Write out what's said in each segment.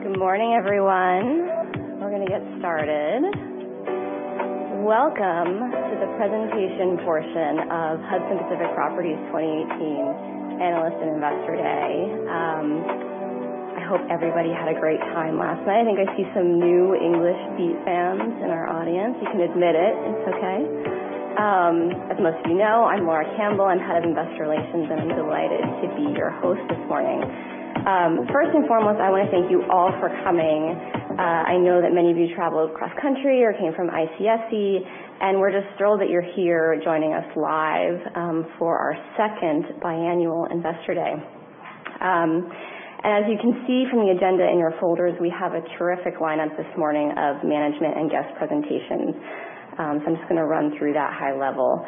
Good morning, everyone. We're going to get started. Welcome to the presentation portion of Hudson Pacific Properties 2018 Analyst and Investor Day. I hope everybody had a great time last night. I think I see some new English Beat fans in our audience. You can admit it. It's okay. As most of you know, I'm Laura Campbell. I'm head of investor relations, and I'm delighted to be your host this morning. First and foremost, I want to thank you all for coming. I know that many of you traveled cross country or came from ICSC, and we're just thrilled that you're here joining us live for our second biannual Investor Day. As you can see from the agenda in your folders, we have a terrific lineup this morning of management and guest presentations. I'm just going to run through that high level.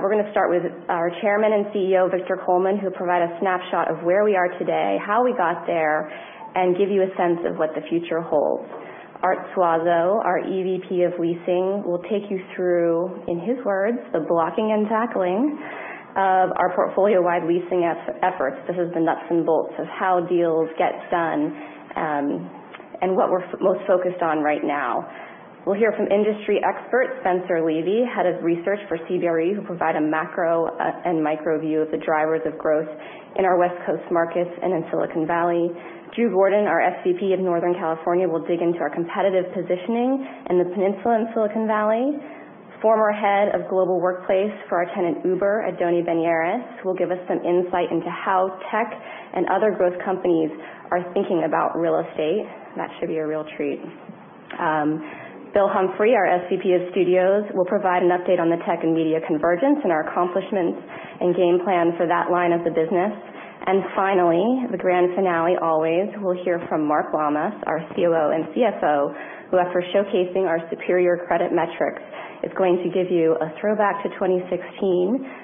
We're going to start with our Chairman and CEO, Victor Coleman, who will provide a snapshot of where we are today, how we got there, and give you a sense of what the future holds. Art Suazo, our EVP of Leasing, will take you through, in his words, the blocking and tackling of our portfolio-wide leasing efforts. This is the nuts and bolts of how deals get done and what we're most focused on right now. We'll hear from industry expert Spencer Levy, Head of Research for CBRE, who will provide a macro and micro view of the drivers of growth in our West Coast markets and in Silicon Valley. Drew Gordon, our SVP of Northern California, will dig into our competitive positioning in the peninsula in Silicon Valley. Former Head of Global Workplace for our tenant Uber, Adony Beniares, who will give us some insight into how tech and other growth companies are thinking about real estate. That should be a real treat. Bill Humphrey, our SVP of Studios, will provide an update on the tech and media convergence and our accomplishments and game plan for that line of the business. Finally, the grand finale always, we'll hear from Mark Lammas, our COO and CFO, who after showcasing our superior credit metrics, is going to give you a throwback to 2016,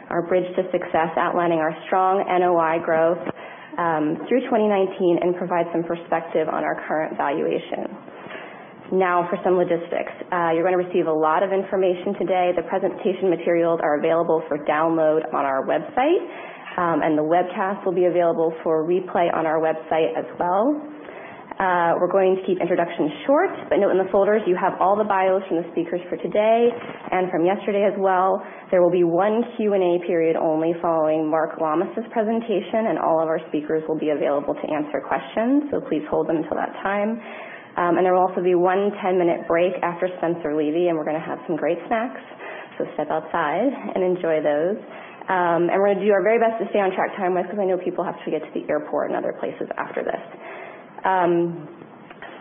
our bridge to success, outlining our strong NOI growth through 2019 and provide some perspective on our current valuation. For some logistics. You're going to receive a lot of information today. The presentation materials are available for download on our website, and the webcast will be available for replay on our website as well. We're going to keep introductions short, note in the folders you have all the bios from the speakers for today and from yesterday as well. There will be one Q&A period only following Mark Lammas's presentation, and all of our speakers will be available to answer questions, so please hold them until that time. There will also be one 10-minute break after Spencer Levy, and we're going to have some great snacks, so step outside and enjoy those. We're going to do our very best to stay on track time-wise because I know people have to get to the airport and other places after this.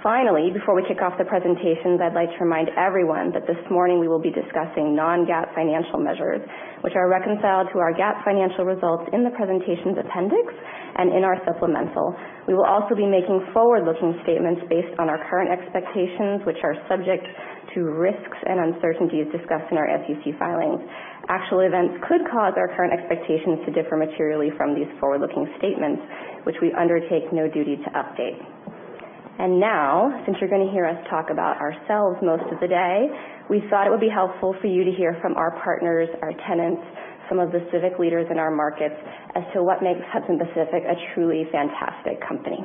Finally, before we kick off the presentations, I'd like to remind everyone that this morning we will be discussing non-GAAP financial measures, which are reconciled to our GAAP financial results in the presentations appendix and in our supplemental. We will also be making forward-looking statements based on our current expectations, which are subject to risks and uncertainties discussed in our SEC filings. Actual events could cause our current expectations to differ materially from these forward-looking statements, which we undertake no duty to update. Now, since you're going to hear us talk about ourselves most of the day, we thought it would be helpful for you to hear from our partners, our tenants, some of the civic leaders in our markets as to what makes Hudson Pacific a truly fantastic company.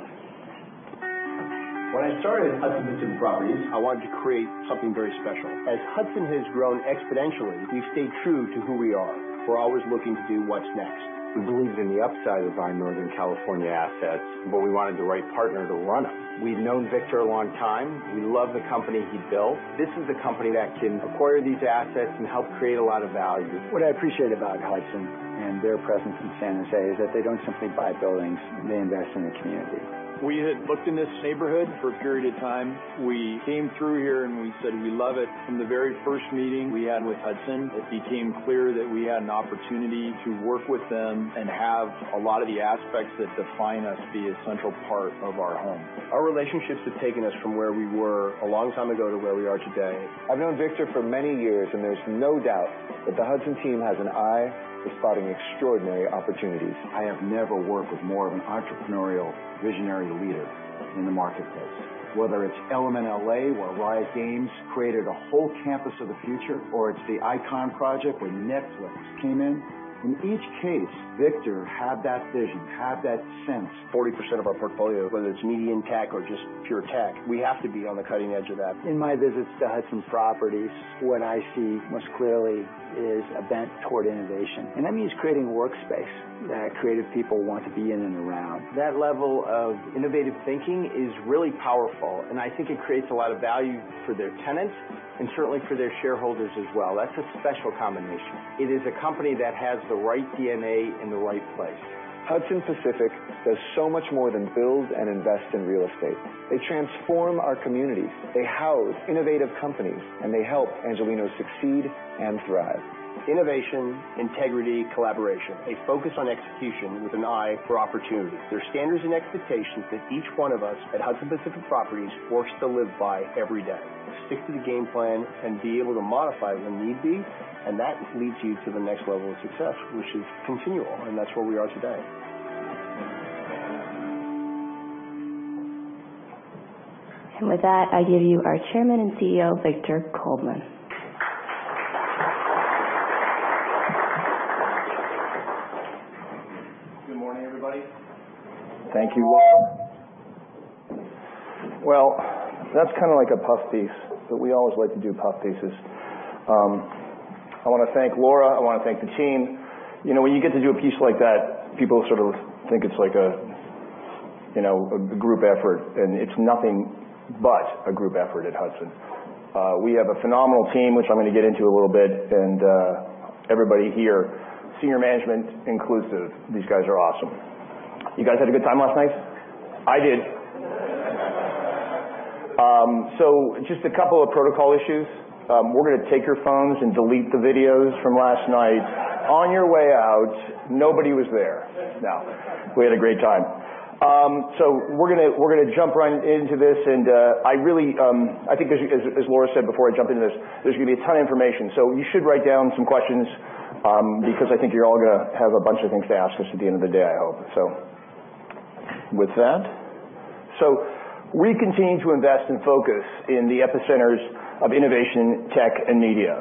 When I started Hudson Pacific Properties, I wanted to create something very special. As Hudson has grown exponentially, we've stayed true to who we are. We're always looking to do what's next. We believed in the upside of our Northern California assets, but we wanted the right partner to run them. We'd known Victor a long time. We love the company he built. This is the company that can acquire these assets and help create a lot of value. What I appreciate about Hudson and their presence in San Jose is that they don't simply buy buildings. They invest in the community. We had looked in this neighborhood for a period of time. We came through here, and we said we love it. From the very first meeting we had with Hudson, it became clear that we had an opportunity to work with them and have a lot of the aspects that define us be a central part of our home. Our relationships have taken us from where we were a long time ago to where we are today. I've known Victor for many years. There's no doubt that the Hudson team has an eye for spotting extraordinary opportunities. I have never worked with more of an entrepreneurial, visionary leader in the marketplace. Whether it's Element LA, where Riot Games created a whole campus of the future, or it's the ICON project where Netflix came in. In each case, Victor had that vision, had that sense. 40% of our portfolio, whether it's media and tech or just pure tech, we have to be on the cutting edge of that. In my visits to Hudson Properties, what I see most clearly is a bent toward innovation. That means creating workspace that creative people want to be in and around. That level of innovative thinking is really powerful. I think it creates a lot of value for their tenants and certainly for their shareholders as well. That's a special combination. It is a company that has the right DNA in the right place. Hudson Pacific does so much more than build and invest in real estate. They transform our communities. They house innovative companies. They help Angelenos succeed and thrive. Innovation, integrity, collaboration. A focus on execution with an eye for opportunity. They're standards and expectations that each one of us at Hudson Pacific Properties works to live by every day. Stick to the game plan and be able to modify when need be, and that leads you to the next level of success, which is continual, and that's where we are today. With that, I give you our Chairman and CEO, Victor Coleman. Good morning, everybody. Thank you, Laura. Well, that's kind of like a puff piece. We always like to do puff pieces. I want to thank Laura. I want to thank the team. When you get to do a piece like that, people sort of think it's like a group effort. It's nothing but a group effort at Hudson. We have a phenomenal team, which I'm going to get into a little bit. Everybody here, senior management inclusive, these guys are awesome. You guys had a good time last night? I did. Just a couple of protocol issues. We're going to take your phones and delete the videos from last night. On your way out, nobody was there. No. We had a great time. We're going to jump right into this. I think, as Laura said before, I'll jump into this. There's going to be a ton of information, so you should write down some questions, because I think you're all going to have a bunch of things to ask us at the end of the day, I hope. With that, we continue to invest and focus in the epicenters of innovation, tech, and media.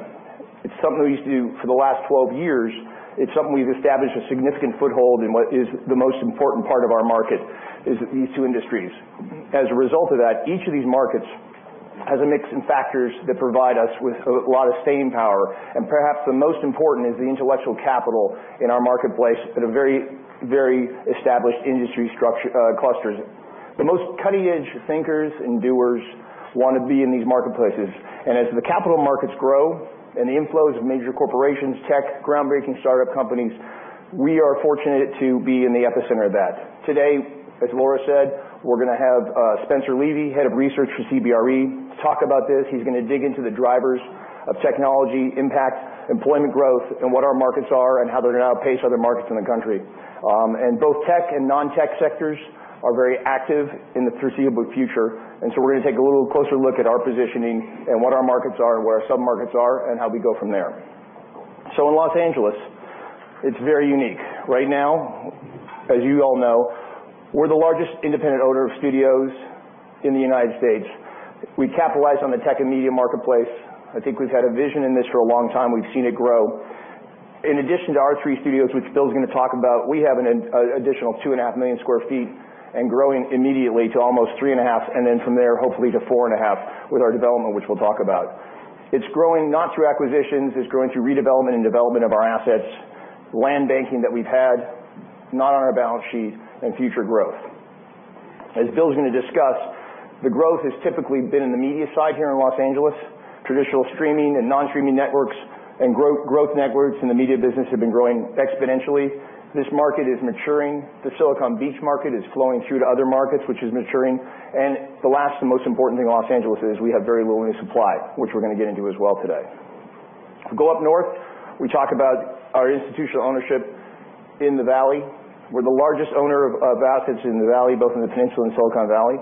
It's something we've used to do for the last 12 years. It's something we've established a significant foothold in what is the most important part of our market, is these two industries. As a result of that, each of these markets has a mix of factors that provide us with a lot of staying power, and perhaps the most important is the intellectual capital in our marketplace in a very established industry clusters. The most cutting-edge thinkers and doers want to be in these marketplaces. As the capital markets grow and the inflows of major corporations, tech, groundbreaking startup companies, we are fortunate to be in the epicenter of that. Today, as Laura said, we're going to have Spencer Levy, head of research for CBRE, talk about this. He's going to dig into the drivers of technology impact, employment growth, and what our markets are and how they're going to outpace other markets in the country. Both tech and non-tech sectors are very active in the foreseeable future, we're going to take a little closer look at our positioning and what our markets are and where our sub-markets are and how we go from there. In Los Angeles, it's very unique. Right now, as you all know, we're the largest independent owner of studios in the U.S. We capitalize on the tech and media marketplace. I think we've had a vision in this for a long time. We've seen it grow. In addition to our three studios, which Bill's going to talk about, we have an additional two and a half million square feet and growing immediately to almost three and a half, and then from there, hopefully to four and a half with our development, which we'll talk about. It's growing not through acquisitions. It's growing through redevelopment and development of our assets, land banking that we've had, not on our balance sheet, and future growth. As Bill's going to discuss, the growth has typically been in the media side here in L.A. Traditional streaming and non-streaming networks and growth networks in the media business have been growing exponentially. This market is maturing. The Silicon Beach market is flowing through to other markets, which is maturing. The last and most important thing in L.A. is we have very limited supply, which we're going to get into as well today. If we go up north, we talk about our institutional ownership in the Valley. We're the largest owner of assets in the Valley, both in the Peninsula and Silicon Valley.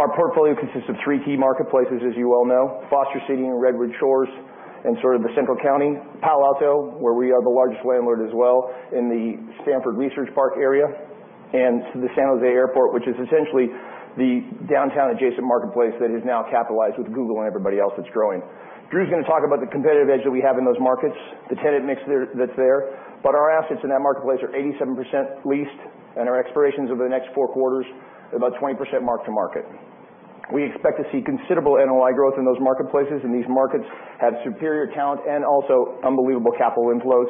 Our portfolio consists of three key marketplaces, as you well know, Foster City and Redwood Shores, and sort of the Central County, Palo Alto, where we are the largest landlord as well in the Stanford Research Park area, and the San Jose Airport, which is essentially the downtown adjacent marketplace that is now capitalized with Google and everybody else that's growing. Drew's going to talk about the competitive edge that we have in those markets, the tenant mix that's there. Our assets in that marketplace are 87% leased, and our expirations over the next four quarters are about 20% mark to market. We expect to see considerable NOI growth in those marketplaces, and these markets have superior talent and also unbelievable capital inflows,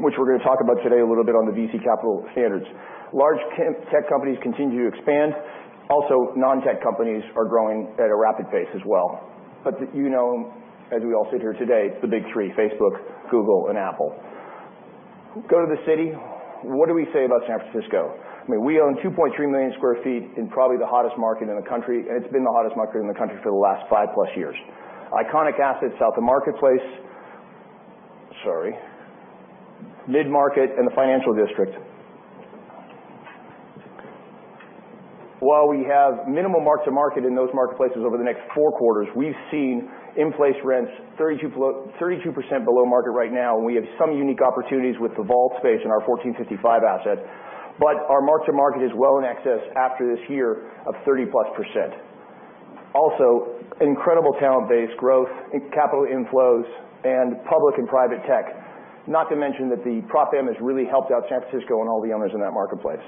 which we're going to talk about today a little bit on the VC capital standards. Large tech companies continue to expand. Also, non-tech companies are growing at a rapid pace as well. You know, as we all sit here today, the big three, Facebook, Google, and Apple. Go to the city. What do we say about San Francisco? I mean, we own 2.3 million sq ft in probably the hottest market in the country, and it's been the hottest market in the country for the last 5-plus years. Iconic assets, South of Market place, sorry, Mid-Market, and the Financial District. While we have minimal mark to market in those marketplaces over the next four quarters, we've seen in-place rents 32% below market right now, and we have some unique opportunities with the Vault space and our 1455 asset. Our mark to market is well in excess after this year of 30+%. Also, incredible talent base growth, capital inflows, and public and private tech. Not to mention that the Prop M has really helped out San Francisco and all the owners in that marketplace.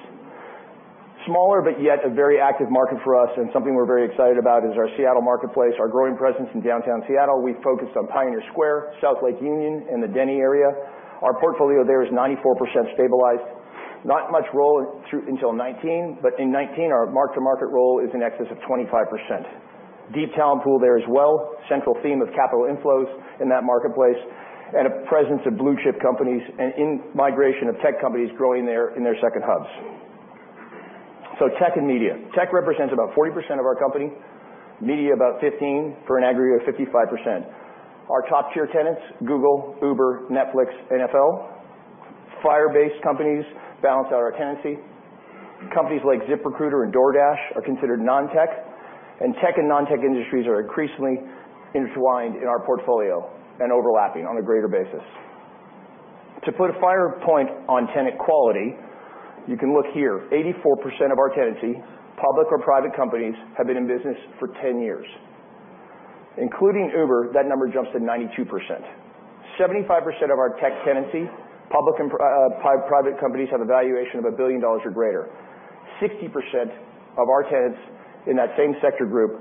Smaller, yet a very active market for us and something we're very excited about is our Seattle marketplace, our growing presence in downtown Seattle. We've focused on Pioneer Square, South Lake Union, and the Denny area. Our portfolio there is 94% stabilized. Not much roll until 2019, but in 2019, our mark-to-market roll is in excess of 25%. Deep talent pool there as well, central theme of capital inflows in that marketplace, and a presence of blue-chip companies and in-migration of tech companies growing there in their second hubs. Tech and media. Tech represents about 40% of our company, media about 15%, for an aggregate of 55%. Our top-tier tenants, Google, Uber, Netflix, NFL. [Firebase-type] companies balance out our tenancy. Companies like ZipRecruiter and DoorDash are considered non-tech, and tech and non-tech industries are increasingly intertwined in our portfolio and overlapping on a greater basis. To put a finer point on tenant quality, you can look here. 84% of our tenancy, public or private companies, have been in business for 10 years. Including Uber, that number jumps to 92%. 75% of our tech tenancy, public and private companies, have a valuation of $1 billion or greater. 60% of our tenants in that same sector group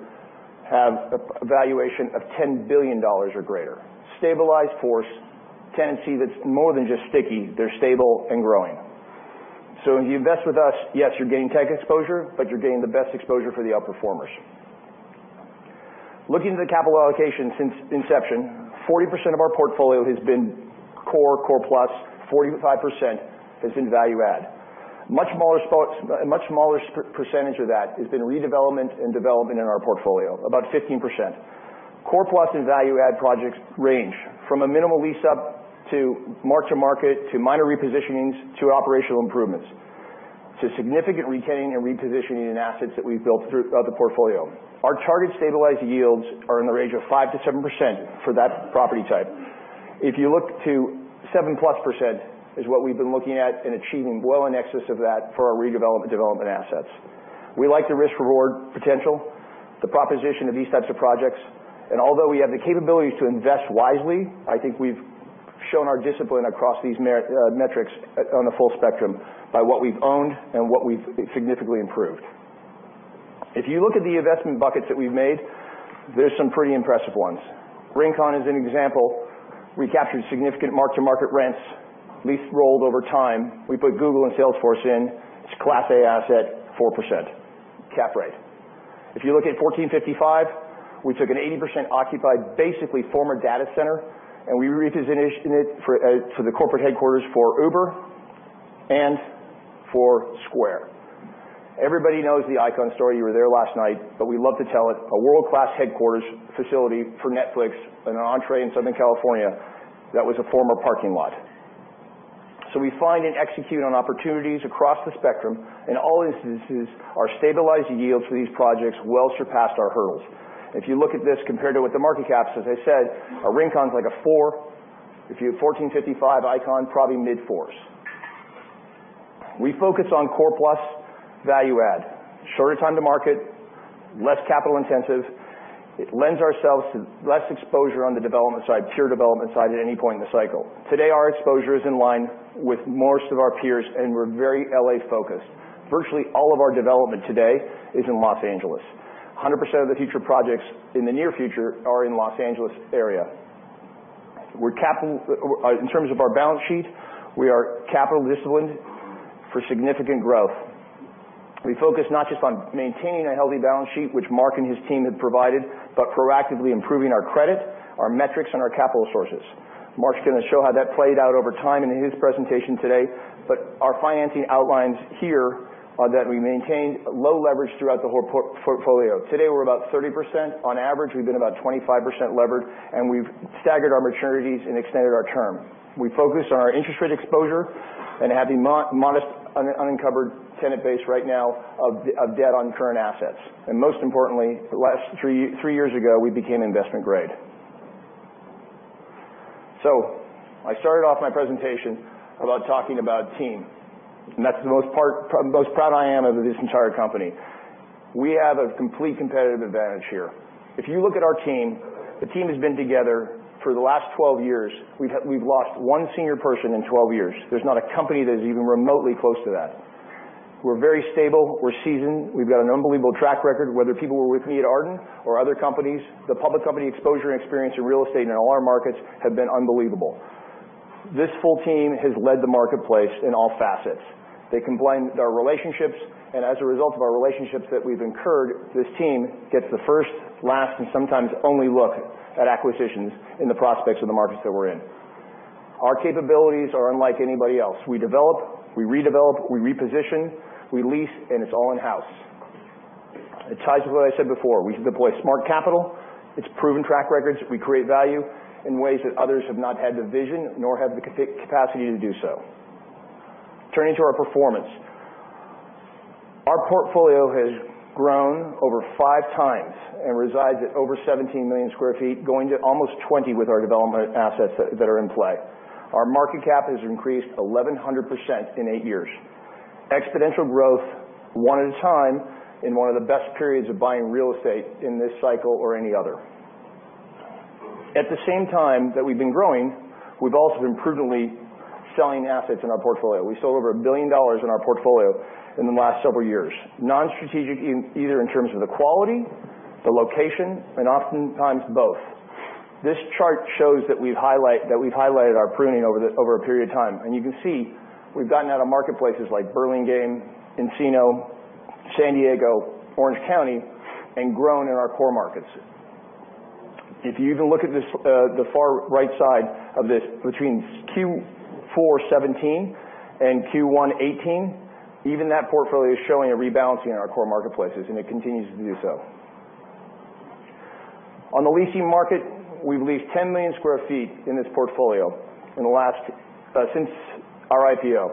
have a valuation of $10 billion or greater. Stabilized force, tenancy that's more than just sticky, they're stable and growing. When you invest with us, yes, you're getting tech exposure, you're getting the best exposure for the out-performers. Looking at the capital allocation since inception, 40% of our portfolio has been core-plus, 45% has been value-add. A much smaller percentage of that has been redevelopment and development in our portfolio, about 15%. Core-plus and value-add projects range from a minimal lease-up, to mark-to-market, to minor repositionings, to operational improvements, to significant retaining and repositioning in assets that we've built throughout the portfolio. Our target stabilized yields are in the range of 5%-7% for that property type. If you look to 7%+, is what we've been looking at and achieving well in excess of that for our redevelopment, development assets. We like the risk-reward potential, the proposition of these types of projects. Although we have the capabilities to invest wisely, I think we've shown our discipline across these metrics on the full spectrum by what we've owned and what we've significantly improved. If you look at the investment buckets that we've made, there's some pretty impressive ones. Rincon is an example. Recaptured significant mark-to-market rents. Lease rolled over time. We put Google and Salesforce in. It's a Class A asset, 4% cap rate. If you look at 1455, we took an 80% occupied, basically former data center, and we repositioned it for the corporate headquarters for Uber and for Square. Everybody knows the ICON story. You were there last night, we love to tell it. A world-class headquarters facility for Netflix, an entree in Southern California, that was a former parking lot. We find and execute on opportunities across the spectrum. In all instances, our stabilized yields for these projects well surpassed our hurdles. If you look at this compared to what the market caps, as I said, our Rincon's like a 4. If you have 1455 ICON, probably mid-4s. We focus on core plus value add. Shorter time to market, less capital intensive. It lends ourselves to less exposure on the development side, pure development side, at any point in the cycle. Today, our exposure is in line with most of our peers, and we're very L.A.-focused. Virtually all of our development today is in Los Angeles. 100% of the future projects in the near future are in the Los Angeles area. In terms of our balance sheet, we are capital disciplined for significant growth. We focus not just on maintaining a healthy balance sheet, which Mark and his team have provided, proactively improving our credit, our metrics, and our capital sources. Mark's going to show how that played out over time in his presentation today, our financing outlines here are that we maintained low leverage throughout the whole portfolio. Today, we're about 30%. On average, we've been about 25% levered, and we've staggered our maturities and extended our term. We focused on our interest rate exposure and have a modest uncovered tenant base right now of debt on current assets. Most importantly, three years ago, we became investment-grade. I started off my presentation about talking about team, and that's the most proud I am of this entire company. We have a complete competitive advantage here. If you look at our team, the team has been together for the last 12 years. We've lost one senior person in 12 years. There's not a company that is even remotely close to that. We're very stable. We're seasoned. We've got an unbelievable track record, whether people were with me at Arden or other companies. The public company exposure and experience in real estate and in all our markets have been unbelievable. This full team has led the marketplace in all facets. They combine their relationships. As a result of our relationships that we've incurred, this team gets the first, last, and sometimes only look at acquisitions in the prospects of the markets that we're in. Our capabilities are unlike anybody else. We develop, we redevelop, we reposition, we lease, it's all in-house. It ties with what I said before. We deploy smart capital. It's proven track records. We create value in ways that others have not had the vision nor have the capacity to do so. Turning to our performance. Our portfolio has grown over five times and resides at over 17 million sq ft, going to almost 20 with our development assets that are in play. Our market cap has increased 1,100% in eight years. Exponential growth, one at a time, in one of the best periods of buying real estate in this cycle or any other. At the same time that we've been growing, we've also been prudently selling assets in our portfolio. We sold over $1 billion in our portfolio in the last several years. Non-strategic, either in terms of the quality, the location, and oftentimes both. This chart shows that we've highlighted our pruning over a period of time, and you can see we've gotten out of marketplaces like Burlingame, Encino, San Diego, Orange County, and grown in our core markets. If you even look at the far right side of this, between Q4 2017 and Q1 2018, even that portfolio is showing a rebalancing in our core marketplaces, and it continues to do so. On the leasing market, we've leased 10 million sq ft in this portfolio since our IPO.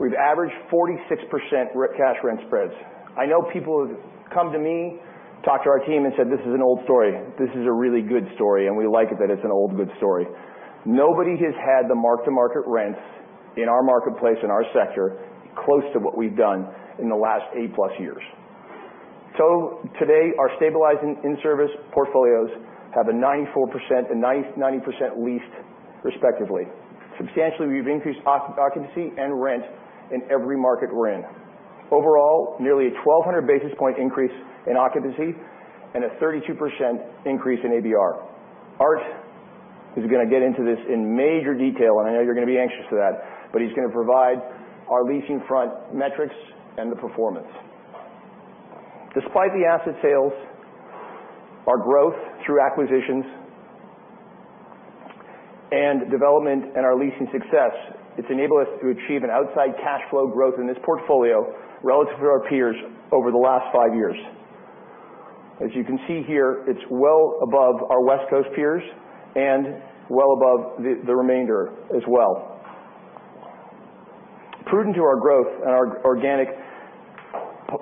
We've averaged 46% cash rent spreads. I know people have come to me, talked to our team, and said, "This is an old story." This is a really good story, and we like that it's an old, good story. Nobody has had the mark-to-market rents in our marketplace, in our sector, close to what we've done in the last 8-plus years. Today, our stabilized and in-service portfolios have a 94% and 90% leased respectively. Substantially, we've increased occupancy and rent in every market we're in. Overall, nearly a 1,200 basis point increase in occupancy and a 32% increase in ABR. Art is going to get into this in major detail, and I know you're going to be anxious for that, but he's going to provide our leasing front metrics and the performance. Despite the asset sales, our growth through acquisitions, and development and our leasing success, it's enabled us to achieve an outside cash flow growth in this portfolio relative to our peers over the last five years. As you can see here, it's well above our West Coast peers and well above the remainder as well. Prudent to our growth and our organic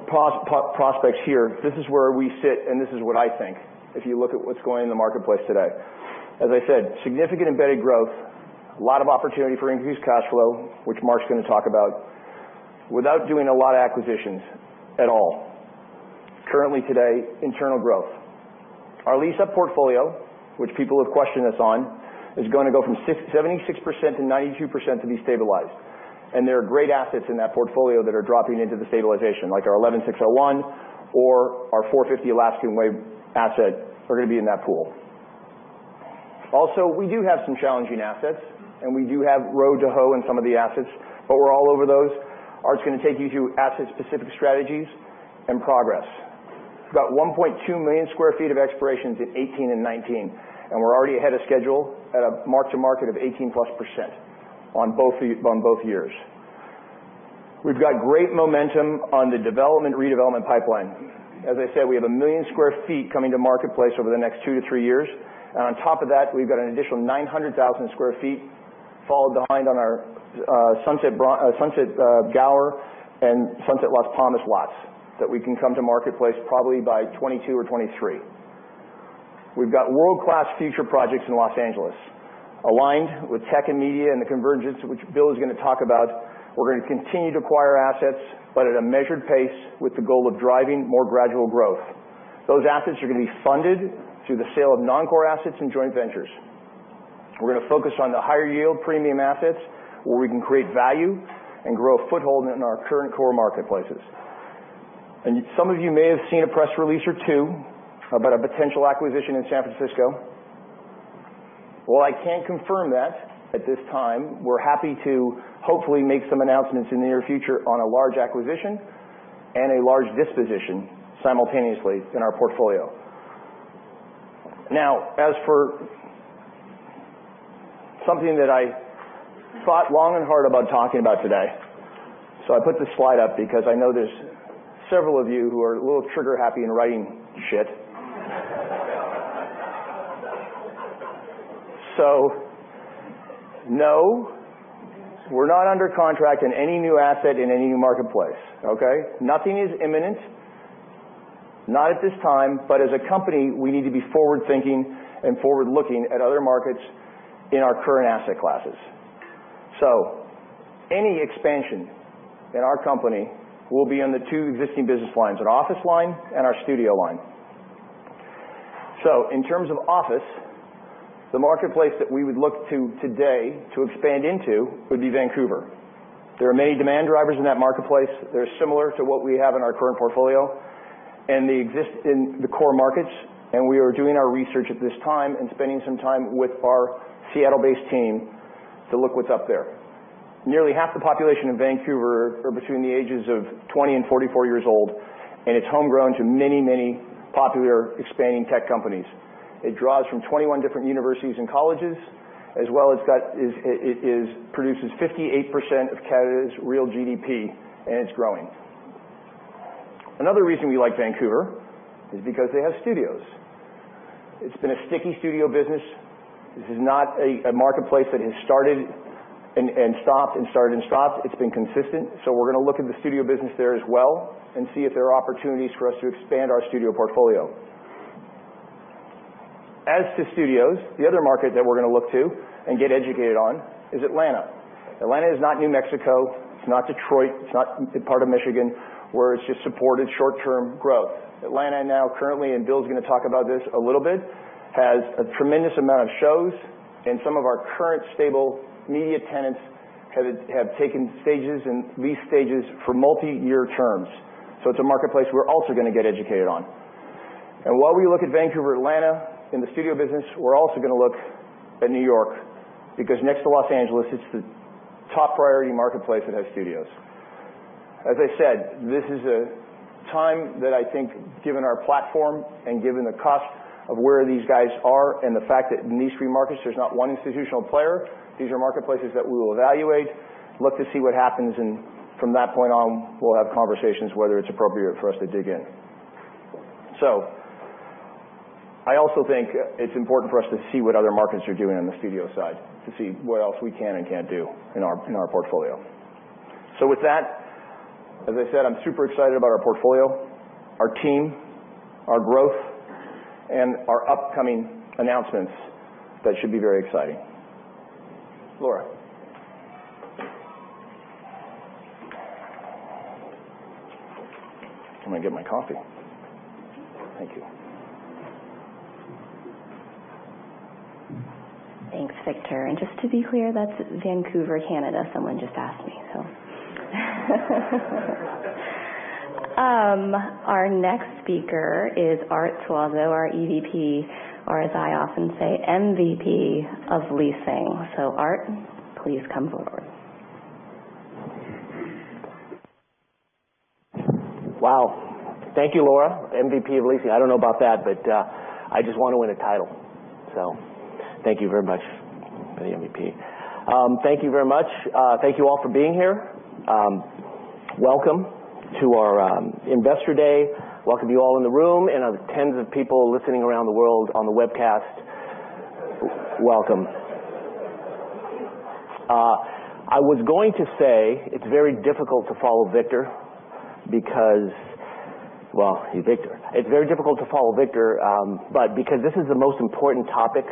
prospects here, this is where we sit, and this is what I think if you look at what's going in the marketplace today. As I said, significant embedded growth, a lot of opportunity for increased cash flow, which Mark's going to talk about, without doing a lot of acquisitions at all. Currently today, internal growth. Our lease-up portfolio, which people have questioned us on, is going to go from 76% to 92% to be stabilized. There are great assets in that portfolio that are dropping into the stabilization, like our 11601 or our 450 Alaskan Way asset, are going to be in that pool. Also, we do have some challenging assets, and we do have row to hoe in some of the assets, but we're all over those. Art's going to take you through asset-specific strategies and progress. We've got 1.2 million square feet of expirations in 2018 and 2019, and we're already ahead of schedule at a mark-to-market of 18-plus% on both years. We've got great momentum on the development/redevelopment pipeline. As I said, we have 1 million square feet coming to marketplace over the next two to three years. On top of that, we've got an additional 900,000 square feet followed behind on our Sunset Gower and Sunset Las Palmas lots that we can come to marketplace probably by 2022 or 2023. We've got world-class future projects in Los Angeles. Aligned with tech and media and the convergence, which Bill is going to talk about, we're going to continue to acquire assets, but at a measured pace with the goal of driving more gradual growth. Those assets are going to be funded through the sale of non-core assets and joint ventures. We're going to focus on the higher-yield premium assets where we can create value and grow a foothold in our current core marketplaces. Some of you may have seen a press release or two about a potential acquisition in San Francisco. While I can't confirm that at this time, we're happy to hopefully make some announcements in the near future on a large acquisition and a large disposition simultaneously in our portfolio. As for something that I thought long and hard about talking about today. I put this slide up because I know there's several of you who are a little trigger-happy in writing shit. No, we're not under contract in any new asset in any new marketplace, okay. Nothing is imminent. Not at this time, but as a company, we need to be forward-thinking and forward-looking at other markets in our current asset classes. Any expansion in our company will be in the 2 existing business lines, an office line and our studio line. In terms of office, the marketplace that we would look to today to expand into would be Vancouver. There are many demand drivers in that marketplace. They're similar to what we have in our current portfolio, and they exist in the core markets, and we are doing our research at this time and spending some time with our Seattle-based team to look what's up there. Nearly half the population of Vancouver are between the ages of 20 and 44 years old, and it's homegrown to many, many popular expanding tech companies. It draws from 21 different universities and colleges, as well as it produces 58% of Canada's real GDP, and it's growing. Another reason we like Vancouver is because they have studios. It's been a sticky studio business. This is not a marketplace that has started and stopped and started and stopped. It's been consistent. We're going to look at the studio business there as well and see if there are opportunities for us to expand our studio portfolio. As to studios, the other market that we're going to look to and get educated on is Atlanta. Atlanta is not New Mexico, it's not Detroit, it's not part of Michigan, where it's just supported short-term growth. Atlanta now currently, and Bill's going to talk about this a little bit, has a tremendous amount of shows, and some of our current stable media tenants have taken stages and leased stages for multiyear terms. It's a marketplace we're also going to get educated on. While we look at Vancouver, Atlanta in the studio business, we're also going to look at New York, because next to Los Angeles, it's the top priority marketplace that has studios. As I said, this is a time that I think, given our platform and given the cusp of where these guys are and the fact that in these three markets, there's not one institutional player, these are marketplaces that we will evaluate, look to see what happens and from that point on, we'll have conversations whether it's appropriate for us to dig in. I also think it's important for us to see what other markets are doing on the studio side to see what else we can and can't do in our portfolio. With that, as I said, I'm super excited about our portfolio, our team, our growth, and our upcoming announcements that should be very exciting. Laura, can I get my coffee? Thank you. Thank you. Thanks, Victor. Just to be clear, that's Vancouver, Canada. Someone just asked me. Our next speaker is Arthur Suazo, our EVP, or as I often say, MVP of Leasing. Art, please come forward. Wow. Thank you, Laura. MVP of Leasing, I don't know about that. I just want to win a title, so thank you very much for the MVP. Thank you very much. Thank you all for being here. Welcome to our Investor Day. Welcome to you all in the room, and our 10s of people listening around the world on the webcast, welcome. I was going to say it's very difficult to follow Victor because Well, he's Victor. It's very difficult to follow Victor. Because this is the most important topic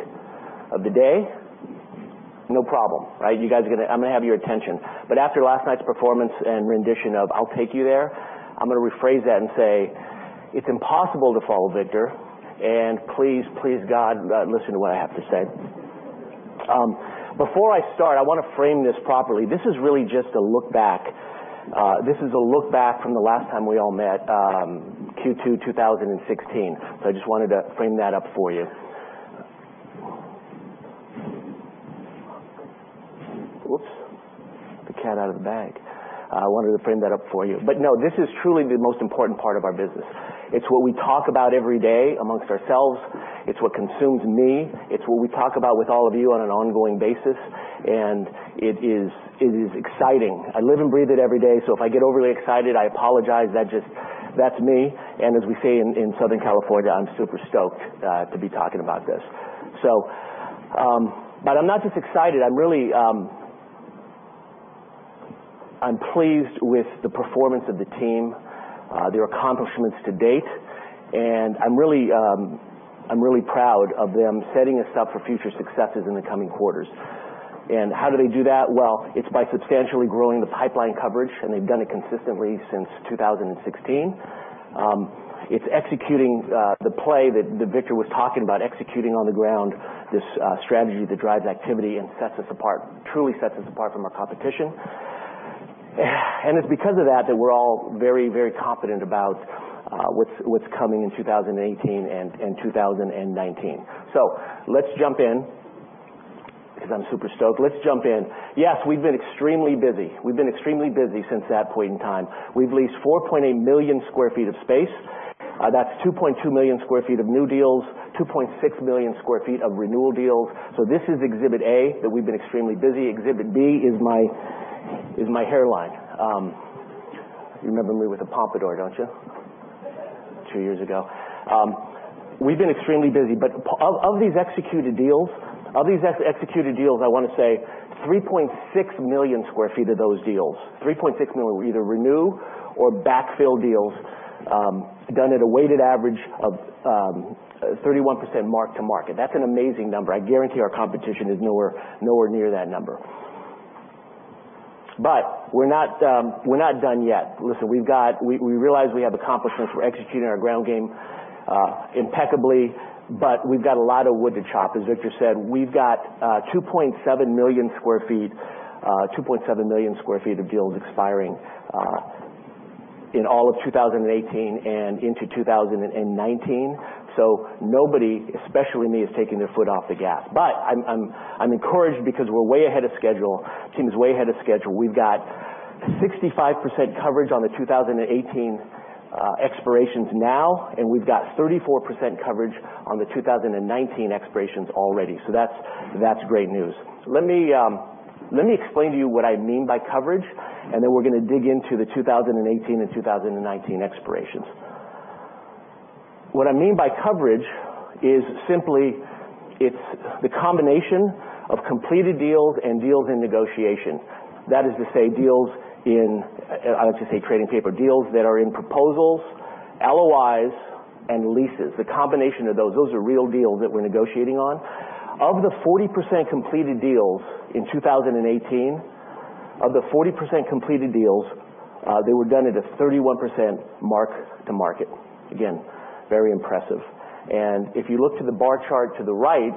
of the day, no problem. I'm going to have your attention. After last night's performance and rendition of "I'll Take You There," I'm going to rephrase that and say it's impossible to follow Victor, and please, God, listen to what I have to say. Before I start, I want to frame this properly. This is really just a look back. This is a look back from the last time we all met, Q2 2016. I just wanted to frame that up for you. Whoops. The cat out of the bag. I wanted to frame that up for you. No, this is truly the most important part of our business. It's what we talk about every day amongst ourselves. It's what consumes me. It's what we talk about with all of you on an ongoing basis, and it is exciting. I live and breathe it every day, so if I get overly excited, I apologize. That's me, and as we say in Southern California, I'm super stoked to be talking about this. I'm not just excited, I'm pleased with the performance of the team, their accomplishments to date, and I'm really proud of them setting us up for future successes in the coming quarters. How do they do that? Well, it's by substantially growing the pipeline coverage, and they've done it consistently since 2016. It's executing the play that Victor was talking about, executing on the ground, this strategy that drives activity and sets us apart, truly sets us apart from our competition. It's because of that that we're all very, very confident about what's coming in 2018 and 2019. Let's jump in, because I'm super stoked. Let's jump in. Yes, we've been extremely busy. We've been extremely busy since that point in time. We've leased 4.8 million square feet of space. That's 2.2 million square feet of new deals, 2.6 million square feet of renewal deals. This is exhibit A, that we've been extremely busy. Exhibit B is my hairline. You remember me with a pompadour, don't you? Two years ago. We've been extremely busy, but of these executed deals, I want to say 3.6 million square feet of those deals, 3.6 million were either renew or backfill deals, done at a weighted average of 31% mark to market. That's an amazing number. I guarantee our competition is nowhere near that number. We're not done yet. Listen, we realize we have accomplishments. We're executing our ground game impeccably, but we've got a lot of wood to chop. As Victor said, we've got 2.7 million square feet of deals expiring in all of 2018 and into 2019. Nobody, especially me, is taking their foot off the gas. I'm encouraged because we're way ahead of schedule. Team's way ahead of schedule. We've got 65% coverage on the 2018 expirations now, and we've got 34% coverage on the 2019 expirations already. That's great news. Let me explain to you what I mean by coverage, and then we're going to dig into the 2018 and 2019 expirations. What I mean by coverage is simply, it's the combination of completed deals and deals in negotiation. That is to say deals that are in proposals, LOIs, and leases. The combination of those. Those are real deals that we're negotiating on. Of the 40% completed deals in 2018, they were done at a 31% mark to market. Again, very impressive. If you look to the bar chart to the right,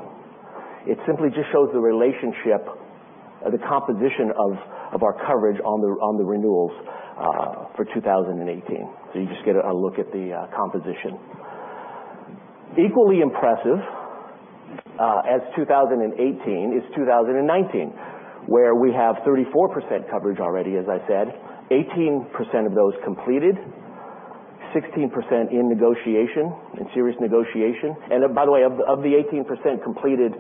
it simply just shows the relationship of the composition of our coverage on the renewals for 2018. You just get a look at the composition. Equally impressive as 2018 is 2019, where we have 34% coverage already, as I said, 18% of those completed, 16% in negotiation, in serious negotiation. By the way, of the 18% completed,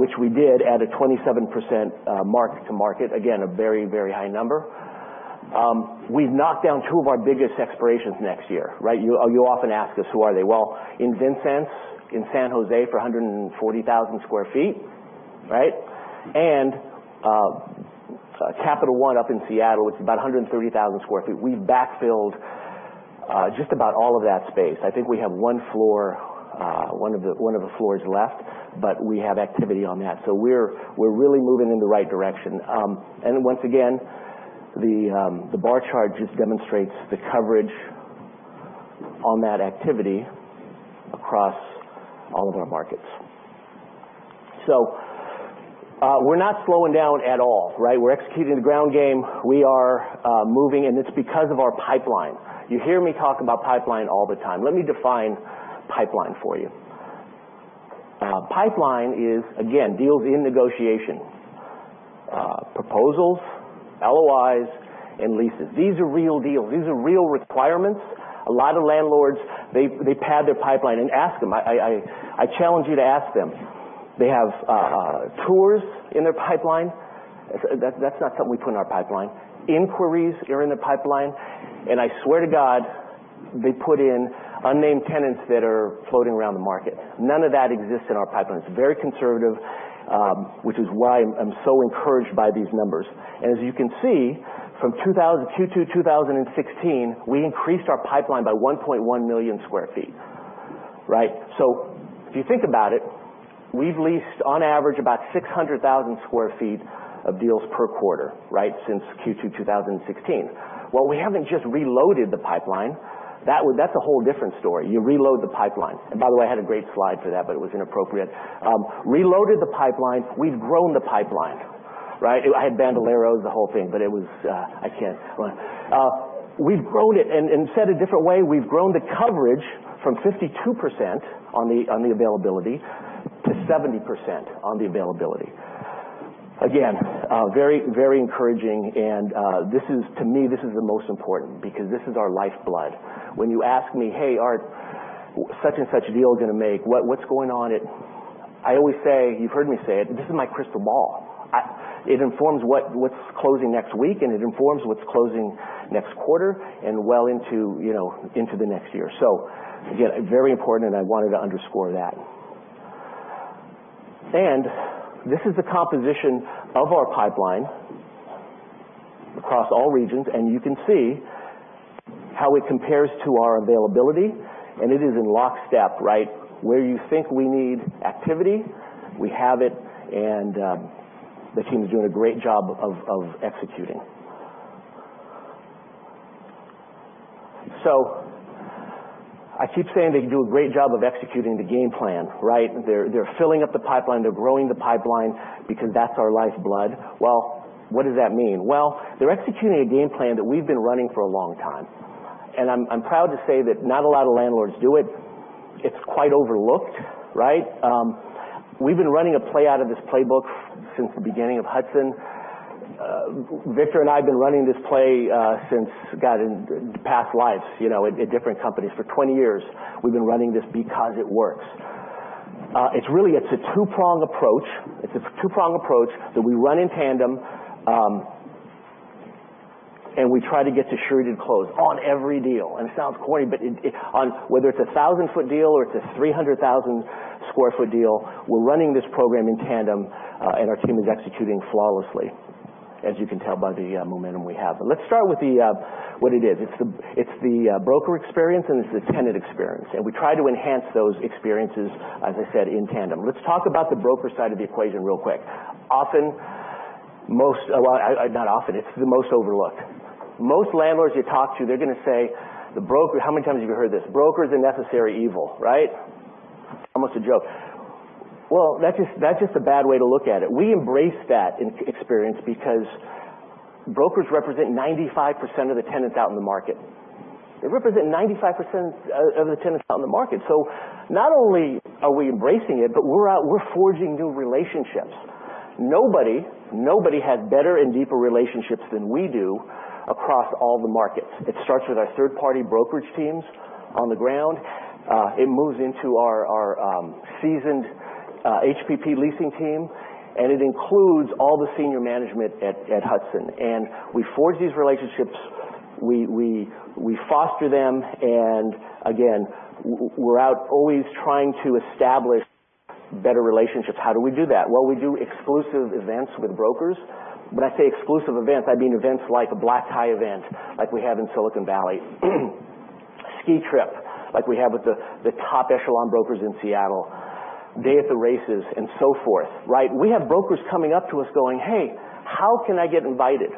which we did at a 27% mark to market, again, a very, very high number. We've knocked down two of our biggest expirations next year. You often ask us who are they. Well, InvenSense in San Jose for 140,000 square feet. Capital One up in Seattle. It's about 130,000 square feet. We backfilled just about all of that space. I think we have one of the floors left, but we have activity on that. We're really moving in the right direction. Once again, the bar chart just demonstrates the coverage on that activity across all of our markets. We're not slowing down at all. We're executing the ground game. We are moving. It's because of our pipeline. You hear me talk about pipeline all the time. Let me define pipeline for you. Pipeline is, again, deals in negotiation. Proposals, LOIs, and leases. These are real deals. These are real requirements. A lot of landlords, they pad their pipeline. Ask them. I challenge you to ask them. They have tours in their pipeline. That's not something we put in our pipeline. Inquiries are in the pipeline. I swear to God, they put in unnamed tenants that are floating around the market. None of that exists in our pipeline. It's very conservative, which is why I'm so encouraged by these numbers. As you can see, from Q2 2016, we increased our pipeline by 1.1 million square feet. If you think about it, we've leased on average about 600,000 sq ft of deals per quarter since Q2 2016. We haven't just reloaded the pipeline. That's a whole different story. You reload the pipeline. By the way, I had a great slide for that, but it was inappropriate. Reloaded the pipeline. We've grown the pipeline. I had bandoleros, the whole thing, but I can't. Said a different way, we've grown the coverage from 52% on the availability to 70% on the availability. Again, very encouraging, and to me, this is the most important, because this is our lifeblood. When you ask me, "Hey, Art, such and such deal going to make, what's going on at " I always say, you've heard me say it, this is my crystal ball. It informs what's closing next week, and it informs what's closing next quarter and well into the next year. Again, very important, and I wanted to underscore that. This is the composition of our pipeline across all regions, and you can see how it compares to our availability, and it is in lockstep. Where you think we need activity, we have it, and the team's doing a great job of executing. I keep saying they do a great job of executing the game plan. They're filling up the pipeline, they're growing the pipeline, because that's our lifeblood. What does that mean? They're executing a game plan that we've been running for a long time, and I'm proud to say that not a lot of landlords do it. It's quite overlooked. We've been running a play out of this playbook since the beginning of Hudson. Victor and I have been running this play since past lives, at different companies. For 20 years, we've been running this because it works. It's a two-pronged approach that we run in tandem, and we try to get to shirted close on every deal, and it sounds corny, but whether it's a 1,000-foot deal or it's a 300,000 sq ft deal, we're running this program in tandem, and our team is executing flawlessly, as you can tell by the momentum we have. Let's start with what it is. It's the broker experience, and it's the tenant experience, and we try to enhance those experiences, as I said, in tandem. Let's talk about the broker side of the equation real quick. Not often, it's the most overlooked. Most landlords you talk to, they're going to say the broker How many times have you heard this? Broker's a necessary evil. Almost a joke. That's just a bad way to look at it. We embrace that experience because brokers represent 95% of the tenants out in the market. They represent 95% of the tenants out in the market. Not only are we embracing it, but we're forging new relationships. Nobody has better and deeper relationships than we do across all the markets. It starts with our third-party brokerage teams on the ground. It moves into our seasoned HPP leasing team, and it includes all the senior management at Hudson. We forge these relationships. We foster them, and again, we're out always trying to establish better relationships. How do we do that? We do exclusive events with brokers. When I say exclusive events, I mean events like a black-tie event like we have in Silicon Valley. Ski trip, like we have with the top echelon brokers in Seattle, day at the races, and so forth. We have brokers coming up to us going, "Hey, how can I get invited?"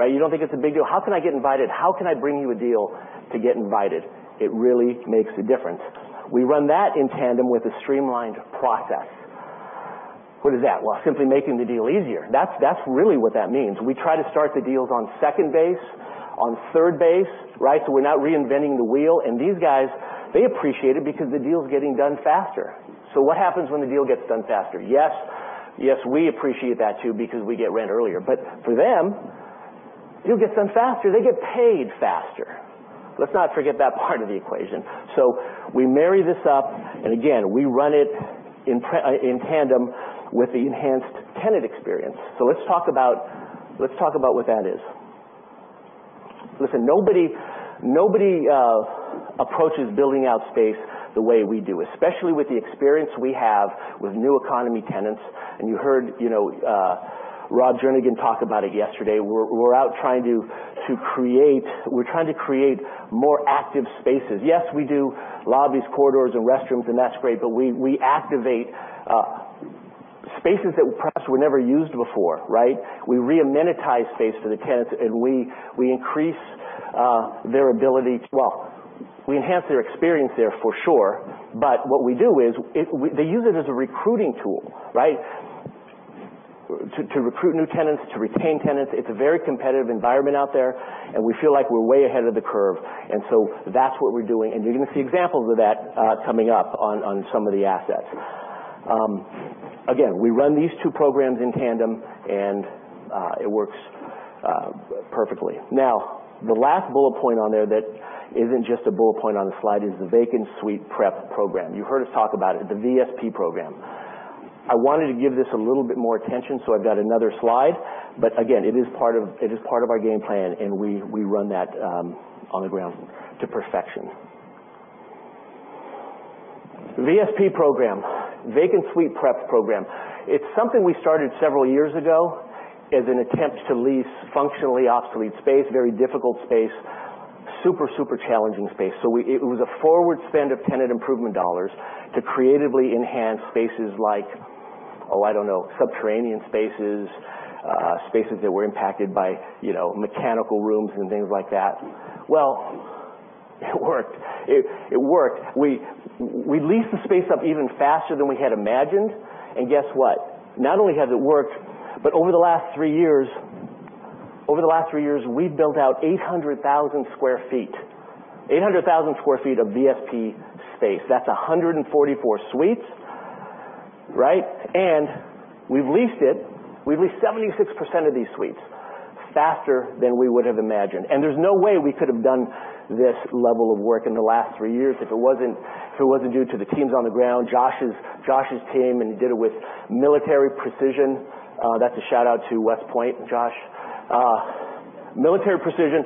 You don't think it's a big deal. How can I get invited? How can I bring you a deal to get invited? It really makes a difference. We run that in tandem with a streamlined process. What is that? Well, simply making the deal easier. That's really what that means. We try to start the deals on second base, on third base. We're not reinventing the wheel, and these guys, they appreciate it because the deal's getting done faster. What happens when the deal gets done faster? Yes, we appreciate that too, because we get rent earlier. For them, deals get done faster, they get paid faster. Let's not forget that part of the equation. We marry this up, and again, we run it in tandem with the enhanced tenant experience. Let's talk about what that is. Listen, nobody approaches building out space the way we do, especially with the experience we have with new economy tenants. You heard Rob Jernigan talk about it yesterday. We're trying to create more active spaces. Yes, we do lobbies, corridors, and restrooms, and that's great, but we activate spaces that perhaps were never used before. We re-amenitize space for the tenants, and we enhance their experience there for sure, but what we do is they use it as a recruiting tool. To recruit new tenants, to retain tenants. It's a very competitive environment out there, and we feel like we're way ahead of the curve, that's what we're doing, and you're going to see examples of that coming up on some of the assets. Again, we run these two programs in tandem, and it works perfectly. Now, the last bullet point on there that isn't just a bullet point on the slide is the Vacant Suite Prep program. You heard us talk about it, the VSP program. I wanted to give this a little bit more attention, so I've got another slide. Again, it is part of our game plan, and we run that on the ground to perfection. VSP program, Vacant Suite Prep program. It's something we started several years ago as an attempt to lease functionally obsolete space, very difficult space, super challenging space. It was a forward spend of tenant improvement dollars to creatively enhance spaces like, oh, I don't know, subterranean spaces that were impacted by mechanical rooms and things like that. Well, it worked. We leased the space up even faster than we had imagined. Guess what? Not only has it worked, but over the last three years, we've built out 800,000 sq ft of VSP space. That's 144 suites. We've leased 76% of these suites faster than we would have imagined. There's no way we could have done this level of work in the last three years if it wasn't due to the teams on the ground. Josh's team, and he did it with military precision. That's a shout-out to West Point, Josh. Military precision.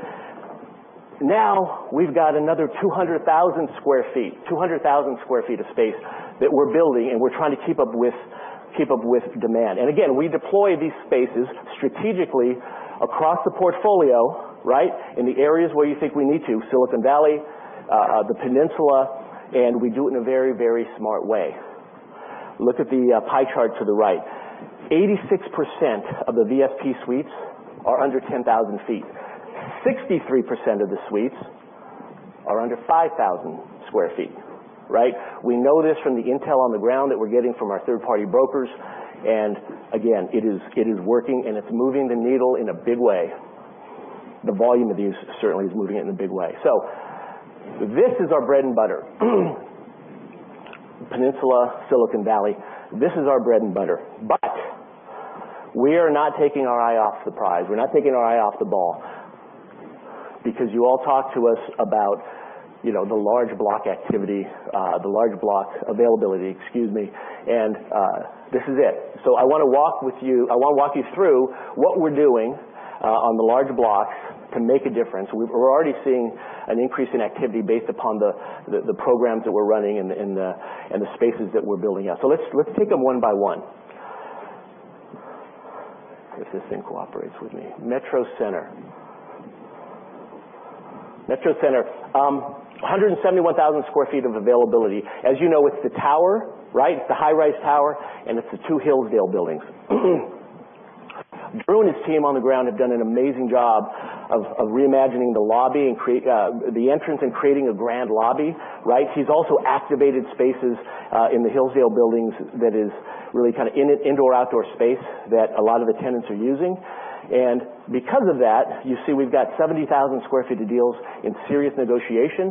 Now, we've got another 200,000 sq ft of space that we're building, and we're trying to keep up with demand. Again, we deploy these spaces strategically across the portfolio in the areas where you think we need to, Silicon Valley, the Peninsula, and we do it in a very smart way. Look at the pie chart to the right. 86% of the VSP suites are under 10,000 feet. 63% of the suites are under 5,000 square feet. We know this from the intel on the ground that we're getting from our third-party brokers, and again, it is working, and it's moving the needle in a big way. The volume of these certainly is moving it in a big way. This is our bread and butter. Peninsula, Silicon Valley. This is our bread and butter. We are not taking our eye off the prize. We're not taking our eye off the ball because you all talk to us about the large block availability, and this is it. I want to walk you through what we're doing on the large blocks to make a difference. We're already seeing an increase in activity based upon the programs that we're running and the spaces that we're building out. Let's take them one by one. If this thing cooperates with me. Metro Center. 171,000 square feet of availability. As you know, it's the tower. It's the high-rise tower, and it's the two Hillsdale buildings. Drew and his team on the ground have done an amazing job of reimagining the entrance and creating a grand lobby. He's also activated spaces in the Hillsdale buildings that is really kind of indoor, outdoor space that a lot of the tenants are using. Because of that, you see we've got 70,000 square feet of deals in serious negotiation,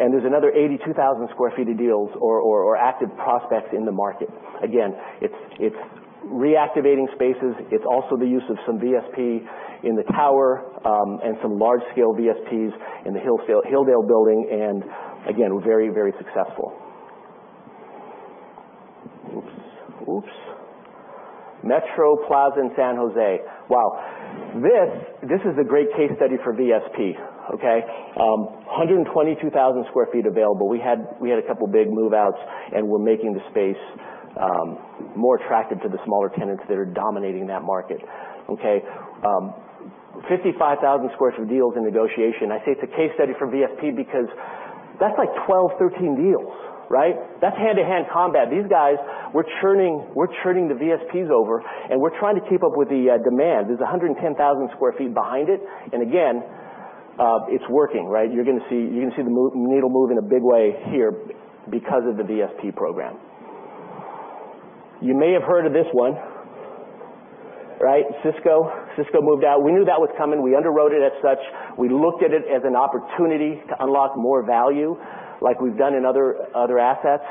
and there's another 82,000 square feet of deals or active prospects in the market. Again, it's reactivating spaces. It's also the use of some VSP in the tower and some large-scale VSPs in the Hillsdale building. Again, we're very successful. Oops. Metro Plaza in San Jose. Wow. This is a great case study for VSP. 122,000 square feet available. We had a couple big move-outs, and we're making the space more attractive to the smaller tenants that are dominating that market. 55,000 square feet of deals in negotiation. I say it's a case study for VSP because that's like 12, 13 deals. That's hand-to-hand combat. These guys, we're churning the VSPs over, and we're trying to keep up with the demand. There's 110,000 square feet behind it, and again, it's working. You're going to see the needle move in a big way here because of the VSP program. You may have heard of this one. Cisco moved out. We knew that was coming. We underwrote it as such. We looked at it as an opportunity to unlock more value like we've done in other assets.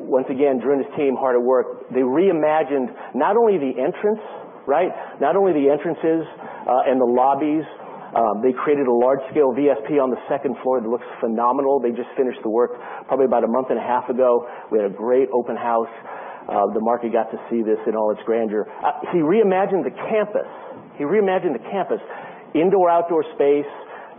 Once again, Drew and his team, hard at work. They reimagined not only the entrance. Right? Not only the entrances and the lobbies, they created a large-scale VSP on the second floor that looks phenomenal. They just finished the work probably about a month and a half ago. We had a great open house. The market got to see this in all its grandeur. He reimagined the campus. Indoor, outdoor space,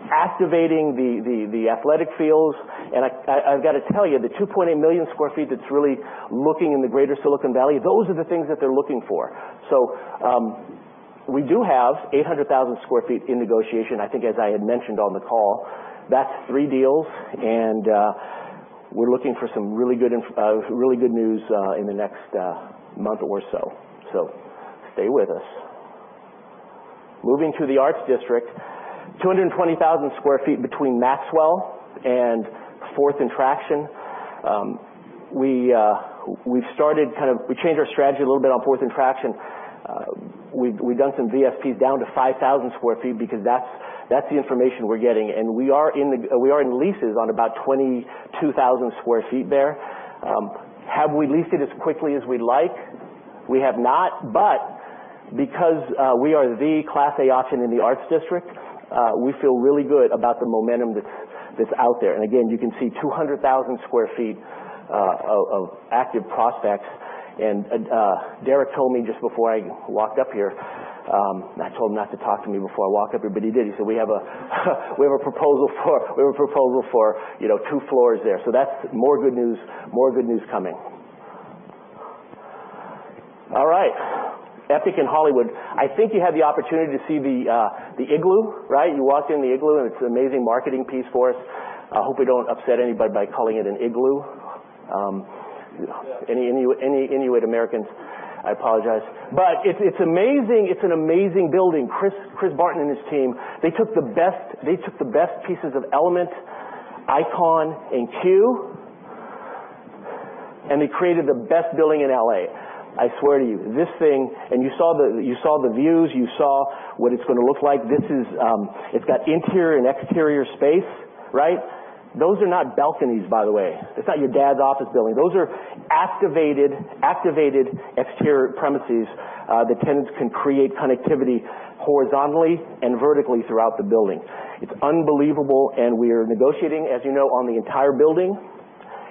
activating the athletic fields. I've got to tell you, the 2.8 million square feet that's really looking in the greater Silicon Valley, those are the things that they're looking for. We do have 800,000 square feet in negotiation. I think, as I had mentioned on the call, that's 3 deals, and we're looking for some really good news in the next month or so. Stay with us. Moving to the Arts District, 220,000 square feet between Maxwell and Fourth & Traction. We've changed our strategy a little bit on Fourth & Traction. We've done some VSPs down to 5,000 square feet because that's the information we're getting, and we are in leases on about 22,000 square feet there. Have we leased it as quickly as we'd like? We have not, but because we are the Class A option in the Arts District, we feel really good about the momentum that's out there. Again, you can see 200,000 square feet of active prospects. Derek told me just before I walked up here, and I told him not to talk to me before I walk up, but he did. He said, "We have a proposal for 2 floors there." That's more good news coming. All right. Epic in Hollywood. I think you had the opportunity to see the igloo, right? You walked in the igloo, and it's an amazing marketing piece for us. I hope we don't upset anybody by calling it an igloo. Yeah. Any Inuit Americans, I apologize. It's an amazing building. Chris Martin and his team, they took the best pieces of Element, ICON, and CUE, and they created the best building in L.A. I swear to you, this thing. You saw the views. You saw what it's going to look like. It's got interior and exterior space, right? Those are not balconies, by the way. It's not your dad's office building. Those are activated exterior premises that tenants can create connectivity horizontally and vertically throughout the building. It's unbelievable, and we're negotiating, as you know, on the entire building,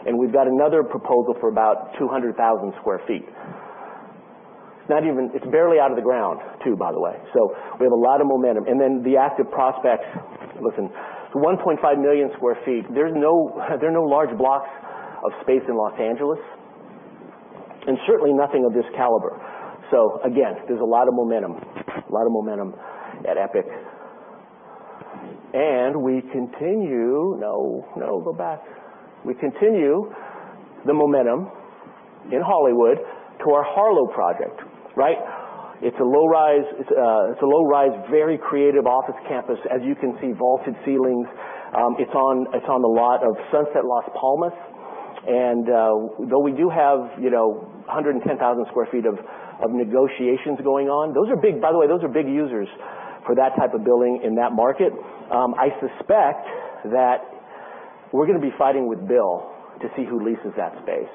and we've got another proposal for about 200,000 square feet. It's barely out of the ground, too, by the way, so we have a lot of momentum. The active prospects, listen, 1.5 million square feet. There are no large blocks of space in Los Angeles, and certainly nothing of this caliber. Again, there's a lot of momentum at Epic. We continue No, go back. We continue the momentum in Hollywood to our Harlow project, right? It's a low-rise, very creative office campus. As you can see, vaulted ceilings. It's on the lot of Sunset Las Palmas. Though we do have 110,000 square feet of negotiations going on, by the way, those are big users for that type of building in that market. I suspect that we're going to be fighting with Bill to see who leases that space,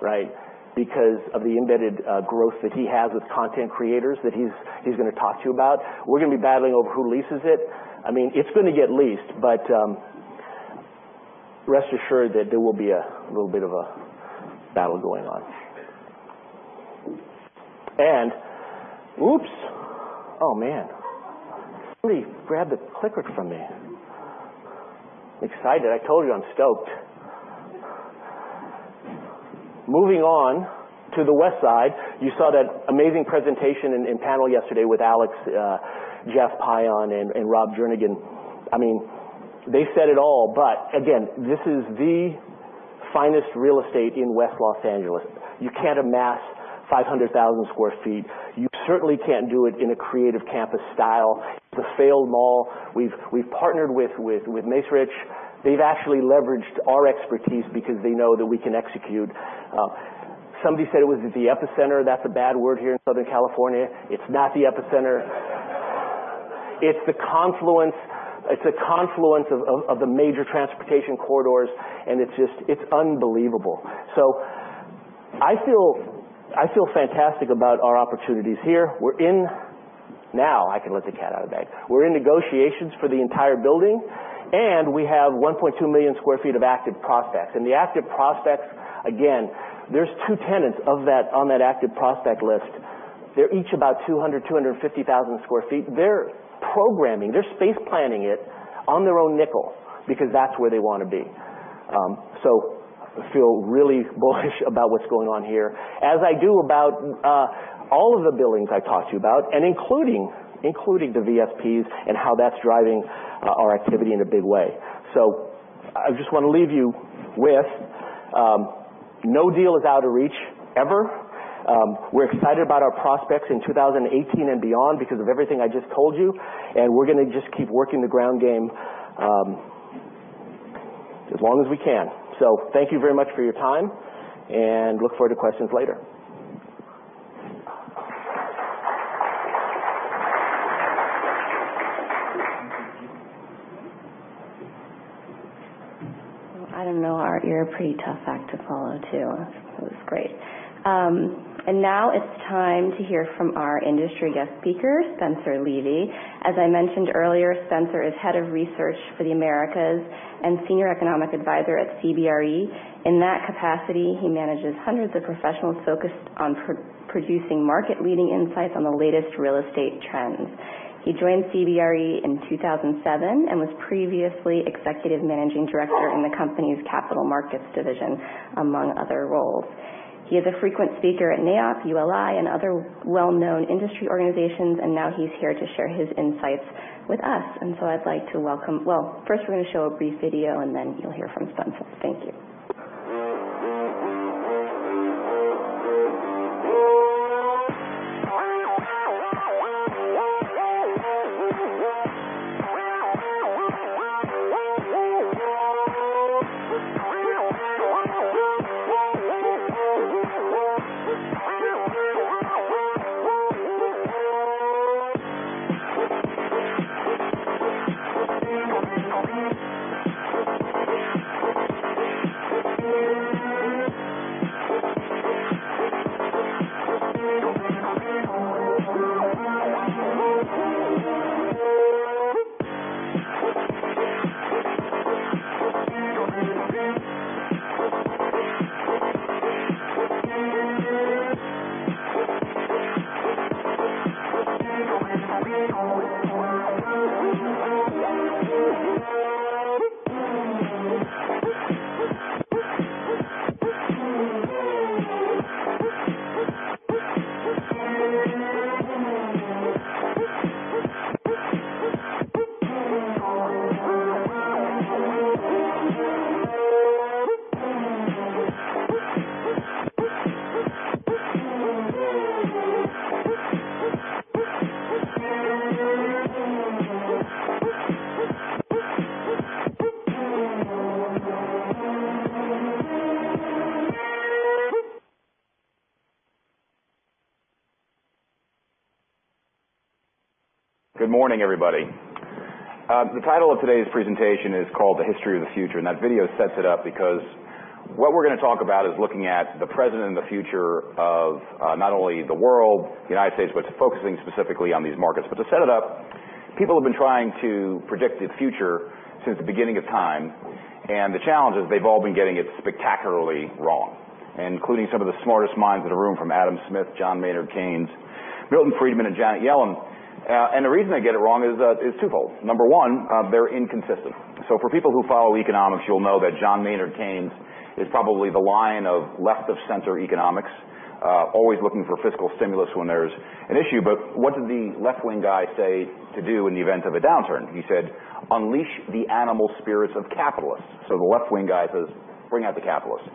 right? Because of the embedded growth that he has with content creators that he's going to talk to you about. We're going to be battling over who leases it. It's going to get leased, but rest assured that there will be a little bit of a battle going on. Oops. Oh, man. Somebody grabbed the clicker from me. I'm excited. I told you I'm stoked. Moving on to the Westside. You saw that amazing presentation and panel yesterday with Alex, Jeff Pion, and Rob Jernigan. They said it all, but again, this is the finest real estate in West Los Angeles. You can't amass 500,000 square feet. You certainly can't do it in a creative campus style. It's a failed mall. We've partnered with Macerich. They've actually leveraged our expertise because they know that we can execute. Somebody said it was at the epicenter. That's a bad word here in Southern California. It's not the epicenter. It's the confluence of the major transportation corridors, and it's unbelievable. I feel fantastic about our opportunities here. Now I can let the cat out of the bag. We're in negotiations for the entire building. We have 1.2 million square feet of active prospects. The active prospects, again, there's two tenants on that active prospect list. They're each about 200,000, 250,000 square feet. They're programming, they're space planning it on their own nickel because that's where they want to be. I feel really bullish about what's going on here, as I do about all of the buildings I've talked to you about, including the VSPs and how that's driving our activity in a big way. I just want to leave you with, no deal is out of reach, ever. We're excited about our prospects in 2018 and beyond because of everything I just told you. We're going to just keep working the ground game as long as we can. Thank you very much for your time. Look forward to questions later. I don't know, Art, you're a pretty tough act to follow, too. That was great. Now it's time to hear from our industry guest speaker, Spencer Levy. As I mentioned earlier, Spencer is Head of Research for the Americas and Senior Economic Advisor at CBRE. In that capacity, he manages hundreds of professionals focused on producing market-leading insights on the latest real estate trends. He joined CBRE in 2007 and was previously Executive Managing Director in the company's capital markets division, among other roles. He is a frequent speaker at NAIOP, ULI, and other well-known industry organizations. Now he's here to share his insights with us. First we're going to show a brief video. Then you'll hear from Spencer. Thank you. Good morning, everybody. The title of today's presentation is called "The History of the Future," that video sets it up because what we're going to talk about is looking at the present and the future of not only the world, the U.S., but focusing specifically on these markets. To set it up, people have been trying to predict the future since the beginning of time, the challenge is they've all been getting it spectacularly wrong, including some of the smartest minds in the room from Adam Smith, John Maynard Keynes, Milton Friedman, and Janet Yellen. The reason they get it wrong is twofold. Number 1, they're inconsistent. For people who follow economics, you'll know that John Maynard Keynes is probably the lion of left-of-center economics, always looking for fiscal stimulus when there's an issue. What did the left-wing guy say to do in the event of a downturn? He said, "Unleash the animal spirits of capitalists." The left-wing guy says, bring out the capitalists.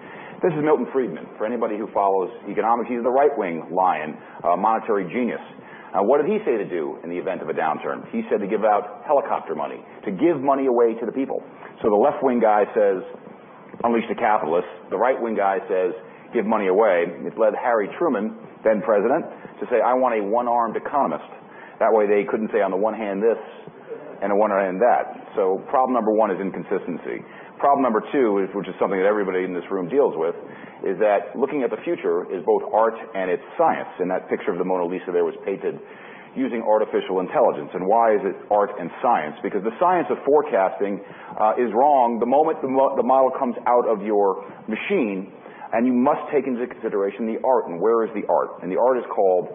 This is Milton Friedman. For anybody who follows economics, he's the right-wing lion, a monetary genius. What did he say to do in the event of a downturn? He said to give out helicopter money, to give money away to the people. The left-wing guy says, unleash the capitalists. The right-wing guy says, give money away. It led Harry Truman, then president, to say, "I want a one-armed economist." That way they couldn't say on the one hand this, and on one hand that. Problem number 1 is inconsistency. Problem number 2, which is something that everybody in this room deals with, is that looking at the future is both art and it's science. That picture of the Mona Lisa there was painted using artificial intelligence. Why is it art and science? Because the science of forecasting is wrong the moment the model comes out of your machine, you must take into consideration the art, where is the art? The art is called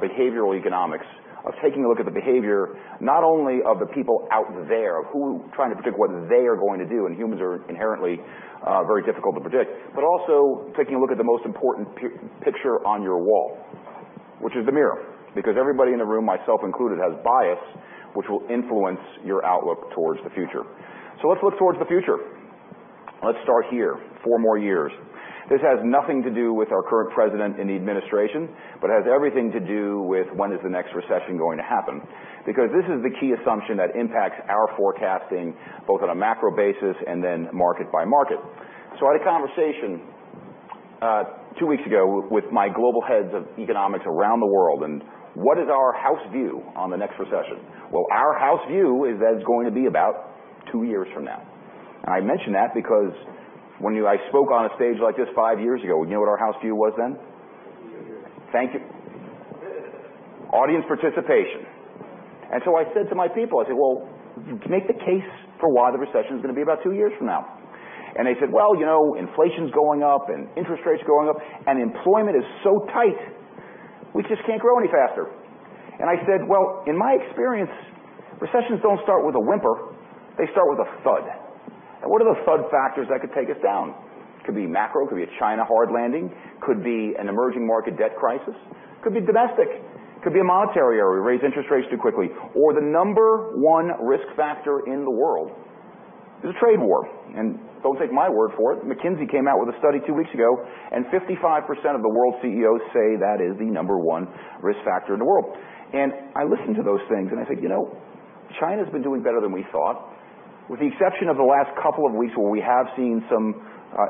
behavioral economics, of taking a look at the behavior, not only of the people out there, trying to predict what they are going to do, humans are inherently very difficult to predict. Also taking a look at the most important picture on your wall, which is the mirror, because everybody in the room, myself included, has bias, which will influence your outlook towards the future. Let's look towards the future. Let's start here. 4 more years. This has nothing to do with our current president and the administration, but has everything to do with when is the next recession going to happen. This is the key assumption that impacts our forecasting, both on a macro basis market by market. I had a conversation 2 weeks ago with my global heads of economics around the world, what is our house view on the next recession? Our house view is that it's going to be about 2 years from now. I mention that because when I spoke on a stage like this 5 years ago, you know what our house view was then? Two years. Thank you. Audience participation. I said to my people, I said, "Well, make the case for why the recession is going to be about two years from now." They said, "Well, inflation's going up and interest rates are going up, and employment is so tight, we just can't grow any faster." I said, "Well, in my experience, recessions don't start with a whimper. They start with a thud." What are the thud factors that could take us down? Could be macro, could be a China hard landing, could be an emerging market debt crisis, could be domestic, could be a monetary error, we raise interest rates too quickly, or the number 1 risk factor in the world is a trade war. Don't take my word for it. McKinsey came out with a study two weeks ago, 55% of the world CEOs say that is the number 1 risk factor in the world. I listen to those things and I think, China's been doing better than we thought. With the exception of the last couple of weeks where we have seen some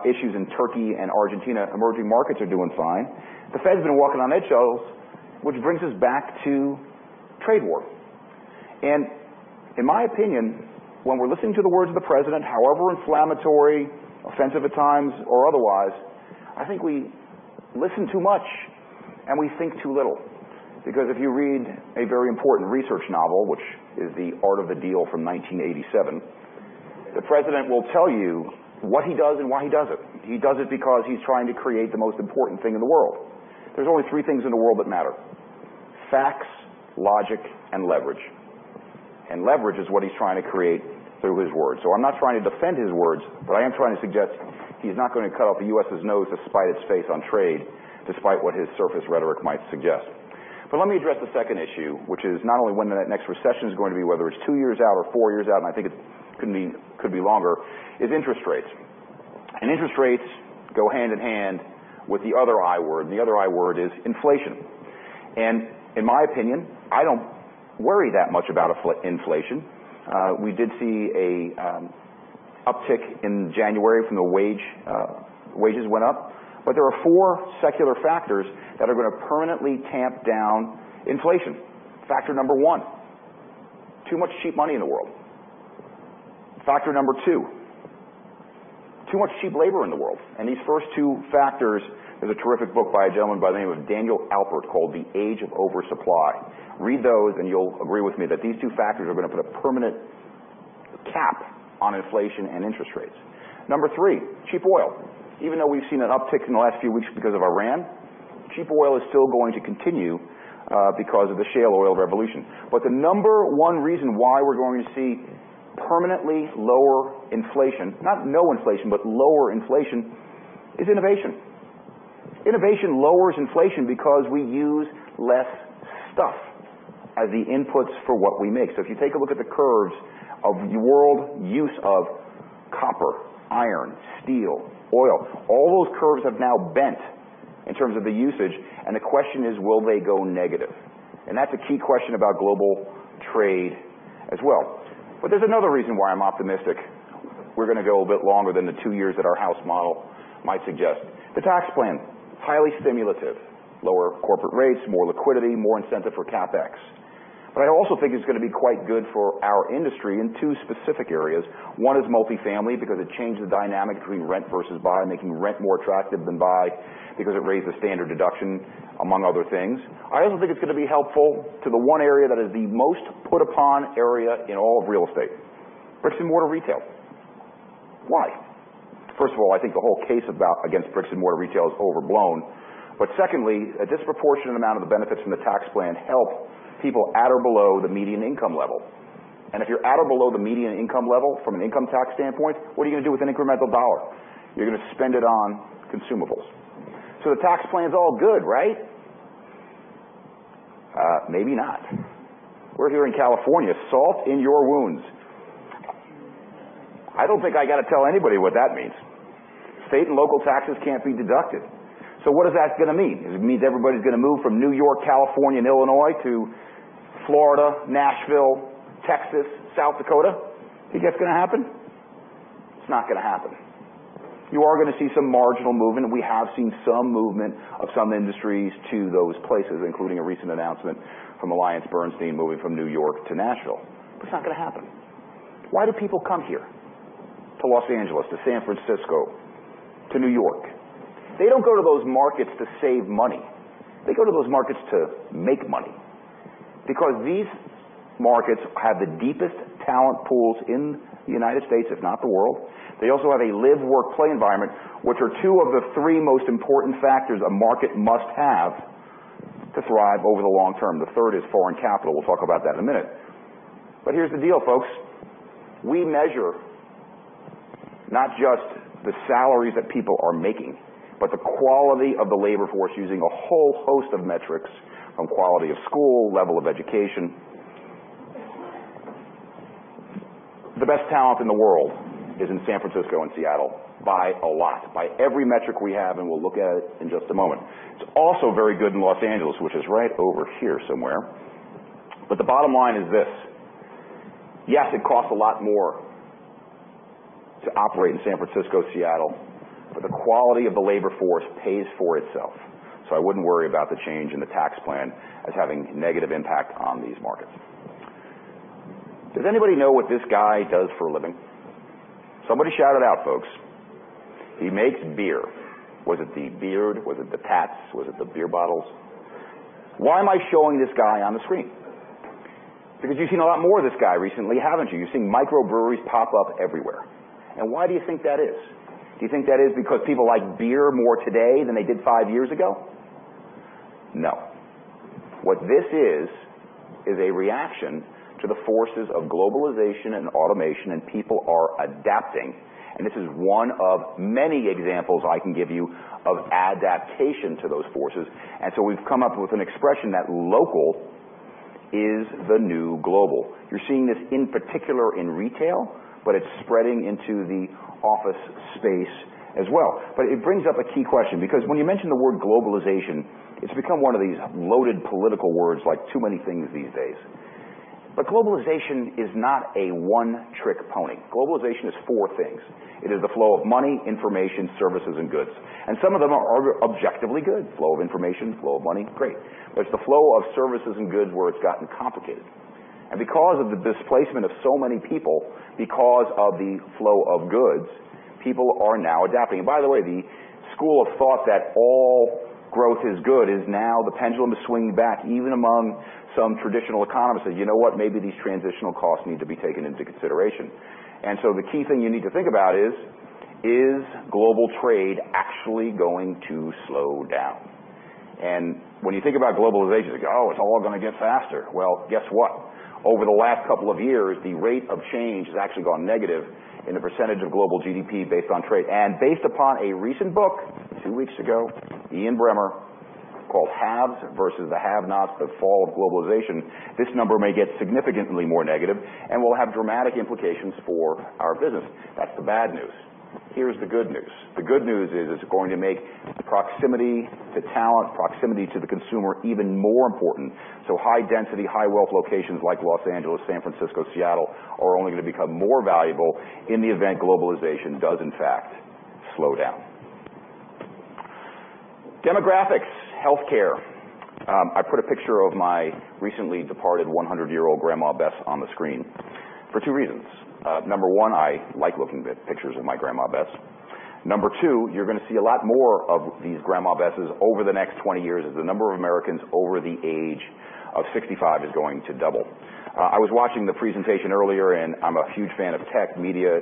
issues in Turkey and Argentina, emerging markets are doing fine. The Fed's been walking on eggshells, which brings us back to trade war. In my opinion, when we're listening to the words of the president, however inflammatory, offensive at times, or otherwise, I think we listen too much and we think too little. Because if you read a very important research novel, which is "The Art of the Deal" from 1987, the president will tell you what he does and why he does it. He does it because he's trying to create the most important thing in the world. There's only three things in the world that matter: facts, logic, and leverage. Leverage is what he's trying to create through his words. I'm not trying to defend his words, but I am trying to suggest he's not going to cut off the U.S.'s nose to spite its face on trade, despite what his surface rhetoric might suggest. Let me address the second issue, which is not only when that next recession is going to be, whether it's two years out or four years out, and I think it could be longer, is interest rates. Interest rates go hand in hand with the other I word. The other I word is inflation. In my opinion, I don't worry that much about inflation. We did see an uptick in January from the wages went up. There are four secular factors that are going to permanently tamp down inflation. Factor number 1, too much cheap money in the world. Factor number 2, too much cheap labor in the world. These first two factors, there's a terrific book by a gentleman by the name of Daniel Alpert called "The Age of Oversupply." Read those and you'll agree with me that these two factors are going to put a permanent cap on inflation and interest rates. Number 3, cheap oil. Even though we've seen an uptick in the last few weeks because of Iran, cheap oil is still going to continue because of the shale oil revolution. The number 1 reason why we're going to see permanently lower inflation, not no inflation, but lower inflation, is innovation. Innovation lowers inflation because we use less stuff as the inputs for what we make. If you take a look at the curves of world use of copper, iron, steel, oil, all those curves have now bent in terms of the usage, and the question is will they go negative? That's a key question about global trade as well. There's another reason why I'm optimistic we're going to go a bit longer than the two years that our house model might suggest. The tax plan, highly stimulative. Lower corporate rates, more liquidity, more incentive for CapEx. I also think it's going to be quite good for our industry in two specific areas. One is multifamily, because it changed the dynamic between rent versus buy, making rent more attractive than buy because it raised the standard deduction, among other things. I also think it's going to be helpful to the one area that is the most put-upon area in all of real estate, bricks and mortar retail. Why? First of all, I think the whole case against bricks and mortar retail is overblown. Secondly, a disproportionate amount of the benefits from the tax plan help people at or below the median income level. If you're at or below the median income level from an income tax standpoint, what are you going to do with an incremental dollar? You're going to spend it on consumables. The tax plan's all good, right? Maybe not. We're here in California, salt in your wounds. I don't think I got to tell anybody what that means. State and local taxes can't be deducted. What is that going to mean? It means everybody's going to move from New York, California, and Illinois to Florida, Nashville, Texas, South Dakota. Think that's going to happen? It's not going to happen. You are going to see some marginal movement, and we have seen some movement of some industries to those places, including a recent announcement from AllianceBernstein moving from New York to Nashville. It's not going to happen. Why do people come here to Los Angeles, to San Francisco, to New York? They don't go to those markets to save money. They go to those markets to make money. Because these markets have the deepest talent pools in the United States, if not the world. They also have a live, work, play environment, which are two of the three most important factors a market must have to thrive over the long term. The third is foreign capital. We'll talk about that in a minute. Here's the deal, folks. We measure not just the salaries that people are making, but the quality of the labor force using a whole host of metrics from quality of school, level of education. The best talent in the world is in San Francisco and Seattle by a lot, by every metric we have, and we'll look at it in just a moment. It's also very good in Los Angeles, which is right over here somewhere. The bottom line is this. Yes, it costs a lot more to operate in San Francisco, Seattle, but the quality of the labor force pays for itself. I wouldn't worry about the change in the tax plan as having negative impact on these markets. Does anybody know what this guy does for a living? Somebody shout it out, folks. He makes beer. Was it the beard? Was it the tats? Was it the beer bottles? Why am I showing this guy on the screen? Because you've seen a lot more of this guy recently, haven't you? You've seen microbreweries pop up everywhere. Why do you think that is? Do you think that is because people like beer more today than they did five years ago? No. What this is a reaction to the forces of globalization and automation, and people are adapting. This is one of many examples I can give you of adaptation to those forces. We've come up with an expression that local is the new global. You're seeing this in particular in retail, but it's spreading into the office space as well. It brings up a key question, because when you mention the word globalization, it's become one of these loaded political words like too many things these days. Globalization is not a one-trick pony. Globalization is four things. It is the flow of money, information, services, and goods. Some of them are objectively good. Flow of information, flow of money, great. It's the flow of services and goods where it's gotten complicated. Because of the displacement of so many people because of the flow of goods, people are now adapting. By the way, the school of thought that all growth is good is now the pendulum is swinging back, even among some traditional economists saying, "You know what? Maybe these transitional costs need to be taken into consideration." The key thing you need to think about is global trade actually going to slow down? When you think about globalization, you think, oh, it's all going to get faster. Well, guess what? Over the last couple of years, the rate of change has actually gone negative in the percentage of global GDP based on trade. Based upon a recent book two weeks ago, Ian Bremmer, called "Haves versus the Have-Nots: The Fall of Globalization," this number may get significantly more negative and will have dramatic implications for our business. That's the bad news. Here's the good news. The good news is it's going to make the proximity to talent, proximity to the consumer even more important. High density, high wealth locations like Los Angeles, San Francisco, Seattle, are only going to become more valuable in the event globalization does in fact slow down. Demographics. Healthcare. I put a picture of my recently departed 100-year-old Grandma Bess on the screen for two reasons. Number one, I like looking at pictures of my Grandma Bess. Number two, you're going to see a lot more of these Grandma Besses over the next 20 years as the number of Americans over the age of 65 is going to double. I'm a huge fan of tech, media,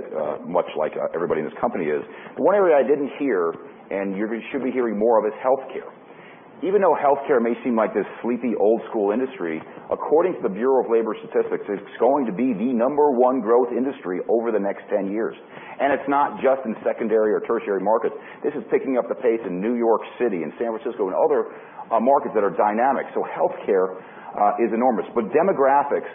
much like everybody in this company is. One area I didn't hear, and you should be hearing more of, is healthcare. Even though healthcare may seem like this sleepy, old-school industry, according to the Bureau of Labor Statistics, it's going to be the number one growth industry over the next 10 years. It's not just in secondary or tertiary markets. This is picking up the pace in New York City and San Francisco and other markets that are dynamic. Healthcare is enormous. Demographics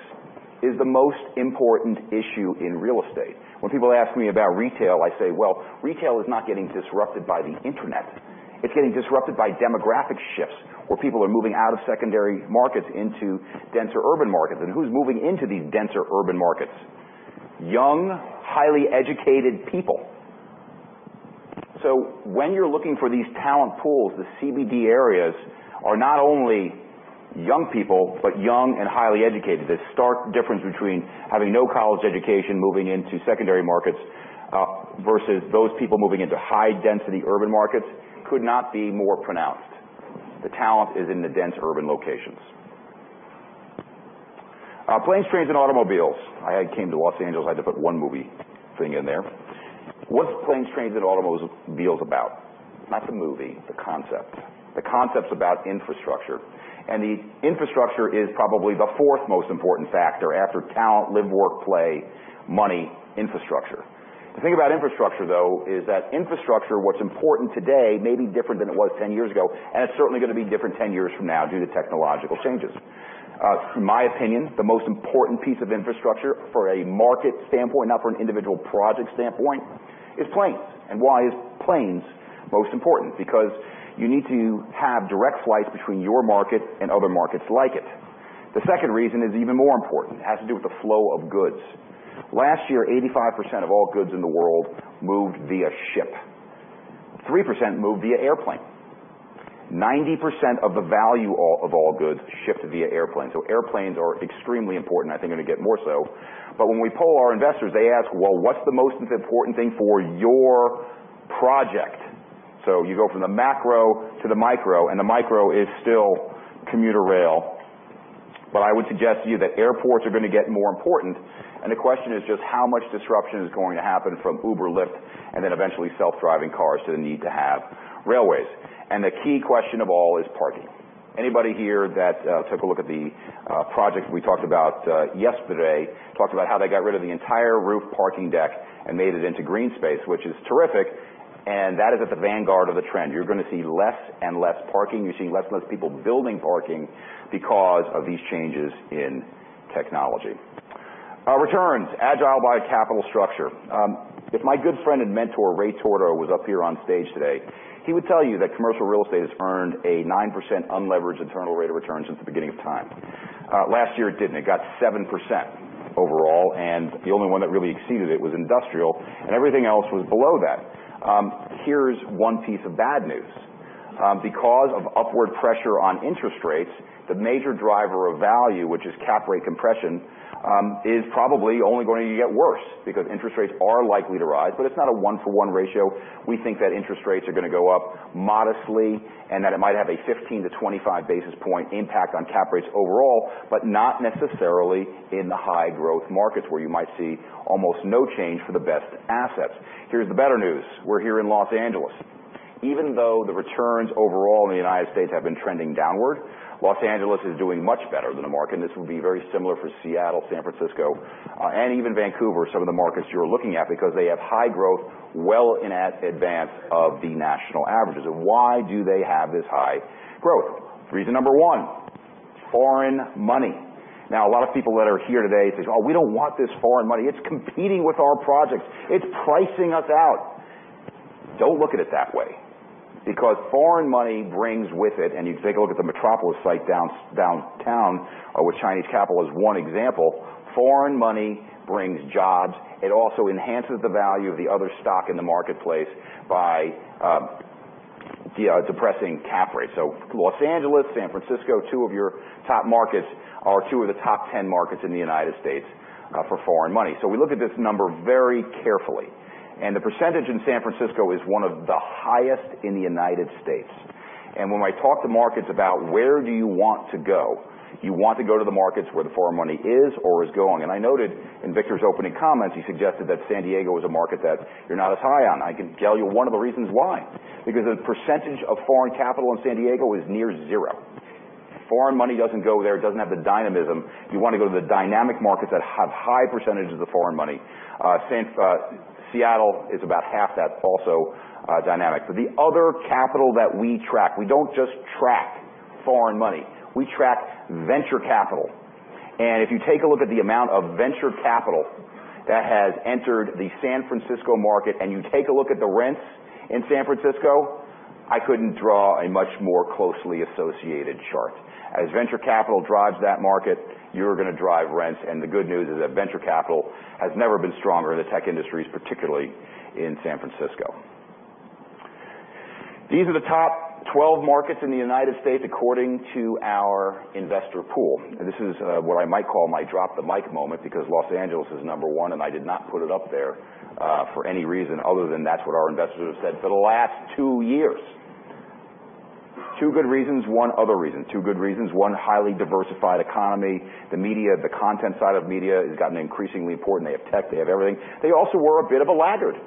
is the most important issue in real estate. When people ask me about retail, I say, well, retail is not getting disrupted by the internet. It's getting disrupted by demographic shifts, where people are moving out of secondary markets into denser urban markets. Who's moving into these denser urban markets? Young, highly educated people. When you're looking for these talent pools, the CBD areas are not only young people, but young and highly educated. The stark difference between having no college education, moving into secondary markets, versus those people moving into high-density urban markets could not be more pronounced. The talent is in the dense urban locations. Planes, trains, and automobiles. I came to Los Angeles, I had to put one movie thing in there. What's planes, trains, and automobiles about? Not the movie, the concept. The concept's about infrastructure, and the infrastructure is probably the fourth most important factor after talent, live, work, play, money, infrastructure. The thing about infrastructure, though, is that infrastructure, what's important today may be different than it was 10 years ago, and it's certainly going to be different 10 years from now due to technological changes. In my opinion, the most important piece of infrastructure for a market standpoint, not for an individual project standpoint, is planes. Why is planes most important? Because you need to have direct flights between your market and other markets like it. The second reason is even more important. It has to do with the flow of goods. Last year, 85% of all goods in the world moved via ship. 3% moved via airplane. 90% of the value of all goods shipped via airplane. Airplanes are extremely important, I think are going to get more so. When we poll our investors, they ask, "Well, what's the most important thing for your project?" You go from the macro to the micro, and the micro is still commuter rail. I would suggest to you that airports are going to get more important, and the question is just how much disruption is going to happen from Uber, Lyft, and then eventually self-driving cars to the need to have railways. The key question of all is parking. Anybody here that took a look at the project we talked about yesterday, talked about how they got rid of the entire roof parking deck and made it into green space, which is terrific, and that is at the vanguard of the trend. You're going to see less and less parking. You're seeing less and less people building parking because of these changes in technology. [Returns are driven by capital structure]. If my good friend and mentor, Ray Torto, was up here on stage today, he would tell you that commercial real estate has earned a 9% unlevered internal rate of return since the beginning of time. Last year, it didn't. It got 7% overall, and the only one that really exceeded it was industrial, everything else was below that. Here's one piece of bad news. Upward pressure on interest rates, the major driver of value, which is cap rate compression, is probably only going to get worse because interest rates are likely to rise, but it's not a one-for-one ratio. We think that interest rates are going to go up modestly and that it might have a 15-25 basis point impact on cap rates overall, but not necessarily in the high-growth markets where you might see almost no change for the best assets. Here's the better news. We're here in Los Angeles. Even though the returns overall in the United States have been trending downward, Los Angeles is doing much better than the market, and this would be very similar for Seattle, San Francisco, and even Vancouver, some of the markets you're looking at, because they have high growth well in advance of the national averages. Why do they have this high growth? Reason number 1, foreign money. A lot of people that are here today say, "Oh, we don't want this foreign money. It's competing with our projects. It's pricing us out." Don't look at it that way because foreign money brings with it, and if you take a look at the Metropolis site downtown, with Chinese capital as one example, foreign money brings jobs. It also enhances the value of the other stock in the marketplace by depressing cap rate. Los Angeles, San Francisco, two of your top markets are two of the top 10 markets in the United States for foreign money. We look at this number very carefully, and the percentage in San Francisco is one of the highest in the United States. When I talk to markets about where do you want to go, you want to go to the markets where the foreign money is or is going. I noted in Victor's opening comments, he suggested that San Diego was a market that you're not as high on. I can tell you one of the reasons why. The percentage of foreign capital in San Diego is near zero. Foreign money doesn't go there. It doesn't have the dynamism. You want to go to the dynamic markets that have high percentages of foreign money. Seattle is about half that, also dynamic. The other capital that we track, we don't just track foreign money, we track venture capital. If you take a look at the amount of venture capital that has entered the San Francisco market, and you take a look at the rents in San Francisco, I couldn't draw a much more closely associated chart. As venture capital drives that market, you're going to drive rents, and the good news is that venture capital has never been stronger in the tech industries, particularly in San Francisco. These are the top 12 markets in the U.S. according to our investor pool. This is what I might call my drop-the-mic moment because Los Angeles is number 1, and I did not put it up there for any reason other than that's what our investors have said for the last two years. Two good reasons, one other reason. Two good reasons, one highly diversified economy. The media, the content side of media has gotten increasingly important. They have tech. They have everything. They also were a bit of a laggard.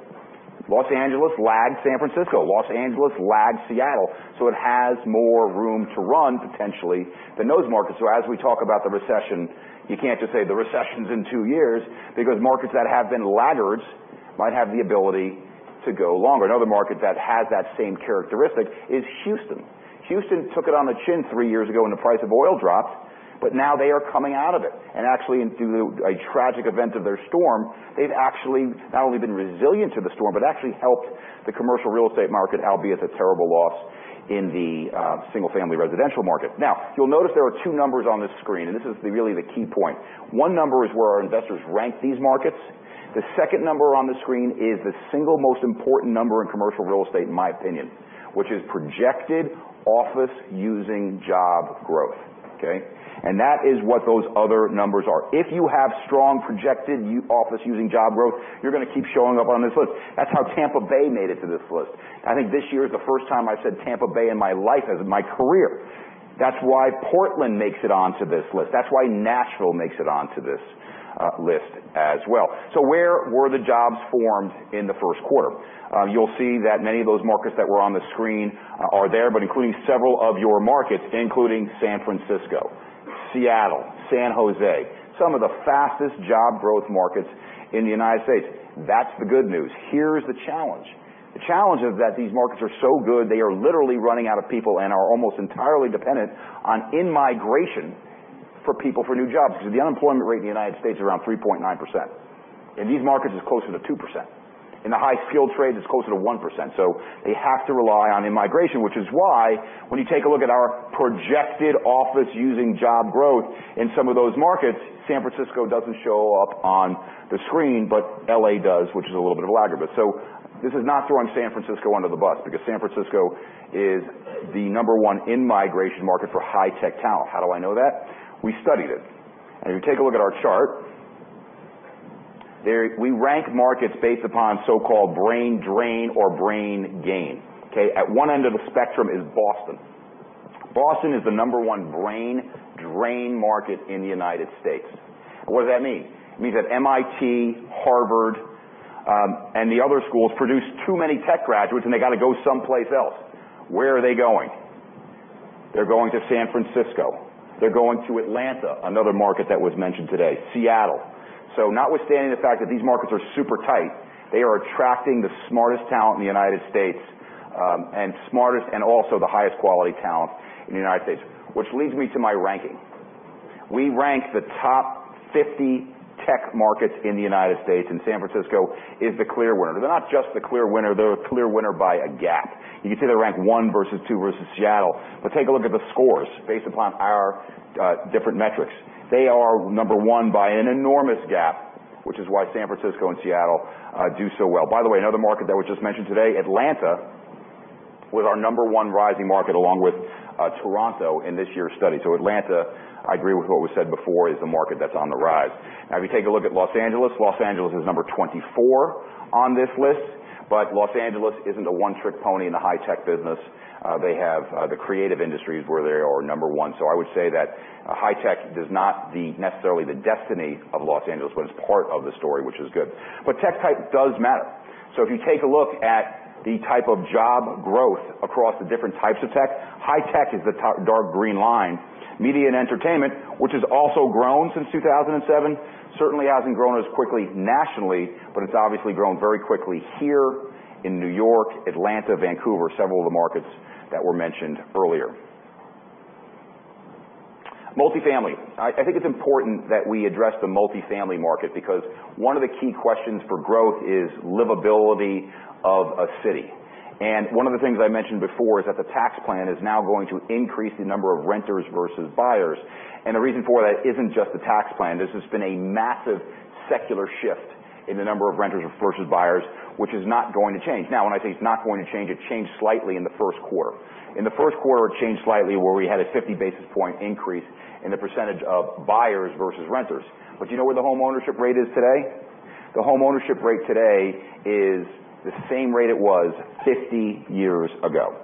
Los Angeles lagged San Francisco. Los Angeles lagged Seattle. It has more room to run, potentially, than those markets. As we talk about the recession, you can't just say the recession's in two years because markets that have been laggards might have the ability to go longer. Another market that has that same characteristic is Houston. Houston took it on the chin three years ago when the price of oil dropped, but now they are coming out of it. Actually, through a tragic event of their storm, they've actually not only been resilient to the storm but actually helped the commercial real estate market, albeit a terrible loss in the single-family residential market. Now, you'll notice there are two numbers on this screen, and this is really the key point. One number is where our investors rank these markets. The second number on the screen is the single most important number in commercial real estate in my opinion, which is projected office-using job growth, okay? That is what those other numbers are. If you have strong projected office-using job growth, you're going to keep showing up on this list. That's how Tampa Bay made it to this list. I think this year is the first time I've said Tampa Bay in my life, as in my career. That's why Portland makes it onto this list. That's why Nashville makes it onto this list as well. Where were the jobs formed in the first quarter? You'll see that many of those markets that were on the screen are there, but including several of your markets, including San Francisco, Seattle, San Jose, some of the fastest job growth markets in the U.S. That's the good news. Here's the challenge. The challenge is that these markets are so good, they are literally running out of people and are almost entirely dependent on in-migration for people for new jobs, because the unemployment rate in the U.S. is around 3.9%. In these markets, it's closer to 2%. In the high-skilled trades, it's closer to 1%, so they have to rely on in-migration, which is why when you take a look at our projected office-using job growth in some of those markets, San Francisco doesn't show up on the screen, but L.A. does, which is a little bit of a laggard. This is not throwing San Francisco under the bus because San Francisco is the number one in-migration market for high-tech talent. How do I know that? We studied it. If you take a look at our chart, we rank markets based upon so-called brain drain or brain gain. Okay? At one end of the spectrum is Boston. Boston is the number one brain drain market in the U.S. What does that mean? It means that MIT, Harvard, and the other schools produce too many tech graduates, and they've got to go someplace else. Where are they going? They're going to San Francisco. They're going to Atlanta, another market that was mentioned today. Seattle. Notwithstanding the fact that these markets are super tight, they are attracting the smartest talent in the U.S., and smartest and also the highest quality talent in the U.S., which leads me to my ranking. We rank the top 50 tech markets in the U.S., and San Francisco is the clear winner. They're not just the clear winner, they're the clear winner by a gap. You can see they're ranked 1 versus 2 versus Seattle, but take a look at the scores based upon our different metrics. They are number one by an enormous gap, which is why San Francisco and Seattle do so well. By the way, another market that was just mentioned today, Atlanta, was our number one rising market along with Toronto in this year's study. Atlanta, I agree with what was said before, is the market that's on the rise. If you take a look at Los Angeles, Los Angeles is number 24 on this list, Los Angeles isn't a one-trick pony in the high-tech business. They have the creative industries where they are number one. I would say that high tech is not necessarily the destiny of Los Angeles, but it's part of the story, which is good. Tech type does matter. If you take a look at the type of job growth across the different types of tech, high tech is the dark green line. Media and entertainment, which has also grown since 2007, certainly hasn't grown as quickly nationally, but it's obviously grown very quickly here in New York, Atlanta, Vancouver, several of the markets that were mentioned earlier. Multifamily. I think it's important that we address the multifamily market because one of the key questions for growth is livability of a city. One of the things I mentioned before is that the tax plan is now going to increase the number of renters versus buyers. The reason for that isn't just the tax plan, this has been a massive secular shift in the number of renters versus buyers, which is not going to change. When I say it's not going to change, it changed slightly in the first quarter. In the first quarter, it changed slightly, where we had a 50 basis point increase in the percentage of buyers versus renters. You know where the homeownership rate is today? The homeownership rate today is the same rate it was 50 years ago.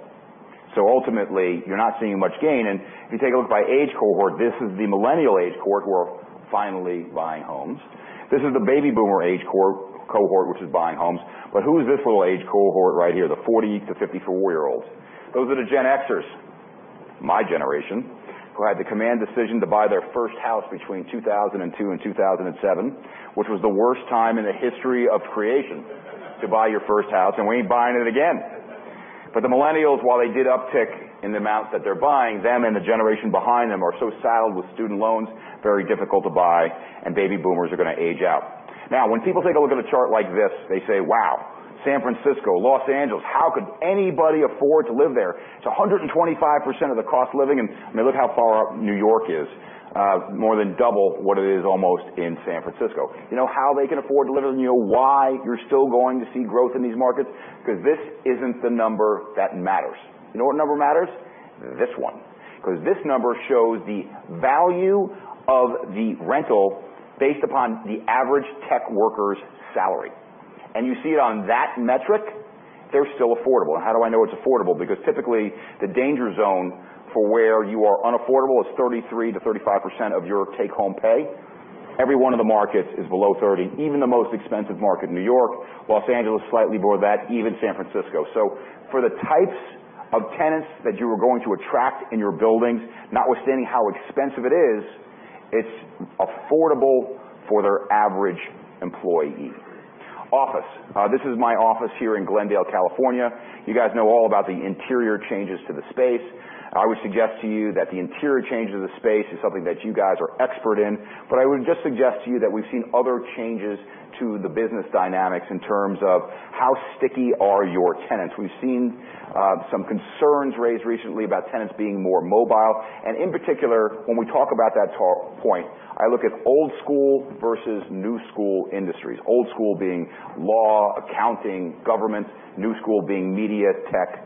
Ultimately, you're not seeing much gain. If you take a look by age cohort, this is the millennial age cohort who are finally buying homes. This is the baby boomer age cohort, which is buying homes. Who is this little age cohort right here, the 40-54-year-olds? Those are the Gen Xers, my generation, who had the command decision to buy their first house between 2002 and 2007, which was the worst time in the history of creation to buy your first house, and we ain't buying it again. The millennials, while they did uptick in the amount that they're buying, them and the generation behind them are so saddled with student loans, very difficult to buy, and baby boomers are going to age out. Now, when people take a look at a chart like this, they say, "Wow, San Francisco, Los Angeles, how could anybody afford to live there?" It's 125% of the cost of living. Look how far up New York is. More than double what it is almost in San Francisco. You know how they can afford to live there, and you know why you're still going to see growth in these markets? This isn't the number that matters. You know what number matters? This one. This number shows the value of the rental based upon the average tech worker's salary. You see it on that metric, they're still affordable. How do I know it's affordable? Typically, the danger zone for where you are unaffordable is 33%-35% of your take-home pay. Every one of the markets is below 30, even the most expensive market, New York. Los Angeles, slightly below that, even San Francisco. For the types of tenants that you are going to attract in your buildings, notwithstanding how expensive it is, it's affordable for their average employee. Office. This is my office here in Glendale, California. You guys know all about the interior changes to the space. I would suggest to you that the interior changes of the space is something that you guys are expert in. I would just suggest to you that we've seen other changes to the business dynamics in terms of how sticky are your tenants. We've seen some concerns raised recently about tenants being more mobile. In particular, when we talk about that point, I look at old school versus new school industries. Old school being law, accounting, government. New school being media, tech,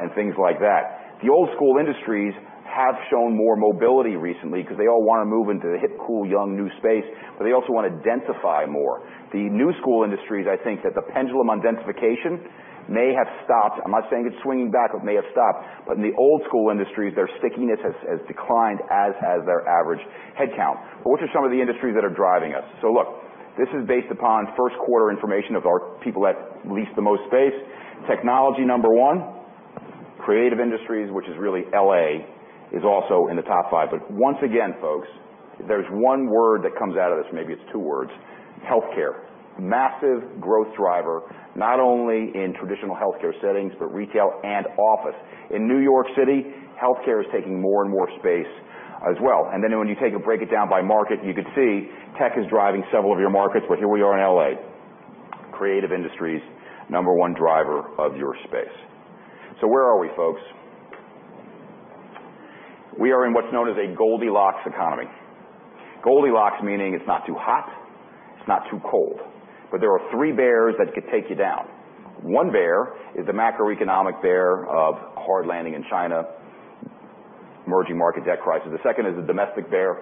and things like that. The old school industries have shown more mobility recently because they all want to move into the hip, cool, young, new space, but they also want to densify more. The new school industries, I think that the pendulum on densification may have stopped. I'm not saying it's swinging back, it may have stopped. In the old school industries, their stickiness has declined, as has their average headcount. Which are some of the industries that are driving us? Look, this is based upon first quarter information of our people that lease the most space. Technology, number one. Creative industries, which is really L.A., is also in the top five. Once again, folks, if there's one word that comes out of this, maybe it's two words, healthcare. Massive growth driver, not only in traditional healthcare settings, but retail and office. In New York City, healthcare is taking more and more space as well. When you take and break it down by market, you can see tech is driving several of your markets, but here we are in L.A. Creative industries, number 1 driver of your space. Where are we, folks? We are in what's known as a Goldilocks economy. Goldilocks, meaning it's not too hot, it's not too cold. There are three bears that could take you down. One bear is the macroeconomic bear of hard landing in China, emerging market debt crisis. The second is the domestic bear,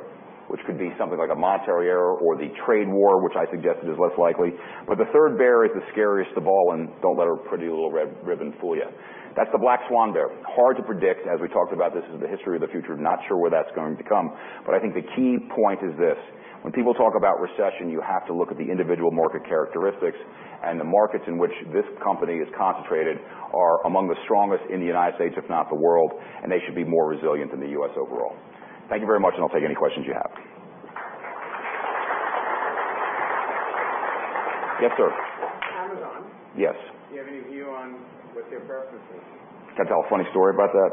which could be something like a monetary error or the trade war, which I suggest is less likely. The third bear is the scariest of all, and don't let her pretty little red ribbon fool you. That's the black swan bear. Hard to predict, as we talked about this is the history of the future, not sure where that's going to come. I think the key point is this, when people talk about recession, you have to look at the individual market characteristics and the markets in which this company is concentrated are among the strongest in the United States, if not the world, and they should be more resilient than the U.S. overall. Thank you very much, and I'll take any questions you have. Yes, sir. Amazon. Yes. Do you have any view on what their preference is? I tell a funny story about that.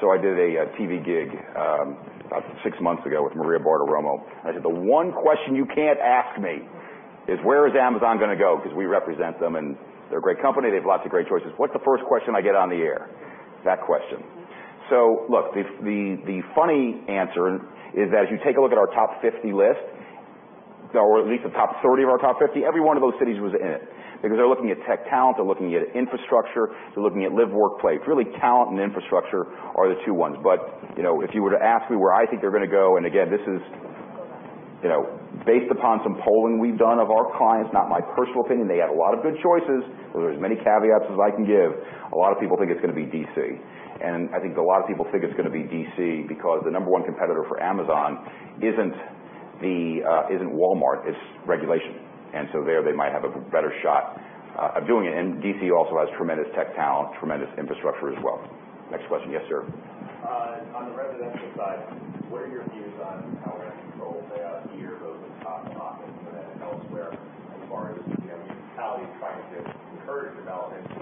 Sure. I did a TV gig about 6 months ago with Maria Bartiromo, and I said, "The one question you can't ask me is, 'Where is Amazon going to go?'" Because we represent them, they're a great company. They have lots of great choices. What's the first question I get on the air? That question. Look, the funny answer is that as you take a look at our top 50 list, or at least the top 30 of our top 50, every one of those cities was in it because they're looking at tech talent, they're looking at infrastructure, they're looking at live-work place. Really talent and infrastructure are the two ones. If you were to ask me where I think they're going to go, and again, this is based upon some polling we've done of our clients, not my personal opinion. They have a lot of good choices. There's as many caveats as I can give. A lot of people think it's going to be D.C. I think a lot of people think it's going to be D.C. because the number 1 competitor for Amazon isn't Walmart, it's regulation. There, they might have a better shot of doing it. D.C. also has tremendous tech talent, tremendous infrastructure as well. Next question. Yes, sir. On the residential side, what are your views on how rent control play out here, both in downtown and elsewhere as far as municipalities trying to encourage development,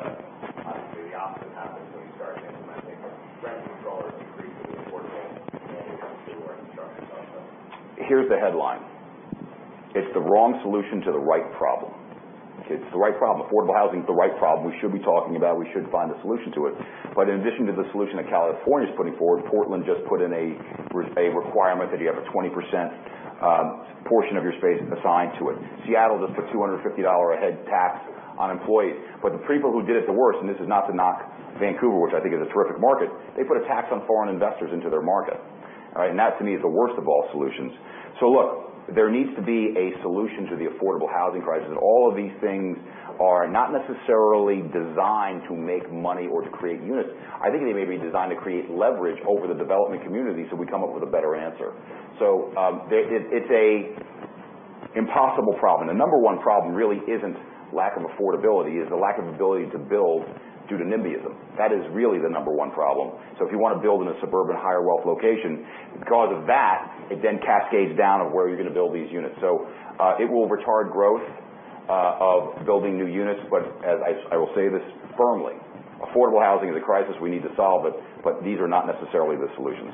obviously often happens when you start to Here's the headline. It's the wrong solution to the right problem. It's the right problem. Affordable housing's the right problem. We should be talking about it. We should find a solution to it. In addition to the solution that California's putting forward, Portland just put in a requirement that you have a 20% portion of your space assigned to it. Seattle just put $250 a head tax on employees. The people who did it the worst, and this is not to knock Vancouver, which I think is a terrific market, they put a tax on foreign investors into their market. That to me is the worst of all solutions. Look, there needs to be a solution to the affordable housing crisis, and all of these things are not necessarily designed to make money or to create units. I think they may be designed to create leverage over the development community so we come up with a better answer. It's an impossible problem. The number 1 problem really isn't lack of affordability, it's the lack of ability to build due to nimbyism. That is really the number 1 problem. If you want to build in a suburban higher wealth location, because of that, it then cascades down of where you're going to build these units. It will retard growth of building new units. I will say this firmly, affordable housing is a crisis we need to solve, but these are not necessarily the solutions.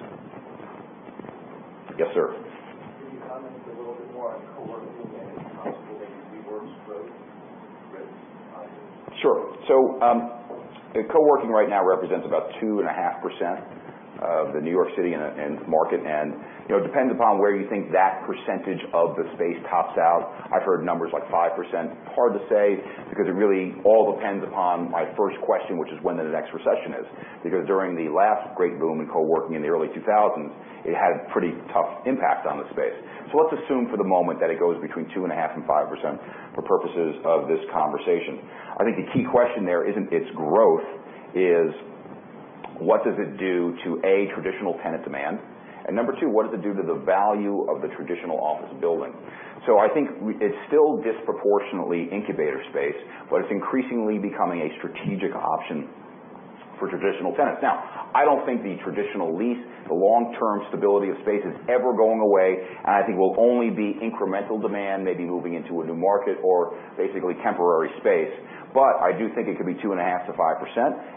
Yes, sir. Can you comment a little bit more on co-working and its possible impact on WeWork's growth risks? Sure. Co-working right now represents about 2.5% of the New York City market, and it depends upon where you think that percentage of the space tops out. I've heard numbers like 5%. Hard to say, because it really all depends upon my first question, which is when the next recession is. Because during the last great boom in co-working in the early 2000s, it had pretty tough impact on the space. Let's assume for the moment that it goes between 2.5% and 5% for purposes of this conversation. I think the key question there isn't its growth, is what does it do to, A. traditional tenant demand, and number 2, what does it do to the value of the traditional office building? I think it's still disproportionately incubator space, but it's increasingly becoming a strategic option for traditional tenants. I don't think the traditional lease, the long-term stability of space is ever going away, and I think will only be incremental demand, maybe moving into a new market or basically temporary space. I do think it could be 2.5% to 5%,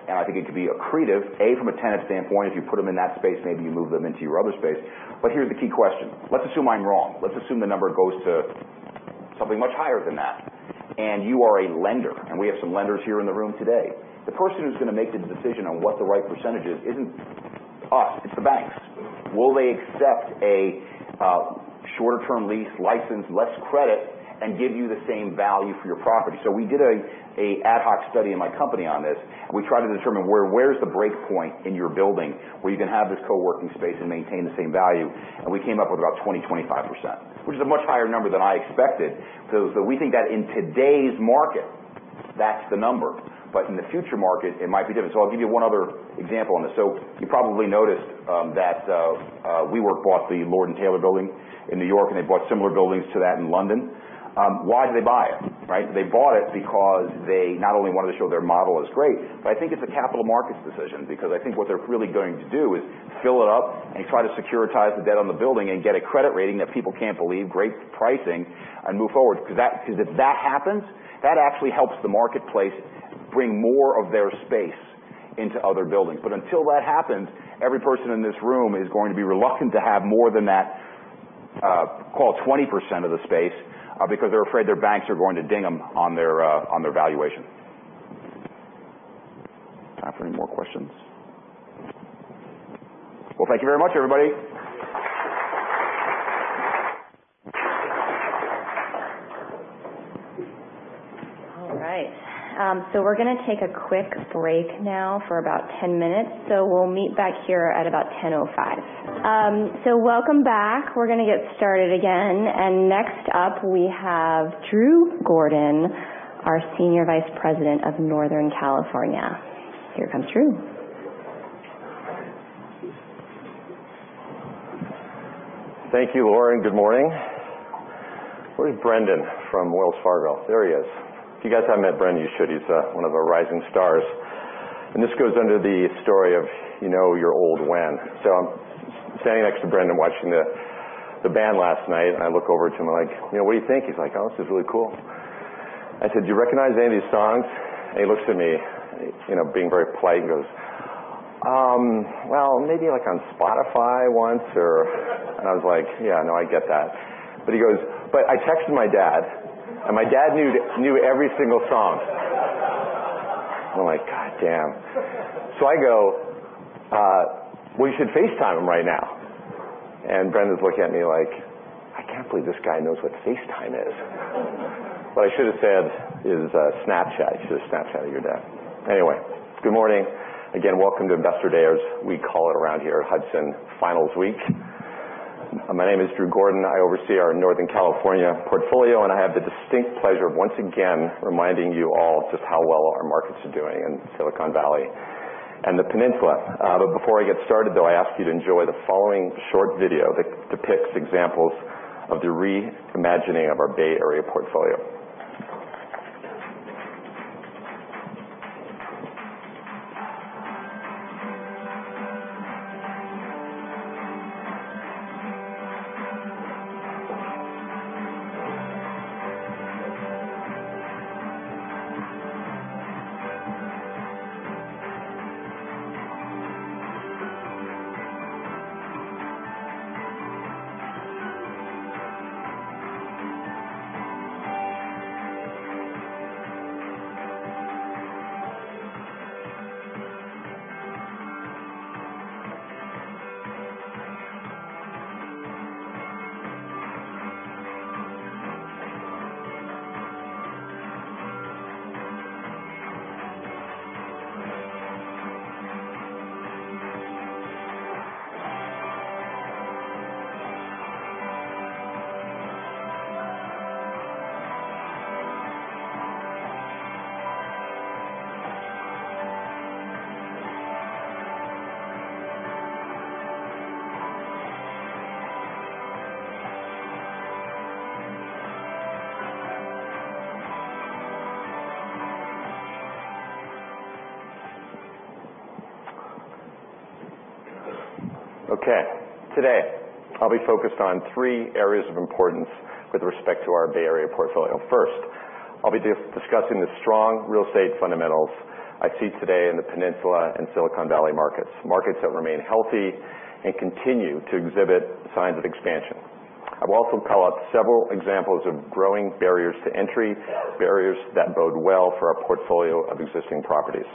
and I think it could be accretive, A. from a tenant standpoint, if you put them in that space, maybe you move them into your other space. Here's the key question. Let's assume I'm wrong. Let's assume the number goes to something much higher than that, and you are a lender, and we have some lenders here in the room today. The person who's going to make the decision on what the right percentage is isn't us, it's the banks. Will they accept a shorter-term lease license, less credit, and give you the same value for your property? We did an ad hoc study in my company on this, and we tried to determine where's the break point in your building where you can have this co-working space and maintain the same value, and we came up with about 20%-25%, which is a much higher number than I expected. We think that in today's market, that's the number. In the future market, it might be different. I'll give you one other example on this. You probably noticed that WeWork bought the Lord & Taylor building in New York, and they bought similar buildings to that in London. Why did they buy it, right? They bought it because they not only wanted to show their model is great, but I think it's a capital markets decision. I think what they're really going to do is fill it up and try to securitize the debt on the building and get a credit rating that people can't believe, great pricing, and move forward. If that happens, that actually helps the marketplace bring more of their space into other buildings. Until that happens, every person in this room is going to be reluctant to have more than that, call it 20% of the space, because they're afraid their banks are going to ding them on their valuation. Time for any more questions? Well, thank you very much, everybody. All right. We're going to take a quick break now for about 10 minutes, we'll meet back here at about 10:05. Welcome back. We're going to get started again, next up we have Drew Gordon, our Senior Vice President of Northern California. Here comes Drew. Thank you, Laura. Good morning. Where's Brendan from Wells Fargo? There he is. If you guys haven't met Brendan, you should. He's one of our rising stars. This goes under the story of you know you're old when. I'm standing next to Brendan watching the band last night, I look over to him, I'm like, "What do you think?" He's like, "Oh, this is really cool." I said, "Do you recognize any of these songs?" He looks at me, being very polite, and goes, "Well, maybe, like, on Spotify once or" I was like, "Yeah, no, I get that." He goes, "I texted my dad, and my dad knew every single song." I'm like, "Goddamn." I go, "Well, you should FaceTime him right now." Brendan's looking at me like, "I can't believe this guy knows what FaceTime is." What I should have said is Snapchat. You should have Snapchatted your dad. Anyway, good morning again. Welcome to Investor Day, or as we call it around here at Hudson, finals week. My name is Drew Gordon. I oversee our Northern California portfolio, I have the distinct pleasure of, once again, reminding you all just how well our markets are doing in Silicon Valley and the peninsula. Before I get started, though, I ask you to enjoy the following short video that depicts examples of the re-imagining of our Bay Area portfolio. Okay. Today, I'll be focused on three areas of importance with respect to our Bay Area portfolio. First, I'll be discussing the strong real estate fundamentals I see today in the Peninsula and Silicon Valley markets that remain healthy and continue to exhibit signs of expansion. I'll also call out several examples of growing barriers to entry, barriers that bode well for our portfolio of existing properties.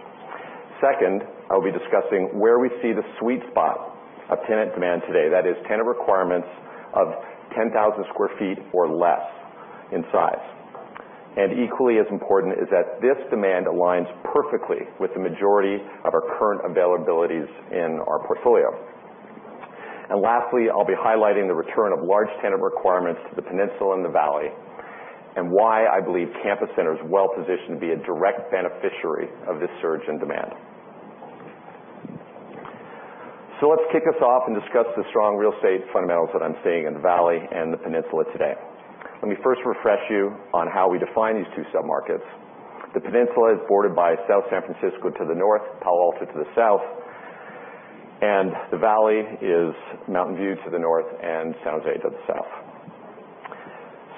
Second, I'll be discussing where we see the sweet spot of tenant demand today. That is, tenant requirements of 10,000 square feet or less in size. Equally as important is that this demand aligns perfectly with the majority of our current availabilities in our portfolio. Lastly, I'll be highlighting the return of large tenant requirements to the Peninsula and the Valley, and why I believe Campus Center is well-positioned to be a direct beneficiary of this surge in demand. Let's kick us off and discuss the strong real estate fundamentals that I'm seeing in the Valley and the Peninsula today. Let me first refresh you on how we define these two sub-markets. The Peninsula is bordered by South San Francisco to the north, Palo Alto to the south, and the Valley is Mountain View to the north and San Jose to the south.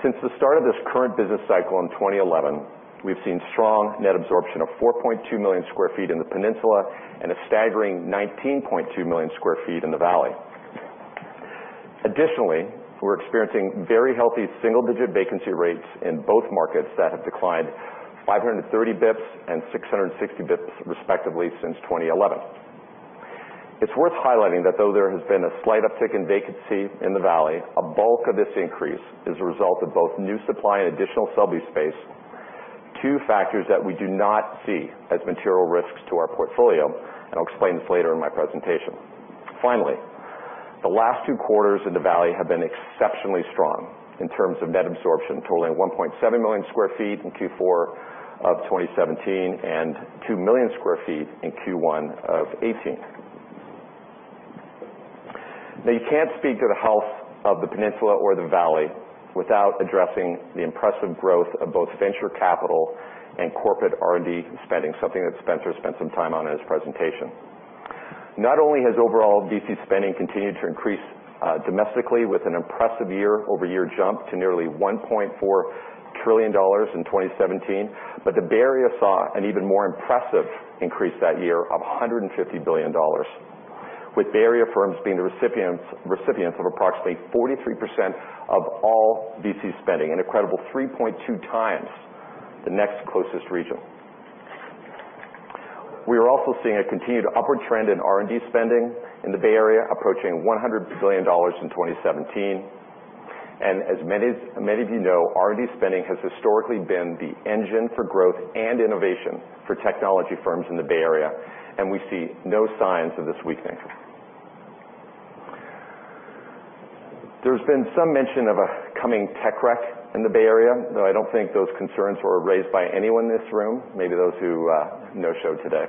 Since the start of this current business cycle in 2011, we've seen strong net absorption of 4.2 million square feet in the Peninsula and a staggering 19.2 million square feet in the Valley. Additionally, we're experiencing very healthy single-digit vacancy rates in both markets that have declined 530 basis points and 660 basis points respectively since 2011. It's worth highlighting that though there has been a slight uptick in vacancy in the Valley, a bulk of this increase is a result of both new supply and additional sublease space, two factors that we do not see as material risks to our portfolio, I'll explain this later in my presentation. Finally, the last two quarters in the Valley have been exceptionally strong in terms of net absorption, totaling 1.7 million square feet in Q4 of 2017 and 2 million square feet in Q1 of 2018. You can't speak to the health of the Peninsula or the Valley without addressing the impressive growth of both venture capital and corporate R&D spending, something that Spencer spent some time on in his presentation. Not only has overall VC spending continued to increase domestically with an impressive year-over-year jump to nearly $104 billion in 2017, but the Bay Area saw an even more impressive increase that year of $35 billion, with Bay Area firms being the recipients of approximately 43% of all VC spending, an incredible 3.2 times the next closest region. We are also seeing a continued upward trend in R&D spending in the Bay Area, approaching $100 billion in 2017. As many of you know, R&D spending has historically been the engine for growth and innovation for technology firms in the Bay Area, and we see no signs of this weakening. There's been some mention of a coming tech wreck in the Bay Area, though I don't think those concerns were raised by anyone in this room, maybe those who no-showed today.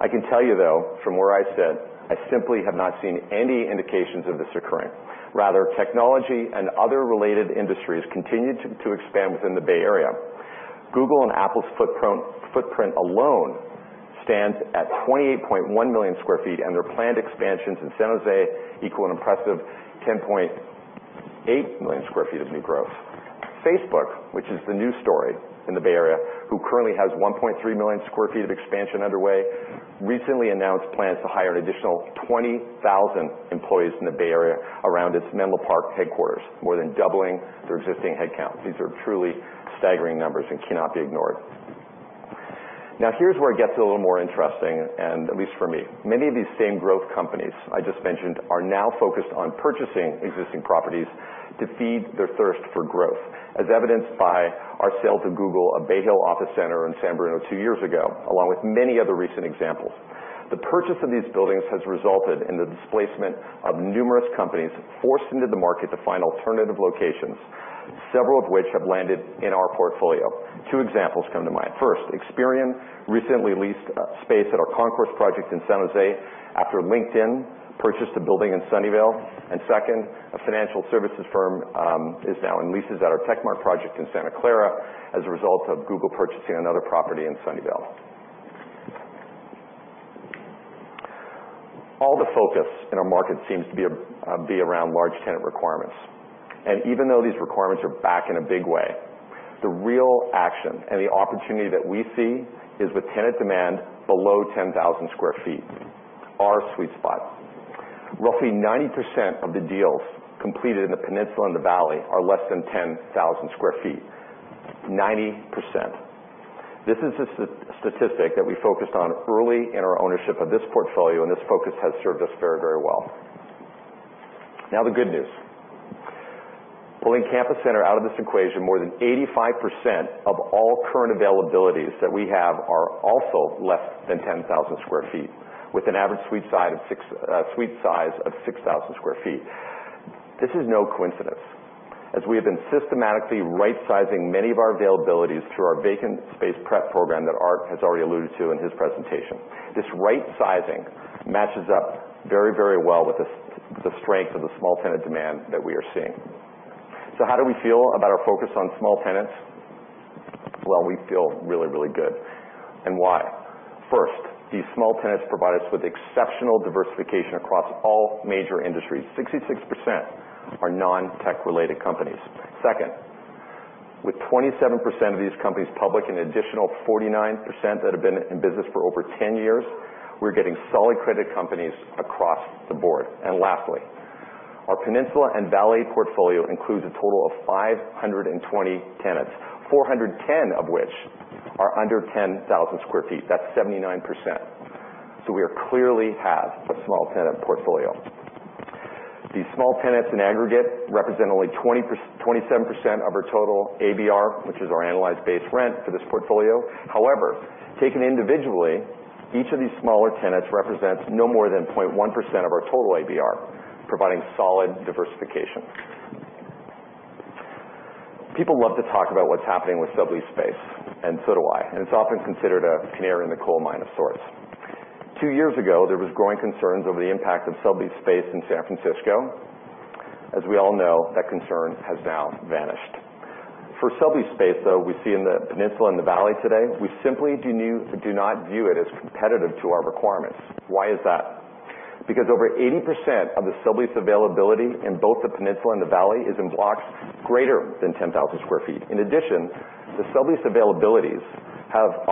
I can tell you, though, from where I sit, I simply have not seen any indications of this occurring. Rather, technology and other related industries continue to expand within the Bay Area. Google and Apple's footprint alone stands at 28.1 million square feet, and their planned expansions in San Jose equal an impressive 10.8 million square feet of new growth. Facebook, which is the new story in the Bay Area, who currently has 1.3 million square feet of expansion underway, recently announced plans to hire an additional 20,000 employees in the Bay Area around its Menlo Park headquarters, more than doubling their existing headcount. These are truly staggering numbers and cannot be ignored. Here's where it gets a little more interesting, at least for me. Many of these same growth companies I just mentioned are now focused on purchasing existing properties to feed their thirst for growth, as evidenced by our sale to Google of Bayhill Office Center in San Bruno two years ago, along with many other recent examples. The purchase of these buildings has resulted in the displacement of numerous companies forced into the market to find alternative locations, several of which have landed in our portfolio. Two examples come to mind. First, Experian recently leased a space at our Concourse project in San Jose after LinkedIn purchased a building in Sunnyvale. Second, a financial services firm is now in leases at our Techmart project in Santa Clara as a result of Google purchasing another property in Sunnyvale. All the focus in our market seems to be around large tenant requirements. Even though these requirements are back in a big way, the real action and the opportunity that we see is with tenant demand below 10,000 square feet, our sweet spot. Roughly 90% of the deals completed in the Peninsula and the Valley are less than 10,000 square feet, 90%. This is a statistic that we focused on early in our ownership of this portfolio, and this focus has served us very well. The good news. Pulling Campus Center out of this equation, more than 85% of all current availabilities that we have are also less than 10,000 square feet, with an average suite size of 6,000 square feet. This is no coincidence, as we have been systematically right-sizing many of our availabilities through our vacant space prep program that Art has already alluded to in his presentation. This right-sizing matches up very well with the strength of the small tenant demand that we are seeing. How do we feel about our focus on small tenants? Well, we feel really, really good. Why? First, these small tenants provide us with exceptional diversification across all major industries. 66% are non-tech-related companies. Second, with 27% of these companies public and an additional 49% that have been in business for over 10 years, we're getting solid credit companies across the board. Lastly, our Peninsula and Valley portfolio includes a total of 520 tenants, 410 of which are under 10,000 square feet. That's 79%. We clearly have a small tenant portfolio. These small tenants, in aggregate, represent only 27% of our total ABR, which is our analyzed base rent for this portfolio. However, taken individually, each of these smaller tenants represents no more than 0.1% of our total ABR, providing solid diversification. People love to talk about what's happening with sublease space, so do I, it's often considered a canary in the coal mine of sorts. Two years ago, there were growing concerns over the impact of sublease space in San Francisco. We all know, that concern has now vanished. For sublease space, though, we see in the Peninsula and the Valley today, we simply do not view it as competitive to our requirements. Why is that? Over 80% of the sublease availability in both the Peninsula and the Valley is in blocks greater than 10,000 square feet. In addition, the sublease availabilities have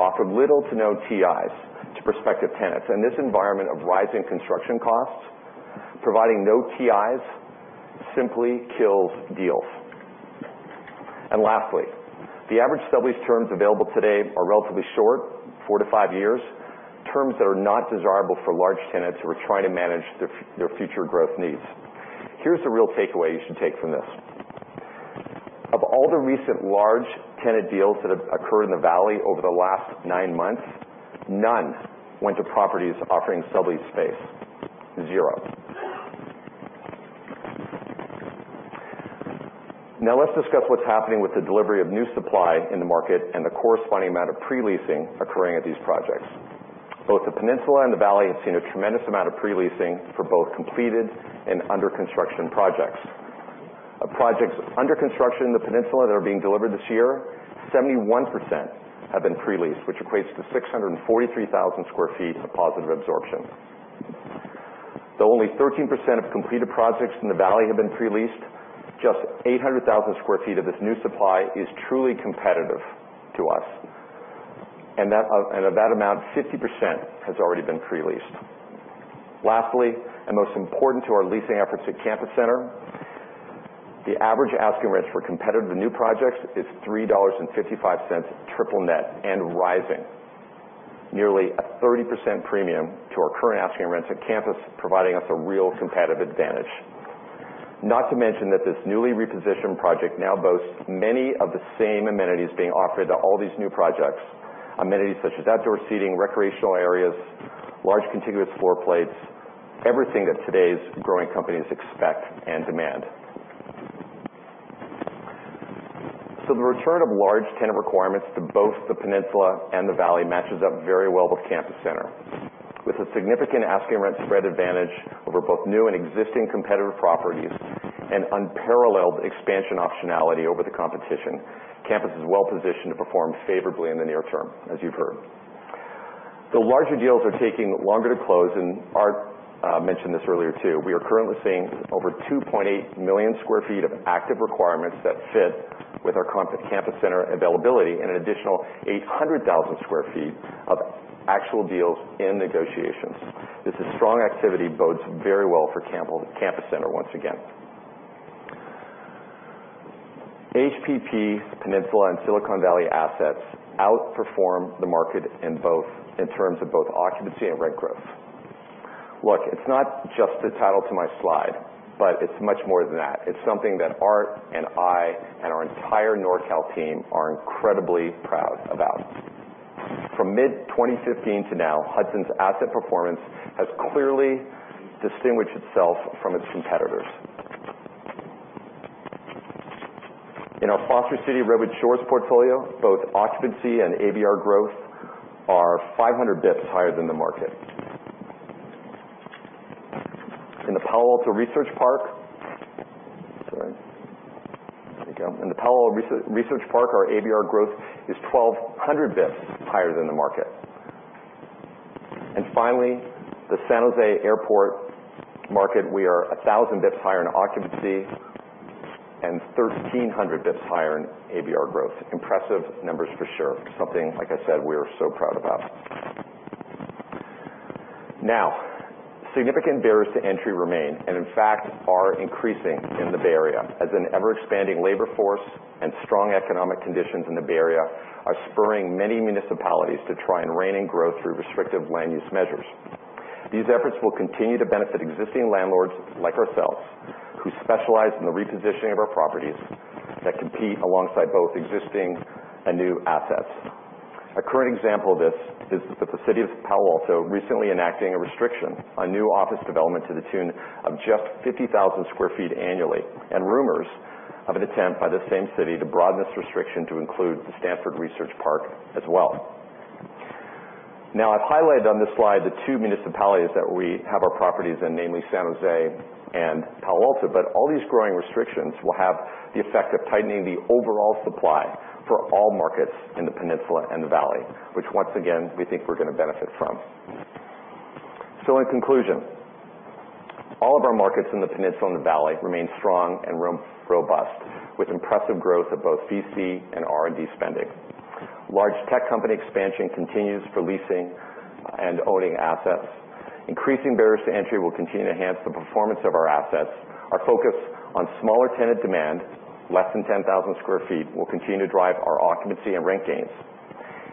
offered little to no TIs to prospective tenants. In this environment of rising construction costs, providing no TIs simply kills deals. Lastly, the average sublease terms available today are relatively short, four to five years, terms that are not desirable for large tenants who are trying to manage their future growth needs. Here's the real takeaway you should take from this. Of all the recent large tenant deals that have occurred in the Valley over the last nine months, none went to properties offering sublease space. Zero. Let's discuss what's happening with the delivery of new supply in the market and the corresponding amount of pre-leasing occurring at these projects. Both the Peninsula and the Valley have seen a tremendous amount of pre-leasing for both completed and under-construction projects. Of projects under construction in the Peninsula that are being delivered this year, 71% have been pre-leased, which equates to 643,000 square feet of positive absorption. Only 13% of completed projects in the Valley have been pre-leased, just 800,000 square feet of this new supply is truly competitive to us. Of that amount, 50% has already been pre-leased. Lastly, most important to our leasing efforts at Campus Center, the average asking rents for competitive new projects is $3.55 triple net and rising. Nearly a 30% premium to our current asking rents at Campus, providing us a real competitive advantage. Not to mention that this newly repositioned project now boasts many of the same amenities being offered to all these new projects. Amenities such as outdoor seating, recreational areas, large contiguous floor plates, everything that today's growing companies expect and demand. The return of large tenant requirements to both the Peninsula and the Valley matches up very well with Campus Center. With a significant asking rent spread advantage over both new and existing competitive properties and unparalleled expansion optionality over the competition, Campus is well positioned to perform favorably in the near term, as you've heard. The larger deals are taking longer to close, and Art mentioned this earlier, too. We are currently seeing over 2.8 million sq ft of active requirements that fit with our Campus Center availability and an additional 800,000 sq ft of actual deals in negotiations. This strong activity bodes very well for Campus Center once again. HPP Peninsula and Silicon Valley assets outperform the market in terms of both occupancy and rent growth. It's not just the title to my slide, but it's much more than that. It's something that Art and I and our entire NorCal team are incredibly proud about. From mid-2015 to now, Hudson's asset performance has clearly distinguished itself from its competitors. In our Foster City Redwood Shores portfolio, both occupancy and ABR growth are 500 basis points higher than the market. In the Palo Alto Research Park, our ABR growth is 1,200 basis points higher than the market. Finally, the San Jose airport market, we are 1,000 basis points higher in occupancy and 1,300 basis points higher in ABR growth. Impressive numbers for sure. Something, like I said, we are so proud about. Significant barriers to entry remain, and in fact, are increasing in the Bay Area as an ever-expanding labor force and strong economic conditions in the Bay Area are spurring many municipalities to try and rein in growth through restrictive land use measures. These efforts will continue to benefit existing landlords like ourselves, who specialize in the repositioning of our properties that compete alongside both existing and new assets. A current example of this is that the city of Palo Alto recently enacting a restriction on new office development to the tune of just 50,000 sq ft annually, and rumors of an attempt by the same city to broaden this restriction to include the Stanford Research Park as well. I've highlighted on this slide the two municipalities that we have our properties in, namely San Jose and Palo Alto, but all these growing restrictions will have the effect of tightening the overall supply for all markets in the peninsula and the valley, which once again, we think we're going to benefit from. In conclusion, all of our markets in the peninsula and the valley remain strong and robust, with impressive growth of both VC and R&D spending. Large tech company expansion continues for leasing and owning assets. Increasing barriers to entry will continue to enhance the performance of our assets. Our focus on smaller tenant demand, less than 10,000 sq ft, will continue to drive our occupancy and rent gains.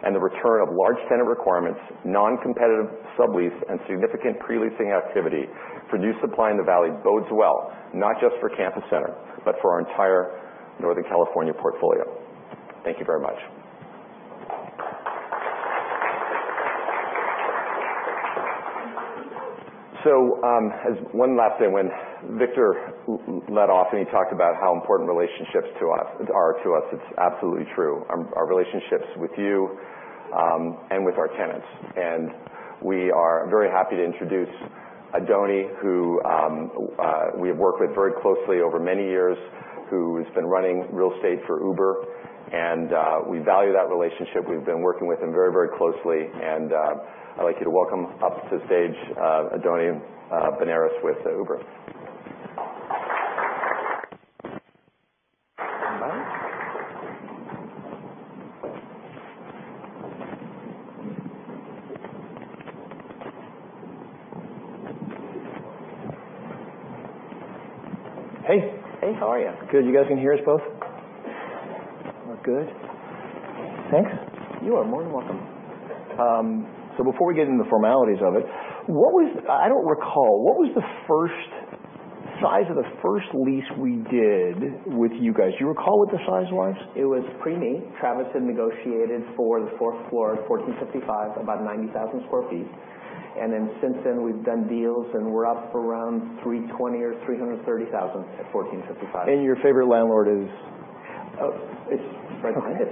The return of large tenant requirements, non-competitive sublease, and significant pre-leasing activity for new supply in the valley bodes well, not just for Campus Center, but for our entire Northern California portfolio. Thank you very much. One last thing. When Victor led off and he talked about how important relationships are to us, it's absolutely true, our relationships with you and with our tenants. We are very happy to introduce Adony, who we have worked with very closely over many years, who's been running real estate for Uber, and we value that relationship. We've been working with him very closely, and I'd like you to welcome up to stage Adony Beniares with Uber. Hey. Hey, how are you? Good. You guys can hear us both? Yeah. Good. Thanks. You are more than welcome. Before we get into the formalities of it, I don't recall, what was the size of the first lease we did with you guys? Do you recall what the size was? It was pre-me. Travis had negotiated for the fourth floor at 1455, about 90,000 square feet. Since then, we've done deals, and we're up around 320,000 or 330,000 at 1455. Your favorite landlord is? Oh, it's right behind us.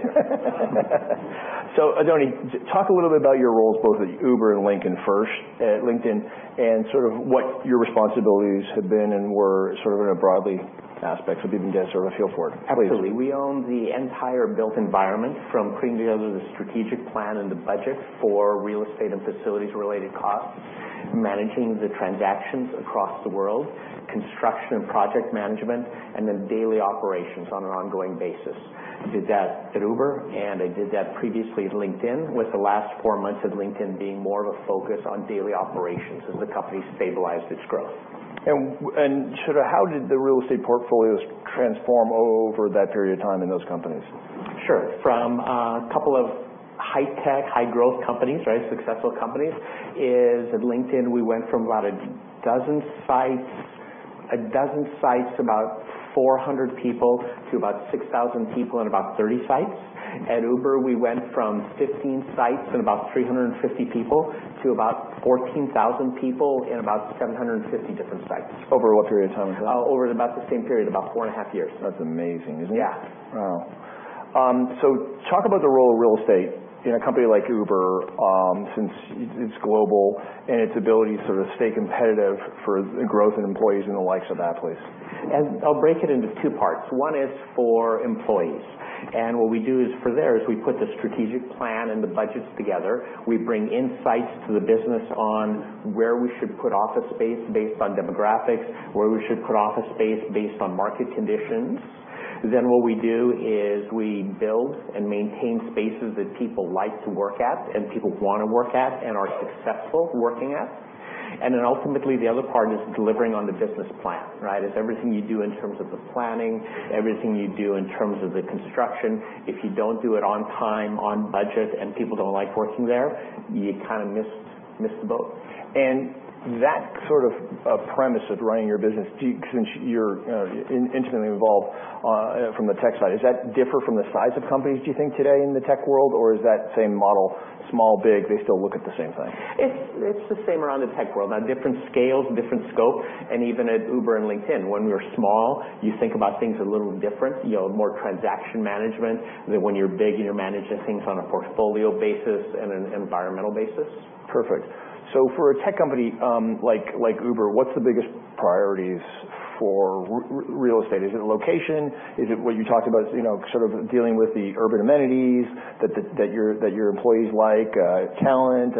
Adony, talk a little bit about your roles both at Uber and LinkedIn first, at LinkedIn, and sort of what your responsibilities have been and were sort of in a broad aspect, so people get a sort of feel for it, please. Absolutely. We own the entire built environment, from putting together the strategic plan and the budget for real estate and facilities-related costs, managing the transactions across the world, construction and project management, and the daily operations on an ongoing basis. I did that at Uber, and I did that previously at LinkedIn, with the last four months at LinkedIn being more of a focus on daily operations as the company stabilized its growth. How did the real estate portfolios transform over that period of time in those companies? Sure. From a couple of high-tech, high-growth companies, successful companies, is at LinkedIn, we went from about a dozen sites, about 400 people, to about 6,000 people in about 30 sites. At Uber, we went from 15 sites and about 350 people to about 14,000 people in about 750 different sites. Over what period of time was that? Over about the same period, about four and a half years. That's amazing, isn't it? Yeah. Wow. Talk about the role of real estate in a company like Uber, since it's global, and its ability to sort of stay competitive for growth in employees and the likes of that, please. I'll break it into two parts. One is for employees. What we do for there is we put the strategic plan and the budgets together. We bring insights to the business on where we should put office space based on demographics, where we should put office space based on market conditions. What we do is we build and maintain spaces that people like to work at and people want to work at and are successful working at. Ultimately, the other part is delivering on the business plan. It's everything you do in terms of the planning, everything you do in terms of the construction. If you don't do it on time, on budget, and people don't like working there, you kind of miss the boat. That sort of premise of running your business, since you're intimately involved from the tech side, does that differ from the size of companies, do you think, today in the tech world, or is that same model, small, big, they still look at the same thing? It's the same around the tech world. Now, different scales, different scope. Even at Uber and LinkedIn, when we were small, you think about things a little different. You have more transaction management than when you're big and you're managing things on a portfolio basis and an environmental basis. Perfect. For a tech company like Uber, what's the biggest priorities For real estate, is it location? Is it what you talked about, sort of dealing with the urban amenities that your employees like? Talent?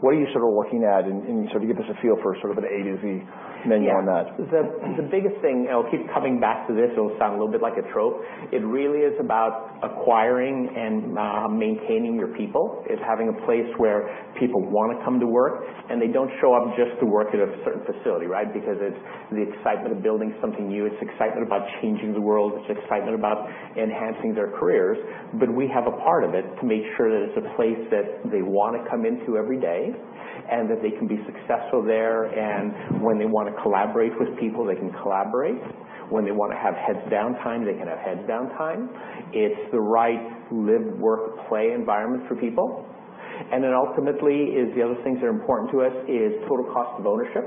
What are you working at? Give us a feel for sort of an A to Z menu on that. Yeah. The biggest thing, I'll keep coming back to this, it'll sound a little bit like a trope, it really is about acquiring and maintaining your people. It's having a place where people want to come to work, and they don't show up just to work at a certain facility, right? It's the excitement of building something new. It's excitement about changing the world. It's excitement about enhancing their careers. We have a part of it to make sure that it's a place that they want to come into every day, and that they can be successful there. When they want to collaborate with people, they can collaborate. When they want to have heads down time, they can have heads down time. It's the right live, work, play environment for people. Ultimately is the other things that are important to us is total cost of ownership.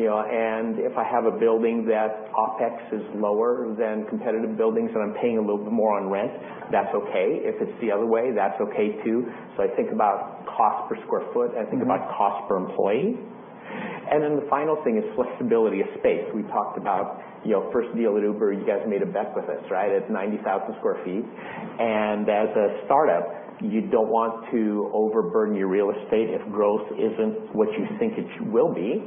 If I have a building that OpEx is lower than competitive buildings, and I'm paying a little bit more on rent, that's okay. If it's the other way, that's okay too. I think about cost per square foot, and I think about cost per employee. The final thing is flexibility of space. We talked about first deal at Uber, you guys made a bet with us, right? It's 90,000 square feet. As a startup, you don't want to overburn your real estate if growth isn't what you think it will be,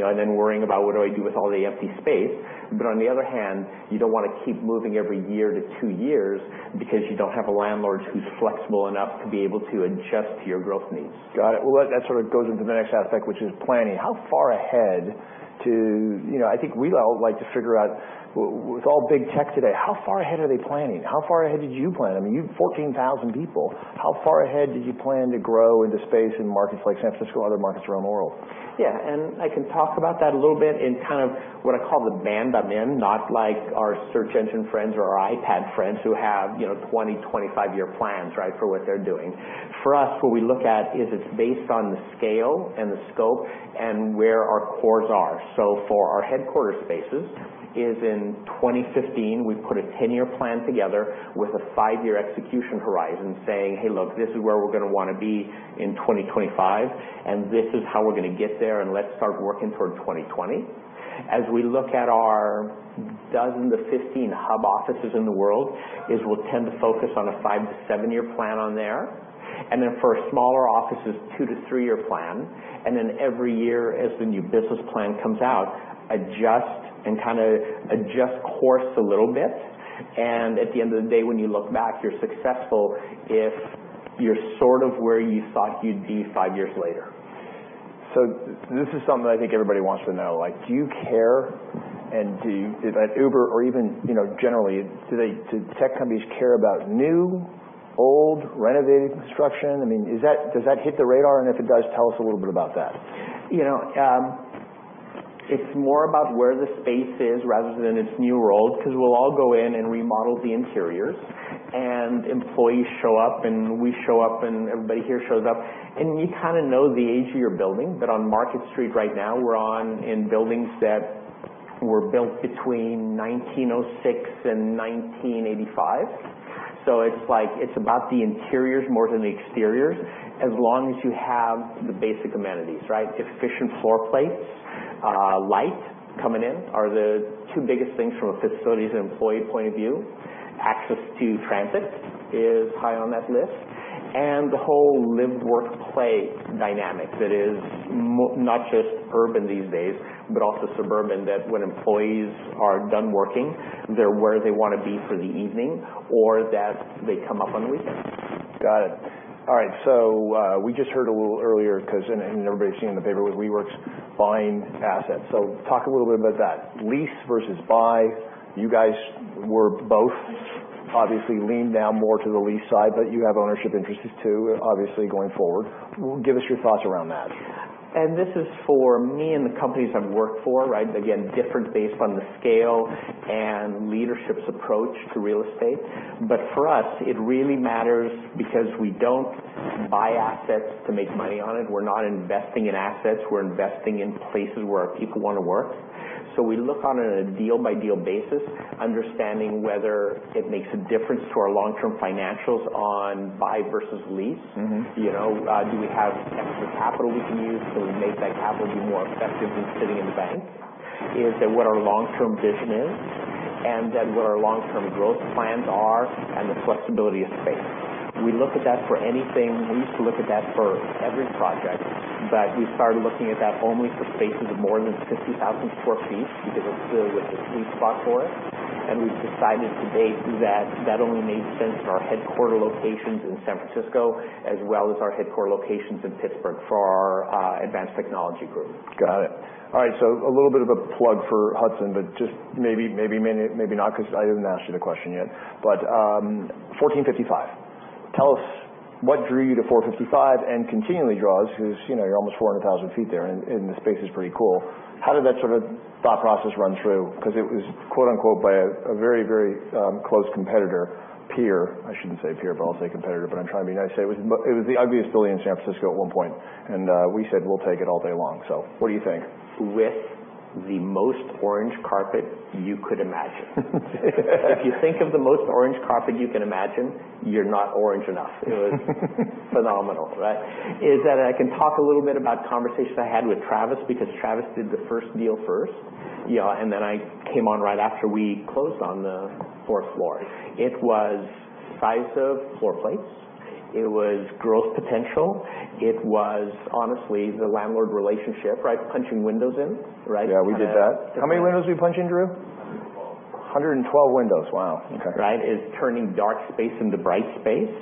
and then worrying about what do I do with all the empty space. On the other hand, you don't want to keep moving every year to two years because you don't have a landlord who's flexible enough to be able to adjust to your growth needs. Got it. That sort of goes into the next aspect, which is planning. I think we all like to figure out with all big tech today, how far ahead are they planning? How far ahead did you plan? You're 14,000 people. How far ahead did you plan to grow into space in markets like San Francisco or other markets around the world? I can talk about that a little bit in kind of what I call the band I'm in, not like our search engine friends or our iPad friends who have 20, 25-year plans for what they're doing. For us, what we look at is it's based on the scale and the scope and where our cores are. For our headquarter spaces is in 2015, we put a 10-year plan together with a five-year execution horizon saying, "Hey, look, this is where we're going to want to be in 2025, and this is how we're going to get there, and let's start working toward 2020." As we look at our dozen to 15 hub offices in the world, is we'll tend to focus on a 5 to 7-year plan on there. Then for smaller offices, 2 to 3-year plan. Every year as the new business plan comes out, adjust and kind of adjust course a little bit. At the end of the day, when you look back, you're successful if you're sort of where you thought you'd be five years later. this is something I think everybody wants to know. Do you care, and at Uber or even generally, do tech companies care about new, old, renovated construction? Does that hit the radar? If it does, tell us a little bit about that. It's more about where the space is rather than its new, old, because we'll all go in and remodel the interiors, and employees show up and we show up and everybody here shows up, and you kind of know the age of your building. On Market Street right now, we're in buildings that were built between 1906 and 1985. It's about the interiors more than the exteriors, as long as you have the basic amenities, right? Efficient floor plates, light coming in are the two biggest things from a facilities and employee point of view. Access to transit is high on that list, and the whole live, work, play dynamic that is not just urban these days, but also suburban, that when employees are done working, they're where they want to be for the evening or that they come up on the weekend. Got it. All right, we just heard a little earlier because, and everybody's seen in the paper, was WeWork's buying assets. Talk a little bit about that. Lease versus buy. You guys were both obviously leaned down more to the lease side, but you have ownership interests too, obviously going forward. Give us your thoughts around that. this is for me and the companies I've worked for, right? Again, different based on the scale and leadership's approach to real estate. For us, it really matters because we don't buy assets to make money on it. We're not investing in assets. We're investing in places where our people want to work. We look on a deal-by-deal basis, understanding whether it makes a difference to our long-term financials on buy versus lease. Do we have extra capital we can use so we make that capital be more effective than sitting in the bank? Is that what our long-term vision is? What our long-term growth plans are and the flexibility of space. We look at that for anything. We used to look at that for every project, but we started looking at that only for spaces of more than 50,000 square feet because it was the sweet spot for us. We've decided to date that that only made sense for our headquarter locations in San Francisco as well as our headquarter locations in Pittsburgh for our advanced technology group. Got it. All right, a little bit of a plug for Hudson, just maybe not because I didn't ask you the question yet. 1455, tell us what drew you to 1455 and continually draws, because you're almost 400,000 feet there, and the space is pretty cool. How did that sort of thought process run through? It was quote unquote, by a very close competitor, peer. I shouldn't say peer, but I'll say competitor, but I'm trying to be nice. It was the ugliest building in San Francisco at one point, and we said we'll take it all day long. What do you think? With the most orange carpet you could imagine. If you think of the most orange carpet you can imagine, you're not orange enough. It was phenomenal. I can talk a little bit about conversations I had with Travis, because Travis did the first deal first. I came on right after we closed on the fourth floor. It was size of floor plates. It was growth potential. It was, honestly, the landlord relationship, punching windows in, right? Yeah, we did that. How many windows did we punch in, Drew? 112. 112 windows, wow, okay. It's turning dark space into bright space.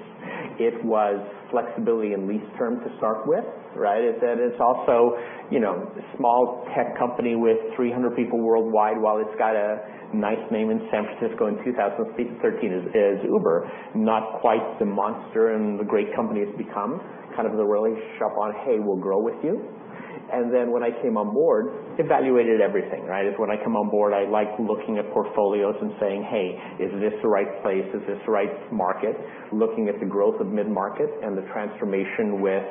It was flexibility in lease term to start with. It's also a small tech company with 300 people worldwide, while it's got a nice name in San Francisco in 2013, is Uber. Not quite the monster and the great company it's become. Kind of the early shove on, "Hey, we'll grow with you." When I came on board, evaluated everything. When I come on board, I like looking at portfolios and saying, "Hey, is this the right place? Is this the right market?" Looking at the growth of Mid-Market and the transformation with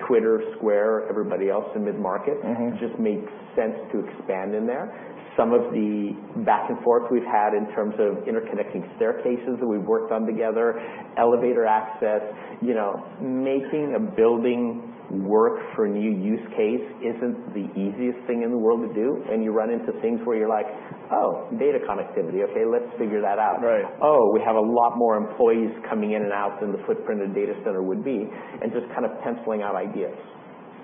Twitter, Square, everybody else in Mid-Market- It just made sense to expand in there. Some of the back and forth we've had in terms of interconnecting staircases that we've worked on together, elevator access. Making a building work for a new use case isn't the easiest thing in the world to do. You run into things where you're like, "Oh, data connectivity. Okay, let's figure that out. Right. Oh, we have a lot more employees coming in and out than the footprint of the data center would be, just kind of penciling out ideas.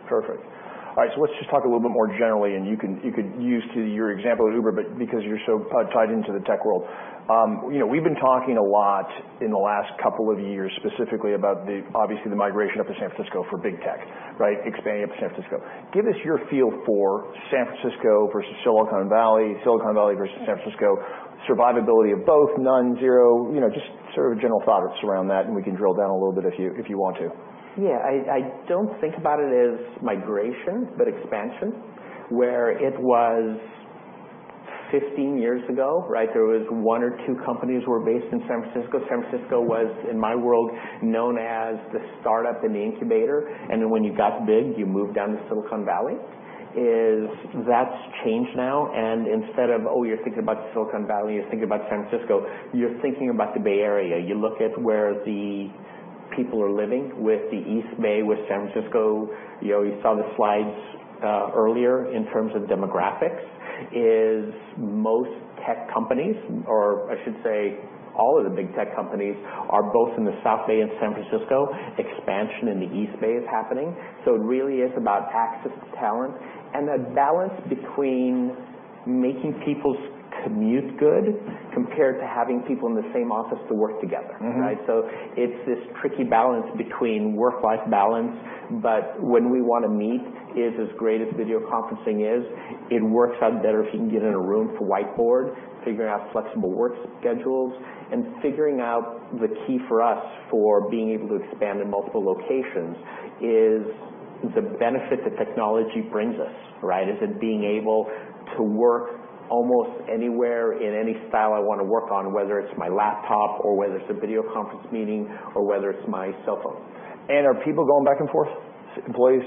Perfect. All right, let's just talk a little bit more generally, and you could use your example at Uber, because you're so tied into the tech world. We've been talking a lot in the last couple of years specifically about, obviously, the migration up to San Francisco for big tech. Expanding up to San Francisco. Give us your feel for San Francisco versus Silicon Valley, Silicon Valley versus San Francisco, survivability of both, none, zero. Just sort of general thoughts around that, and we can drill down a little bit if you want to. I don't think about it as migration, but expansion. Where it was 15 years ago, there was one or two companies who were based in San Francisco. San Francisco was, in my world, known as the startup and the incubator. When you got big, you moved down to Silicon Valley, is that's changed now. Instead of, oh, you're thinking about Silicon Valley, you're thinking about San Francisco, you're thinking about the Bay Area. You look at where the people are living with the East Bay, with San Francisco. You saw the slides earlier in terms of demographics, is most tech companies, or I should say, all of the big tech companies, are both in the South Bay and San Francisco. Expansion in the East Bay is happening. It really is about access to talent and that balance between making people's commute good compared to having people in the same office to work together. It's this tricky balance between work/life balance, but when we want to meet is, as great as video conferencing is, it works out better if you can get in a room for whiteboard, figuring out flexible work schedules. Figuring out the key for us for being able to expand in multiple locations is the benefit that technology brings us. Is it being able to work almost anywhere in any style I want to work on, whether it's my laptop or whether it's a video conference meeting or whether it's my cellphone. Are people going back and forth? Employees?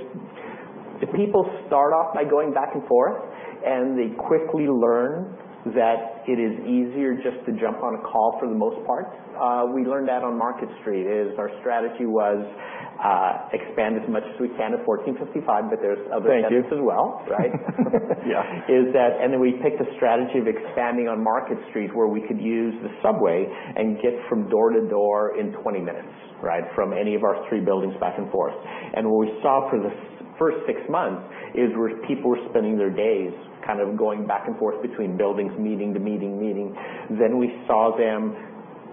The people start off by going back and forth, they quickly learn that it is easier just to jump on a call for the most part. We learned that on Market Street, is our strategy was expand as much as we can to 1455, there's other tenants as well. Thank you. Yeah. We picked a strategy of expanding on Market Street, where we could use the subway and get from door to door in 20 minutes from any of our three buildings back and forth. What we saw for the first six months is people were spending their days kind of going back and forth between buildings, meeting to meeting to meeting. We saw them,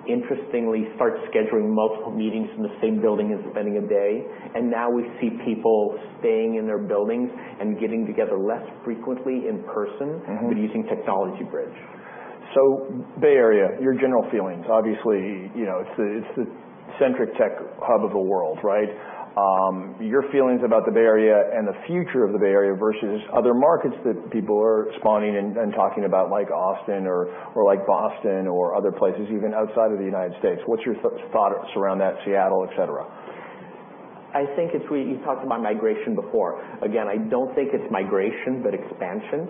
interestingly, start scheduling multiple meetings in the same building and spending a day. Now we see people staying in their buildings and getting together less frequently in person. Using technology bridge. Bay Area, your general feelings. Obviously, it's the centric tech hub of the world. Your feelings about the Bay Area and the future of the Bay Area versus other markets that people are spawning and talking about, like Austin or like Boston or other places even outside of the U.S. What's your thoughts around that? Seattle, et cetera. I think you talked about migration before. Again, I don't think it's migration, but expansion.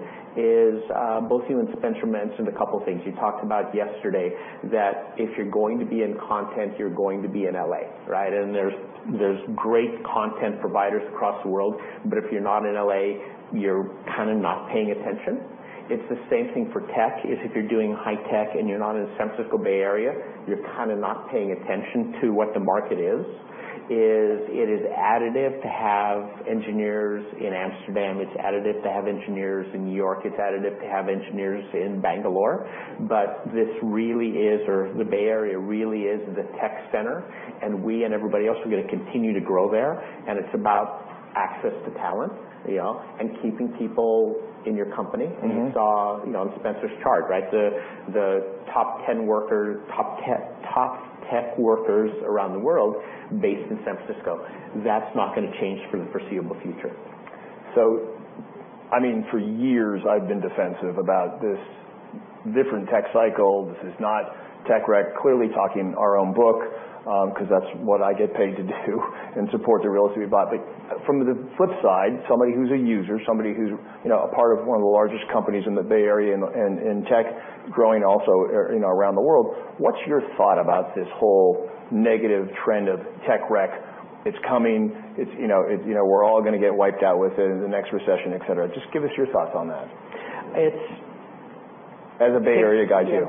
Both you and Spencer Levy mentioned a couple things. You talked about yesterday that if you're going to be in content, you're going to be in L.A. There's great content providers across the world, but if you're not in L.A., you're kind of not paying attention. It's the same thing for tech, is if you're doing high tech and you're not in the San Francisco Bay Area, you're kind of not paying attention to what the market is. It is additive to have engineers in Amsterdam. It's additive to have engineers in New York. It's additive to have engineers in Bangalore. The Bay Area really is the tech center, and we and everybody else are going to continue to grow there. It's about access to talent and keeping people in your company. You saw on Spencer Levy's chart, the top tech workers around the world based in San Francisco. That's not going to change for the foreseeable future. For years I've been defensive about this different tech cycle. This is not tech rec. Clearly talking our own book, because that's what I get paid to do, and support the realty we bought. From the flip side, somebody who's a user, somebody who's a part of one of the largest companies in the Bay Area and in tech, growing also around the world, what's your thought about this whole negative trend of tech rec? It's coming. We're all going to get wiped out with it in the next recession, et cetera. Give us your thoughts on that. It's- As a Bay Area guy, too.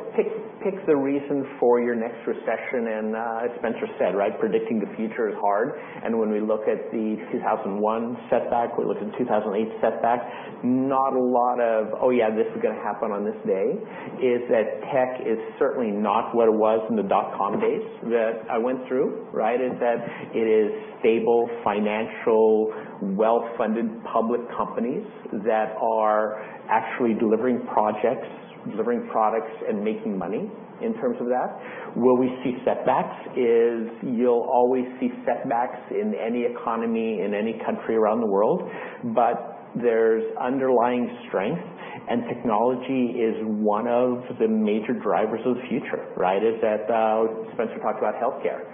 Pick the reason for your next recession, and as Spencer said, predicting the future is hard. When we look at the 2001 setback, we look at the 2008 setback, not a lot of, "Oh yeah, this is going to happen on this day." Is that tech is certainly not what it was in the dot com days that I went through. Is that it is stable, financial, well-funded public companies that are actually delivering projects, delivering products, and making money in terms of that. Will we see setbacks? You'll always see setbacks in any economy, in any country around the world, but there's underlying strength, and technology is one of the major drivers of the future. Right? As Spencer talked about healthcare.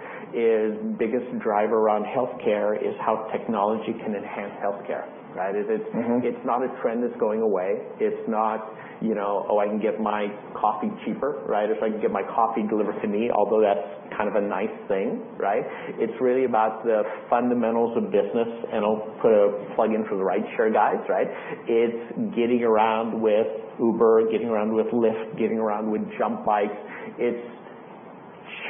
Biggest driver around healthcare is how technology can enhance healthcare. Right? It's not a trend that's going away. It's not, oh, I can get my coffee cheaper. If I can get my coffee delivered to me, although that's kind of a nice thing. It's really about the fundamentals of business, and I'll put a plug in for the rideshare guys. It's getting around with Uber, getting around with Lyft, getting around with Jump bikes. It's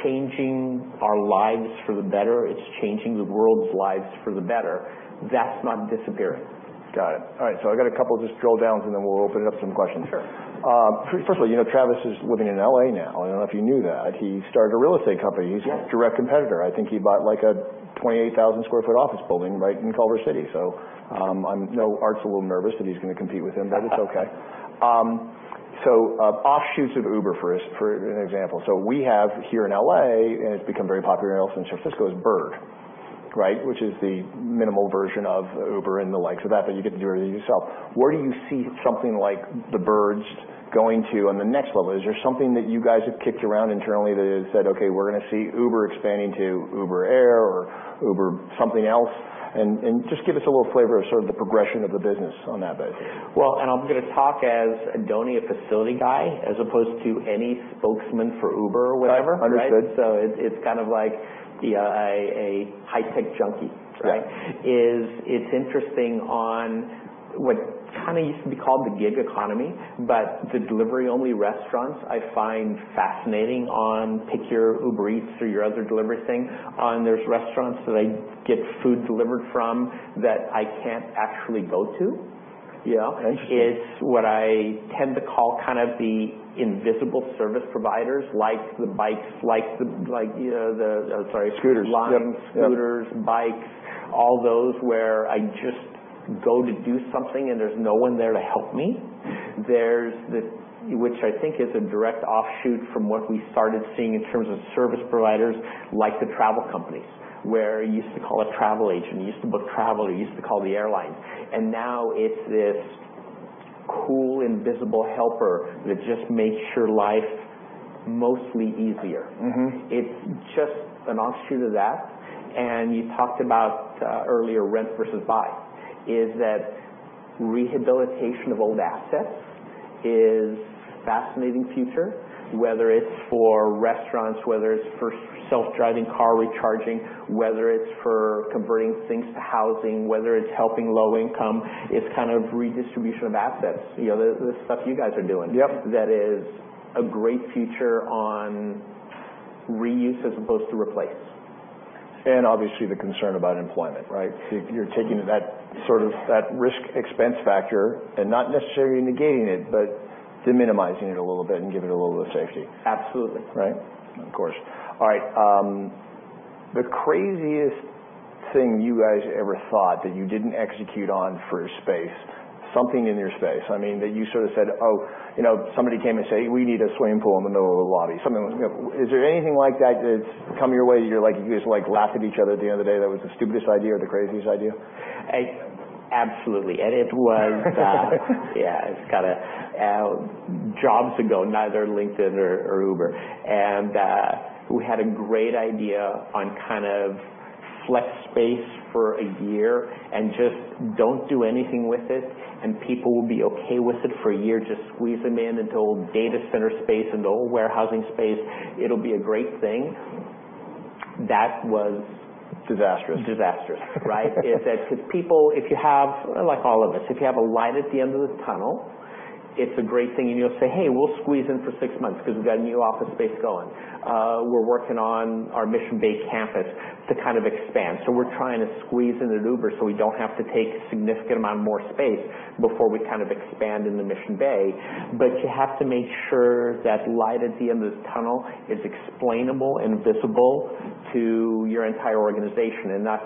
changing our lives for the better. It's changing the world's lives for the better. That's not disappearing. Got it. All right, I've got a couple just drill downs, then we'll open it up to some questions here. Sure. Firstly, Travis is living in L.A. now. I don't know if you knew that. He started a real estate company. Yeah. He's a direct competitor. I think he bought like a 28,000 sq ft office building right in Culver City. I know Art's a little nervous that he's going to compete with him, it's okay. Offshoots of Uber for an example. We have here in L.A., and it's become very popular now since San Francisco, is Bird. Which is the minimal version of Uber and the likes of that, but you get to do everything yourself. Where do you see something like the Birds going to on the next level? Is there something that you guys have kicked around internally that has said, okay, we're going to see Uber expanding to Uber Air or Uber something else? Just give us a little flavor of sort of the progression of the business on that base. Well, I'm going to talk as Donny, a facility guy, as opposed to any spokesman for Uber or whatever. Got it. Understood. It's kind of like a high-tech junkie. Right. It's interesting on what kind of used to be called the gig economy, but the delivery-only restaurants I find fascinating on pick your Uber Eats or your other delivery thing. There's restaurants that I get food delivered from that I can't actually go to. Yeah. Interesting. It's what I tend to call kind of the invisible service providers, like the bikes, like the Sorry. Scooters. Yep. Lime scooters, bikes, all those where I just go to do something and there's no one there to help me. Which I think is a direct offshoot from what we started seeing in terms of service providers like the travel companies, where you used to call a travel agent, you used to book travel, you used to call the airline. Now it's this cool invisible helper that just makes your life mostly easier. It's just an offshoot of that. You talked about earlier rent versus buy, is that rehabilitation of old assets is a fascinating future, whether it's for restaurants, whether it's for self-driving car recharging, whether it's for converting things to housing, whether it's helping low income. It's kind of redistribution of assets, the stuff you guys are doing. Yep. That is a great future on reuse as opposed to replace. Obviously the concern about employment, right? You're taking that risk expense factor and not necessarily negating it, but de-minimizing it a little bit and give it a little bit of safety. Absolutely. Right. Of course. All right. The craziest thing you guys ever thought that you didn't execute on for a space, something in your space, that you sort of said, oh, somebody came and said, "We need a swimming pool in the middle of the lobby." Something Is there anything like that that's come your way that you just laughed at each other at the end of the day that was the stupidest idea or the craziest idea? Absolutely. yeah. It's got jobs ago, neither LinkedIn or Uber. We had a great idea on kind of flex space for a year, just don't do anything with it, people will be okay with it for a year. Just squeeze them into old data center space, into old warehousing space. It'll be a great thing. Disastrous Disastrous. People, if you have, like all of us, if you have a light at the end of the tunnel, it's a great thing, and you'll say, "Hey, we'll squeeze in for 6 months because we've got a new office space going. We're working on our Mission Bay campus to kind of expand. We're trying to squeeze into Uber so we don't have to take a significant amount more space before we kind of expand into Mission Bay." You have to make sure that light at the end of the tunnel is explainable and visible to your entire organization, and not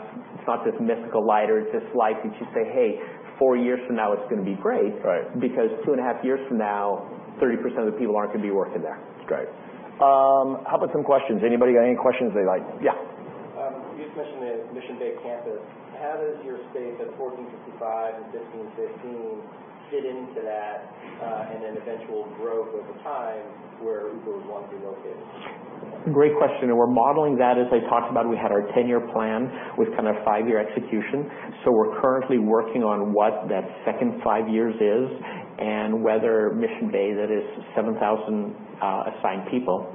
this mythical light or this light that you say, "Hey, 4 years from now, it's going to be great. Right. Two and a half years from now, 30% of the people aren't going to be working there. That's great. How about some questions? Anybody got any questions they'd like? Yeah You just mentioned the Mission Bay campus. How does your space at 1465 and 1515 fit into that, and then eventual growth over time where Uber would want to be located? Great question. We're modeling that. As I talked about, we had our 10-year plan with kind of five-year execution. We're currently working on what that second five years is and whether Mission Bay, that is 7,000 assigned people,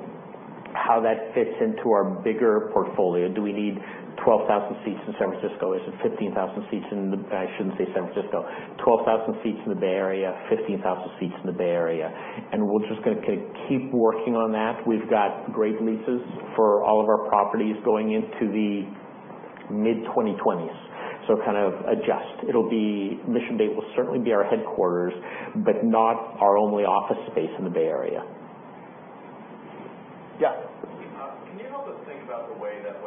how that fits into our bigger portfolio. Do we need 12,000 seats in San Francisco? Is it 15,000 seats in the-- I shouldn't say San Francisco. 12,000 seats in the Bay Area, 15,000 seats in the Bay Area. We're just going to keep working on that. We've got great leases for all of our properties going into the mid-2020s. Kind of adjust. Mission Bay will certainly be our headquarters, but not our only office space in the Bay Area. Yeah. Can you help us think about the way that,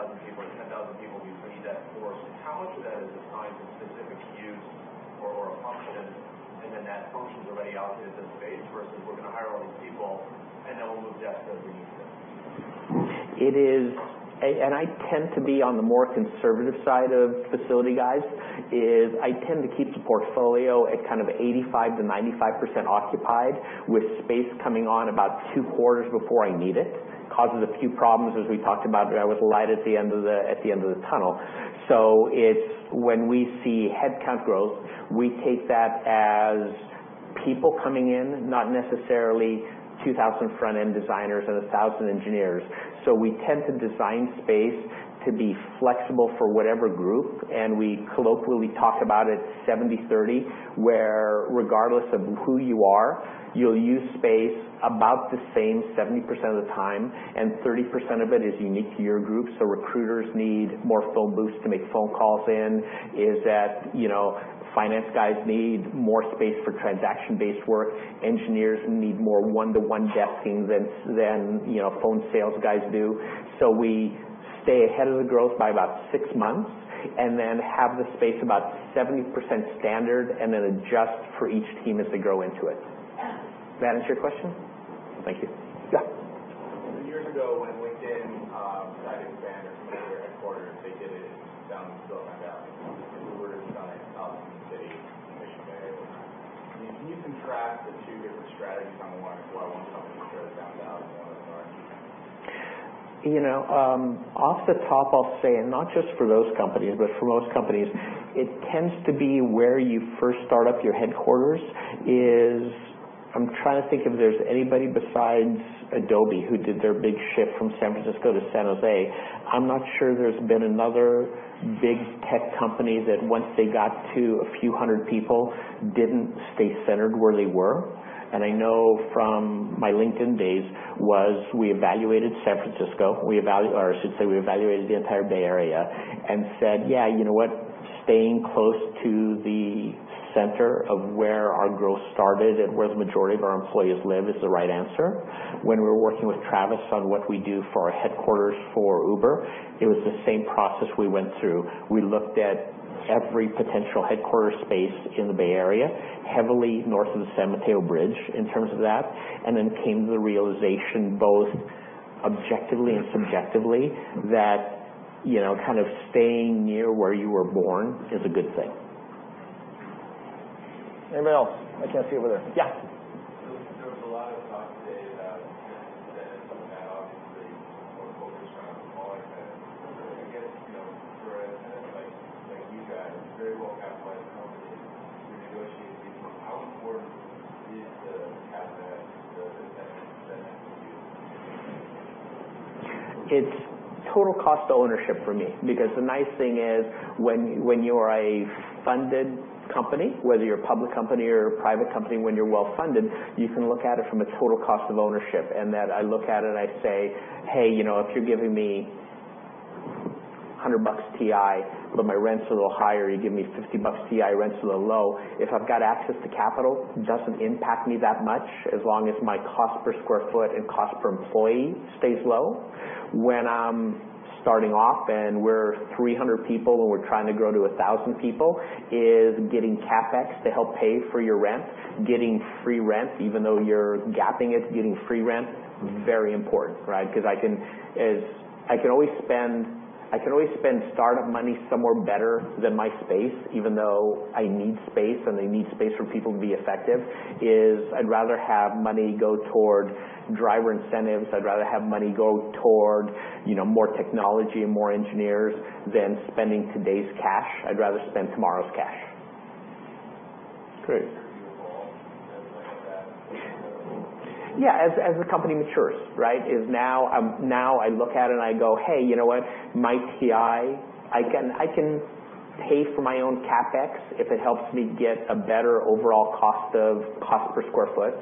whether it be a LinkedIn or an Uber, when they expand, they say, "We're going to hire 5,000 people or 10,000 people. We need that floor." How much of that is assigned to a specific use or a function, and then that function's already out there in the space versus we're going to hire all these people, and then we'll move desks as we need them? I tend to be on the more conservative side of facility guys, is I tend to keep the portfolio at kind of 85%-95% occupied with space coming on about two quarters before I need it. Causes a few problems, as we talked about with light at the end of the tunnel. When we see headcount growth, we take that as people coming in, not necessarily 2,000 front-end designers and 1,000 engineers. We tend to design space to be flexible for whatever group, and we colloquially talk about it 70/30, where regardless of who you are, you'll use space about the same 70% of the time, and 30% of it is unique to your group. Recruiters need more phone booths to make phone calls in. Finance guys need more space for transaction-based work. Engineers need more one-to-one desking than phone sales guys do. We stay ahead of the growth by about six months, and then have the space about 70% standard, and then adjust for each team as they grow into it. Does that answer your question? Thank you. Yeah. A few years ago when LinkedIn decided to expand their headquarters, they did it down in Silicon Valley. Uber decided Silicon City, Mission Bay. Can you contrast the two different strategies on why one company chose downtown and one in the Bay Area? Off the top, I'll say, not just for those companies, but for most companies, it tends to be where you first start up your headquarters is. I'm trying to think if there's anybody besides Adobe who did their big shift from San Francisco to San Jose. I'm not sure there's been another big tech company that once they got to a few hundred people, didn't stay centered where they were. I know from my LinkedIn days was we evaluated San Francisco. I should say we evaluated the entire Bay Area and said, "Yeah, you know what? Staying close to the center of where our growth started and where the majority of our employees live is the right answer." When we were working with Travis on what we do for our headquarters for Uber, it was the same process we went through. We looked at every potential headquarter space in the Bay Area, heavily north of the San Mateo Bridge in terms of that. Then came to the realization, both objectively and subjectively, that staying near where you were born is a good thing. Anybody else? I can't see you over there. Yeah. There was a lot of talk today about tenants and incentives, that obviously is more focused around smaller tenants. I guess for a tenant like you guys, a very well-capitalized company, renegotiating leases, how important is the CapEx, the incentives that you can get? It's total cost of ownership for me. The nice thing is when you are a funded company, whether you're a public company or a private company, when you're well-funded, you can look at it from a total cost of ownership. That I look at it and I say, "Hey, if you're giving me $100 TI, my rent's a little higher, you give me $50 TI, rent's a little low." If I've got access to capital, doesn't impact me that much, as long as my cost per square foot and cost per employee stays low. When I'm starting off and we're 300 people and we're trying to grow to 1,000 people, is getting CapEx to help pay for your rent, getting free rent, even though you're gapping it, getting free rent, very important, right? I can always spend startup money somewhere better than my space, even though I need space and I need space for people to be effective, is I'd rather have money go toward driver incentives. I'd rather have money go toward more technology and more engineers than spending today's cash. I'd rather spend tomorrow's cash. Great. As you mature, you evolve, does some of that go away? As a company matures, right? Now I look at it and I go, "Hey, you know what? My TI, I can pay for my own CapEx if it helps me get a better overall cost per square foot."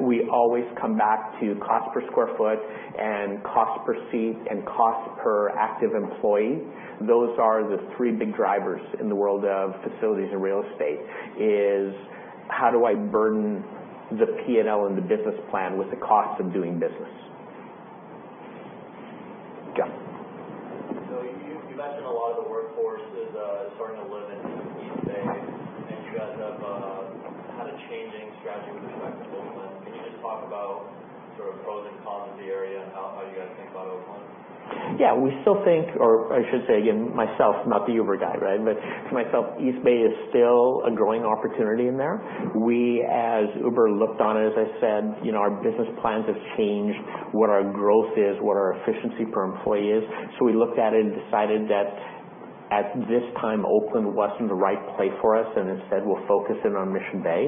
We always come back to cost per square foot and cost per seat and cost per active employee. Those are the three big drivers in the world of facilities and real estate, is how do I burden the P&L and the business plan with the cost of doing business? Yeah. You mentioned a lot of the workforce is starting to live in the East Bay, and you guys have had a changing strategy with respect to Oakland. Can you just talk about sort of pros and cons of the area and how you guys think about Oakland? We still think, or I should say again, myself, not the Uber guy, right? For myself, East Bay is still a growing opportunity in there. We, as Uber, looked on it, as I said, our business plans have changed, what our growth is, what our efficiency per employee is. We looked at it and decided that at this time, Oakland wasn't the right play for us, and instead we're focusing on Mission Bay.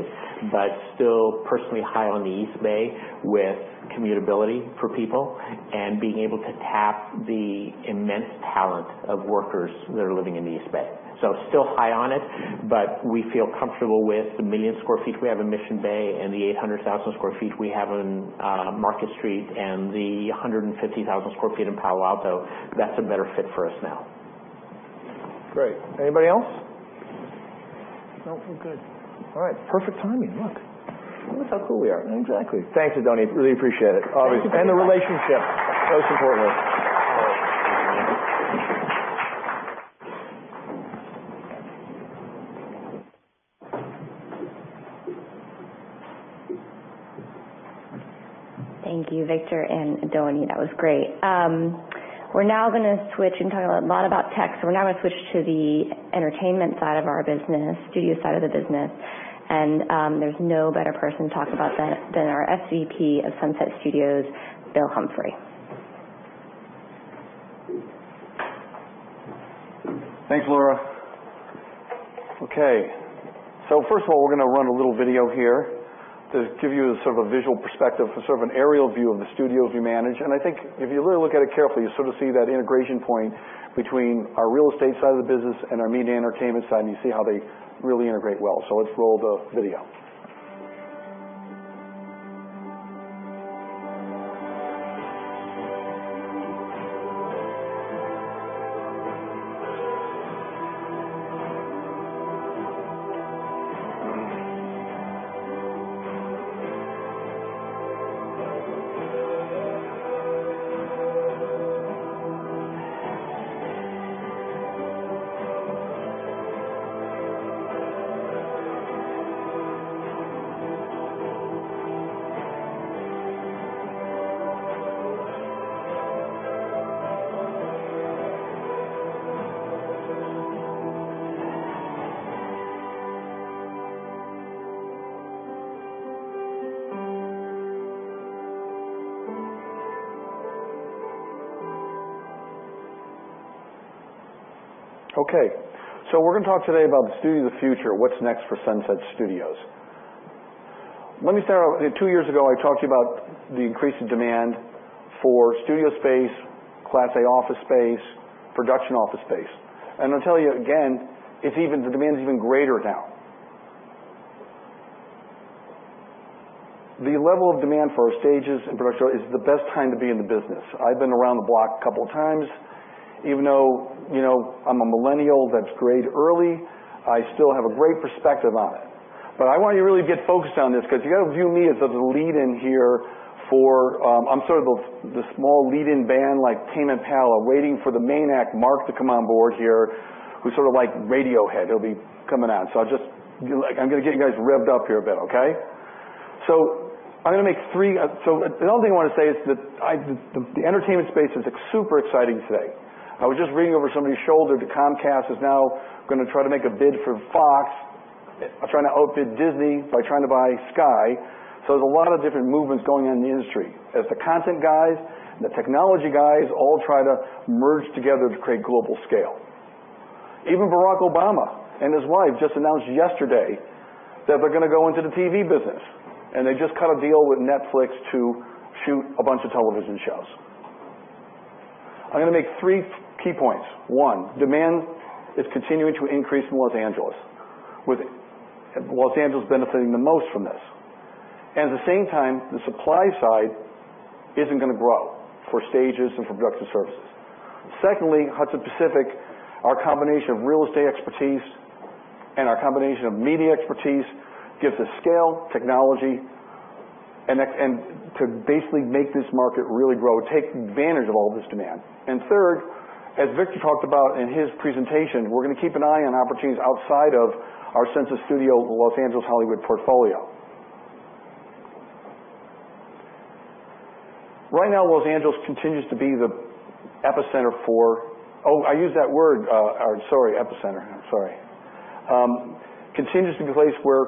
Still personally high on the East Bay with commutability for people and being able to tap the immense talent of workers that are living in the East Bay. Still high on it, but we feel comfortable with the 1 million sq ft we have in Mission Bay and the 800,000 sq ft we have on Market Street and the 150,000 sq ft in Palo Alto. That's a better fit for us now. Great. Anybody else? No, we're good. All right. Perfect timing. Look. Look how cool we are. Exactly. Thanks, Adony. Really appreciate it. Obviously. The relationship, most importantly. Thank you, Victor and Adony. That was great. We're now going to switch and talk a lot about tech, so we're now going to switch to the entertainment side of our business, studio side of the business. There's no better person to talk about that than our SVP of Sunset Studios, Bill Humphrey. Thanks, Laura. Okay. First of all, we're going to run a little video here to give you sort of a visual perspective, sort of an aerial view of the studios we manage. I think if you really look at it carefully, you sort of see that integration point between our real estate side of the business and our media and entertainment side, and you see how they really integrate well. Let's roll the video. Okay. We're going to talk today about the studio of the future, what's next for Sunset Studios. Let me start out, two years ago, I talked to you about the increase in demand for studio space, Class A office space, production office space. I'll tell you again, the demand is even greater now. The level of demand for our stages and production is the best time to be in the business. I've been around the block a couple of times. Even though I'm a millennial that's grayed early, I still have a great perspective on it. I want you to really get focused on this because you got to view me as the lead in here for I'm sort of the small lead-in band, like Tame Impala, waiting for the main act, Mark, to come on board here, who's sort of like Radiohead, who'll be coming out. I'm going to get you guys revved up here a bit, okay? The only thing I want to say is that the entertainment space is super exciting today. I was just reading over somebody's shoulder that Comcast is now going to try to make a bid for Fox, trying to outbid Disney by trying to buy Sky. There's a lot of different movements going on in the industry as the content guys and the technology guys all try to merge together to create global scale. Even Barack Obama and his wife just announced yesterday that they're going to go into the TV business, and they just cut a deal with Netflix to shoot a bunch of television shows. I'm going to make three key points. One, demand is continuing to increase in Los Angeles, with Los Angeles benefiting the most from this. At the same time, the supply side isn't going to grow for stages and for production services. Secondly, Hudson Pacific, our combination of real estate expertise and our combination of media expertise gives us scale, technology, and to basically make this market really grow, take advantage of all this demand. third, as Victor talked about in his presentation, we're going to keep an eye on opportunities outside of our Sunset Studios, Los Angeles, Hollywood portfolio. Right now, Los Angeles continues to be the epicenter. Continues to be the place where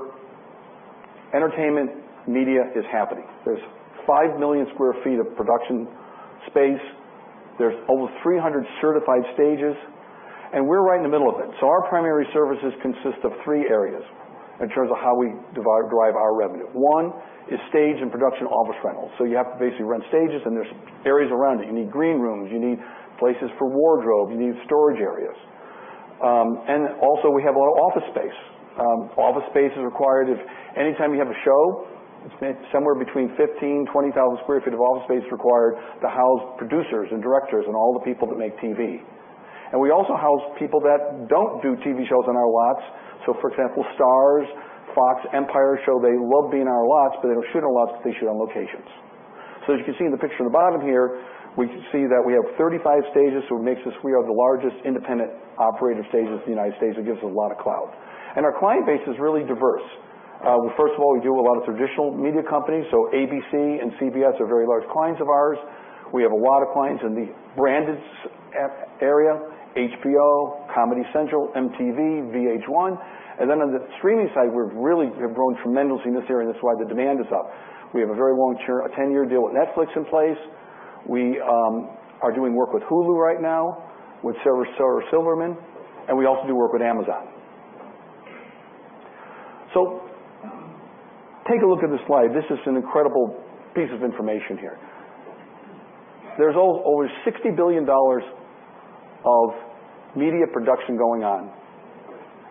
entertainment media is happening. There's 5 million sq ft of production space. There's over 300 certified stages, and we're right in the middle of it. Our primary services consist of three areas in terms of how we derive our revenue. One is stage and production office rentals. You have to basically rent stages, and there's areas around it. You need green rooms, you need places for wardrobe, you need storage areas. Also, we have office space. Office space is required anytime you have a show. It's somewhere between 15,000-20,000 sq ft of office space required to house producers and directors and all the people that make TV. We also house people that don't do TV shows on our lots. For example, Starz, Fox, Empire show, they love being on our lots, but they don't shoot on our lots because they shoot on locations. As you can see in the picture on the bottom here, we can see that we have 35 stages, so it makes us, we are the largest independent operator stages in the U.S. It gives us a lot of clout. Our client base is really diverse. First of all, we do a lot of traditional media companies, ABC and CBS are very large clients of ours. We have a lot of clients in the branded area, HBO, Comedy Central, MTV, VH1. On the streaming side, we've grown tremendously in this area. That's why the demand is up. We have a very long-term, a 10-year deal with Netflix in place. We are doing work with Hulu right now, with Silverman, and we also do work with Amazon. Take a look at this slide. This is an incredible piece of information here. There's over $60 billion of media production going on,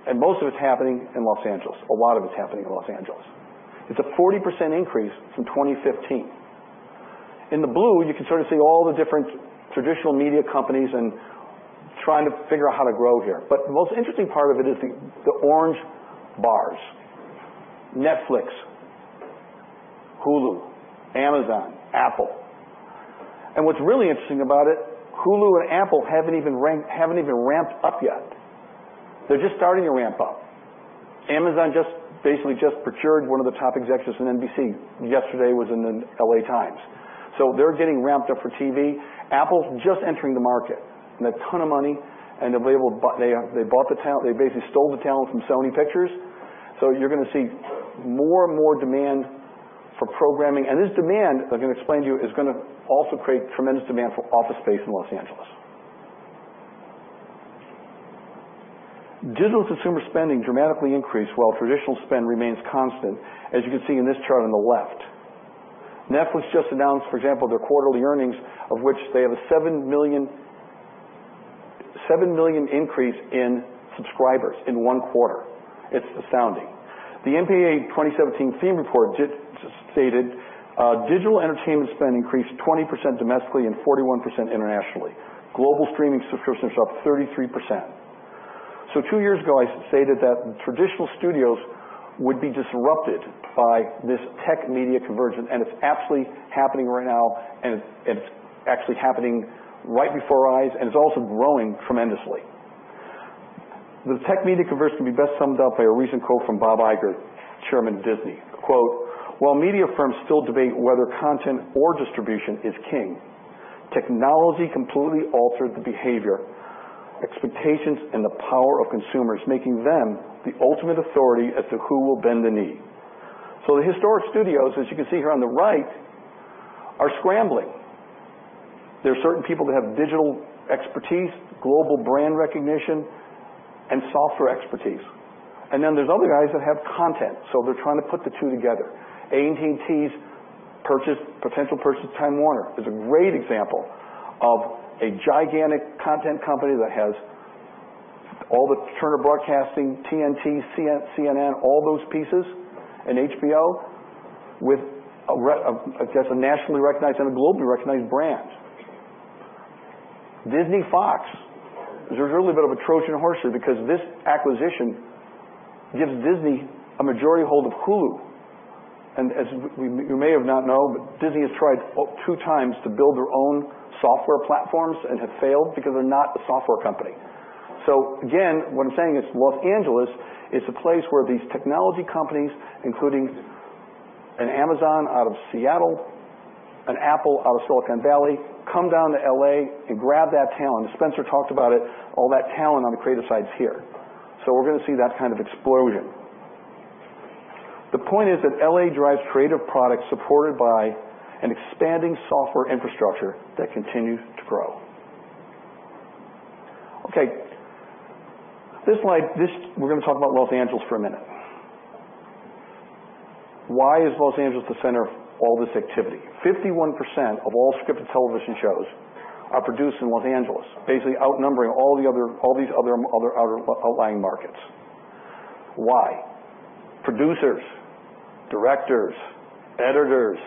and most of it's happening in L.A. A lot of it's happening in L.A. It's a 40% increase from 2015. In the blue, you can sort of see all the different traditional media companies and trying to figure out how to grow here. The most interesting part of it is the orange bars. Netflix, Hulu, Amazon, Apple. What's really interesting about it, Hulu and Apple haven't even ramped up yet. They're just starting to ramp up. Amazon basically just procured one of the top executives from NBC. Yesterday was in the Los Angeles Times. They're getting ramped up for TV. Apple's just entering the market, and a ton of money, they basically stole the talent from Sony Pictures. You're going to see more and more demand for programming. This demand, as I'm going to explain to you, is going to also create tremendous demand for office space in L.A. Digital consumer spending dramatically increased while traditional spend remains constant, as you can see in this chart on the left. Netflix just announced, for example, their quarterly earnings, of which they have a 7 million increase in subscribers in one quarter. It's astounding. The MPAA 2017 theme report stated, "Digital entertainment spend increased 20% domestically and 41% internationally. Global streaming subscriptions are up 33%. Two years ago, I stated that traditional studios would be disrupted by this tech-media convergence, it's absolutely happening right now, it's actually happening right before our eyes, it's also growing tremendously. The tech-media convergence can be best summed up by a recent quote from Bob Iger, Chairman of Disney. Quote, "While media firms still debate whether content or distribution is king, technology completely altered the behavior, expectations, and the power of consumers, making them the ultimate authority as to who will bend the knee." The historic studios, as you can see here on the right, are scrambling. There are certain people that have digital expertise, global brand recognition, and software expertise. Then there's other guys that have content, they're trying to put the two together. AT&T's potential purchase of Time Warner is a great example of a gigantic content company that has all the Turner Broadcasting, TNT, CNN, all those pieces, and HBO, with a nationally recognized and a globally recognized brand. Disney-Fox is really a bit of a Trojan horse here because this acquisition gives Disney a majority hold of Hulu. As you may have not known, but Disney has tried two times to build their own software platforms and have failed because they're not a software company. Again, what I'm saying is Los Angeles is a place where these technology companies, including an Amazon out of Seattle, an Apple out of Silicon Valley, come down to L.A. and grab that talent. Spencer talked about it, all that talent on the creative side is here. We're going to see that kind of explosion. The point is that L.A. drives creative products supported by an expanding software infrastructure that continues to grow. This slide, we're going to talk about Los Angeles for a minute. Why is Los Angeles the center of all this activity? 51% of all scripted television shows are produced in Los Angeles, basically outnumbering all these other outlying markets. Why? Producers, directors, editors,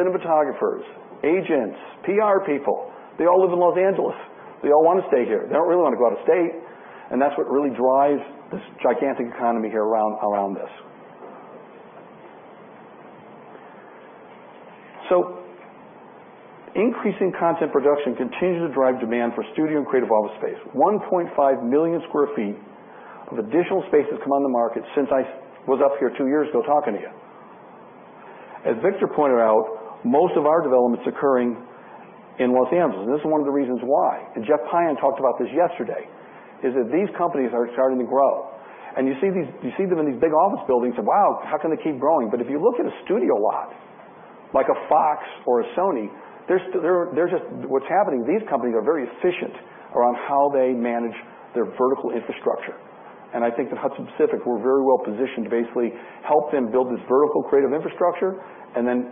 cinematographers, agents, PR people, they all live in Los Angeles. They all want to stay here. They don't really want to go out of state. That's what really drives this gigantic economy here around this. Increasing content production continues to drive demand for studio and creative office space. 1.5 million sq ft of additional space has come on the market since I was up here two years ago talking to you. As Victor pointed out, most of our development's occurring in Los Angeles, this is one of the reasons why. Jeff Pion talked about this yesterday, is that these companies are starting to grow. You see them in these big office buildings and say, "Wow, how can they keep growing?" But if you look at a studio lot, like a Fox or a Sony, what's happening, these companies are very efficient around how they manage their vertical infrastructure. I think that Hudson Pacific, we're very well positioned to basically help them build this vertical creative infrastructure and then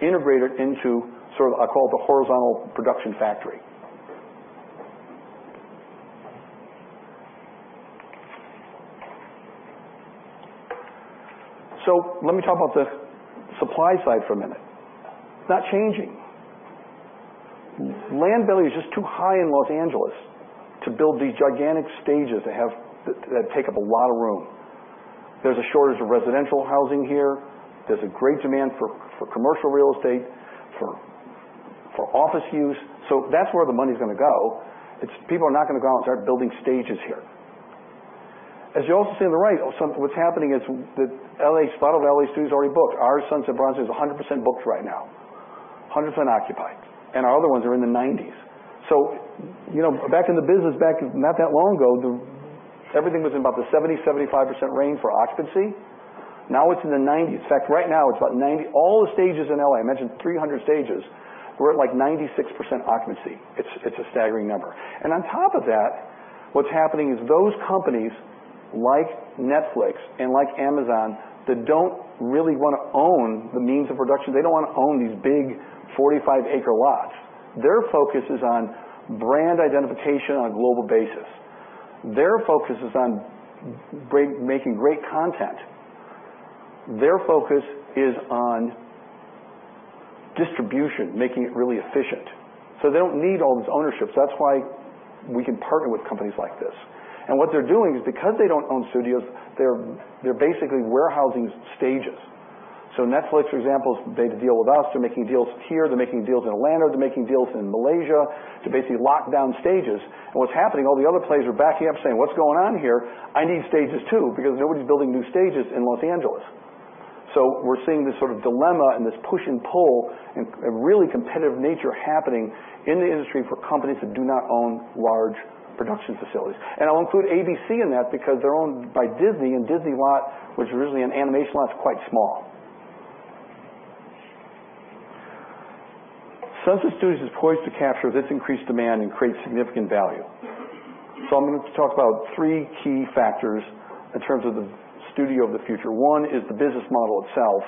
integrate it into sort of, I call it the horizontal production factory. Let me talk about the supply side for a minute. It's not changing. Land value is just too high in Los Angeles to build these gigantic stages that take up a lot of room. There's a shortage of residential housing here. There's a great demand for commercial real estate, for office use. That's where the money's going to go. People are not going to go out and start building stages here. You also see on the right, what's happening is that a lot of L.A. studios are already booked. Our Sunset Bronson is 100% booked right now, 100% occupied, and our other ones are in the 90s. Back in the business, back not that long ago, everything was in about the 70%-75% range for occupancy. Now it's in the 90s. In fact, right now all the stages in L.A., I mentioned 300 stages, we're at 96% occupancy. It's a staggering number. On top of that, what's happening is those companies like Netflix and like Amazon that don't really want to own the means of production, they don't want to own these big 45-acre lots. Their focus is on brand identification on a global basis. Their focus is on making great content. Their focus is on distribution, making it really efficient. They don't need all this ownership. That's why we can partner with companies like this. What they're doing is, because they don't own studios, they're basically warehousing stages. Netflix, for example, they have a deal with us. They're making deals here. They're making deals in Atlanta. They're making deals in Malaysia to basically lock down stages. What's happening, all the other players are backing up saying, "What's going on here? I need stages too," because nobody's building new stages in Los Angeles. We're seeing this dilemma and this push and pull and really competitive nature happening in the industry for companies that do not own large production facilities. I'll include ABC in that because they're owned by Disney, and Disney lot, which originally an animation lot, is quite small. Sunset Studios is poised to capture this increased demand and create significant value. I'm going to talk about three key factors in terms of the studio of the future. One is the business model itself.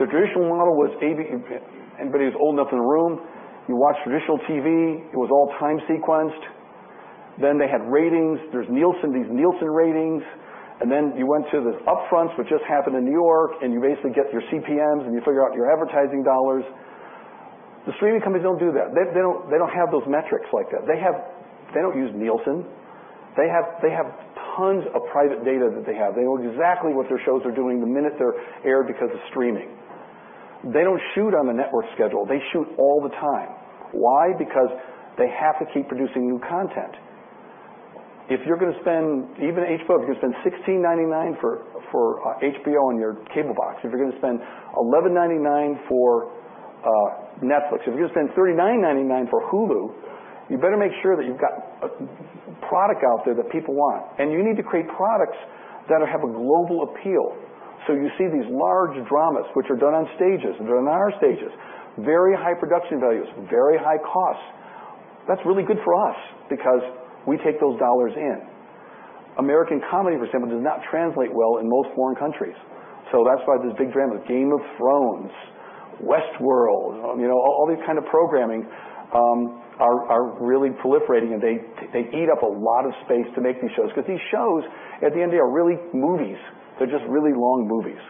The traditional model was, anybody who's old enough in the room, you watch traditional TV, it was all time sequenced, then they had ratings. There's these Nielsen ratings, and then you went to the upfronts, which just happened in New York, and you basically get your CPMs and you figure out your advertising dollars. The streaming companies don't do that. They don't have those metrics like that. They don't use Nielsen. They have tons of private data that they have. They know exactly what their shows are doing the minute they're aired because of streaming. They don't shoot on the network schedule. They shoot all the time. Why? Because they have to keep producing new content. If you're going to spend, even HBO, if you're going to spend $16.99 for HBO on your cable box, if you're going to spend $11.99 for Netflix, if you're going to spend $39.99 for Hulu, you better make sure that you've got a product out there that people want. You need to create products that have a global appeal. You see these large dramas which are done on stages, they're done on our stages. Very high production values, very high costs. That's really good for us because we take those dollars in. American comedy, for example, does not translate well in most foreign countries. That's why this big dramas, "Game of Thrones," "Westworld," all these kind of programming are really proliferating and they eat up a lot of space to make these shows because these shows, at the end, they are really movies. They're just really long movies.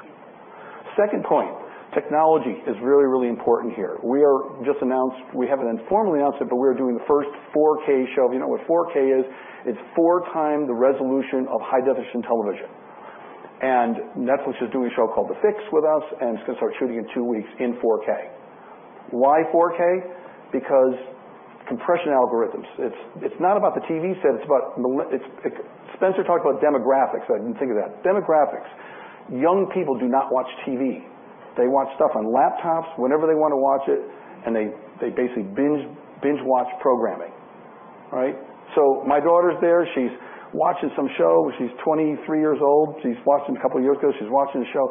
Second point, technology is really, really important here. We haven't informally announced it, but we're doing the first 4K show. If you know what 4K is, it's four times the resolution of high-definition television. Netflix is doing a show called "The Fix" with us, and it's going to start shooting in two weeks in 4K. Why 4K? Because compression algorithms. It's not about the TV set. Spencer talked about demographics. I didn't think of that. Demographics. Young people do not watch TV. They watch stuff on laptops whenever they want to watch it, they basically binge-watch programming. All right? My daughter's there. She's watching some show. She's 23 years old. A couple of years ago, she's watching a show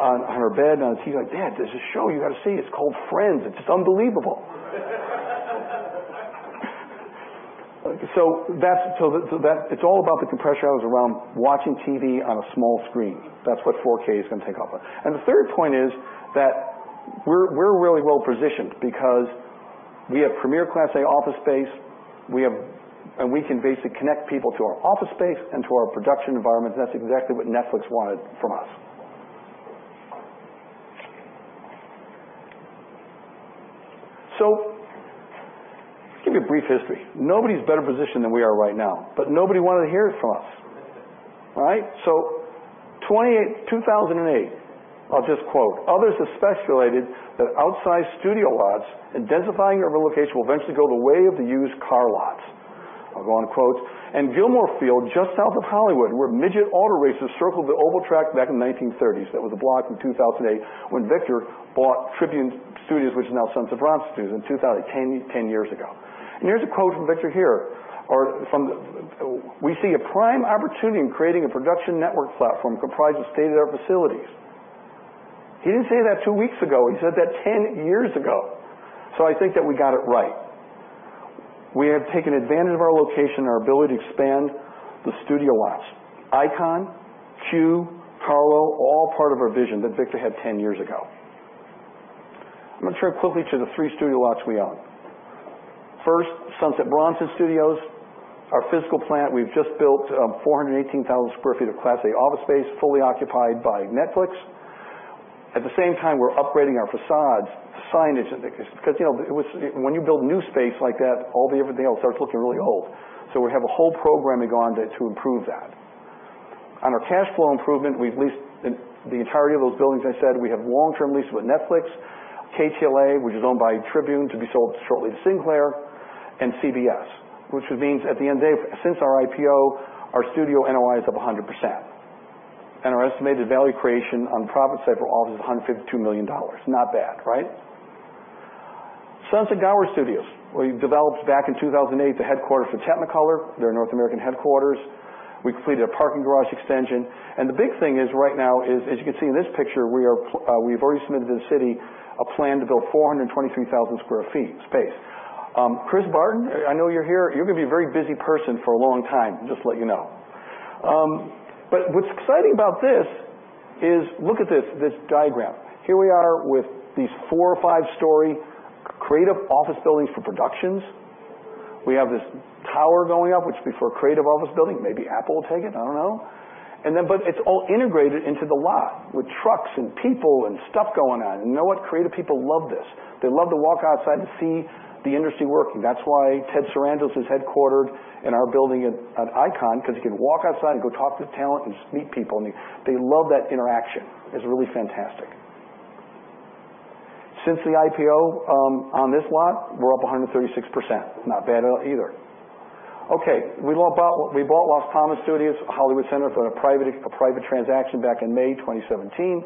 on her bed, on her TV, like, "Dad, there's a show you got to see. It's called 'Friends.' It's just unbelievable." It's all about the compression algorithms around watching TV on a small screen. That's what 4K is going to take off on. The third point is that we're really well-positioned because we have premier Class A office space, and we can basically connect people to our office space and to our production environment, and that's exactly what Netflix wanted from us. Let's give you a brief history. Nobody's better positioned than we are right now, but nobody wanted to hear it from us. All right? 2008, I'll just quote, "Others have speculated that outsized studio lots, identifying or relocation will eventually go the way of the used car lots." I'll go on and quote, "In Gilmore Field, just south of Hollywood, where midget auto races circled the oval track back in the 1930s." That was a blog from 2008 when Victor bought Tribune Studios, which is now Sunset Bronson Studios 10 years ago. Here's a quote from Victor here. "We see a prime opportunity in creating a production network platform comprised of state-of-the-art facilities." He didn't say that two weeks ago. He said that 10 years ago. I think that we got it right. We have taken advantage of our location and our ability to expand the studio lots. ICON, CUE, Harlow, all part of our vision that Victor had 10 years ago. I'm going to turn quickly to the three studio lots we own. First, Sunset Bronson Studios, our physical plant. We've just built 418,000 sq ft of Class A office space, fully occupied by Netflix. At the same time, we're upgrading our facades, the signage, because when you build new space like that, all the everything else starts looking really old. We have a whole program we've gone to improve that. On our cash flow improvement, we've leased the entirety of those buildings, I said. We have long-term leases with Netflix, KTLA, which is owned by Tribune, to be sold shortly to Sinclair, and CBS, which means at the end of the day, since our IPO, our studio NOI is up 100%. Our estimated value creation on profit center office is $152 million. Not bad, right? Sunset Gower Studios. We developed back in 2008 the headquarters for Technicolor, their North American headquarters. We completed a parking garage extension. The big thing is right now is, as you can see in this picture, we've already submitted to the city a plan to build 423,000 square feet space. Chris Barton, I know you're here. You're going to be a very busy person for a long time, just to let you know. What's exciting about this is, look at this diagram. Here we are with these four or five-story creative office buildings for productions. We have this tower going up, which will be for a creative office building. Maybe Apple will take it, I don't know. It's all integrated into the lot, with trucks and people and stuff going on. You know what? Creative people love this. They love to walk outside and see the industry working. That's why Ted Sarandos is headquartered in our building at ICON, because he can walk outside and go talk to talent and just meet people, and they love that interaction. It's really fantastic. Since the IPO on this lot, we're up 136%. Not bad at all either. Okay, we bought Los Feliz Studios, Hollywood Center, for a private transaction back in May 2017.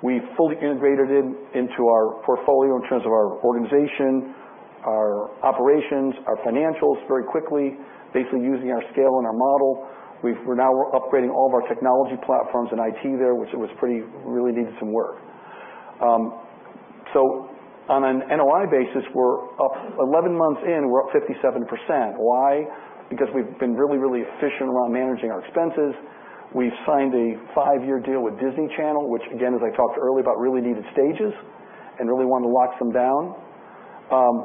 We fully integrated it into our portfolio in terms of our organization, our operations, our financials very quickly, basically using our scale and our model. We're now upgrading all of our technology platforms and IT there, which really needed some work. On an NOI basis, 11 months in, we're up 57%. Why? Because we've been really efficient around managing our expenses. We've signed a five-year deal with Disney Channel, which again, as I talked earlier about, really needed stages and really wanted to lock some down.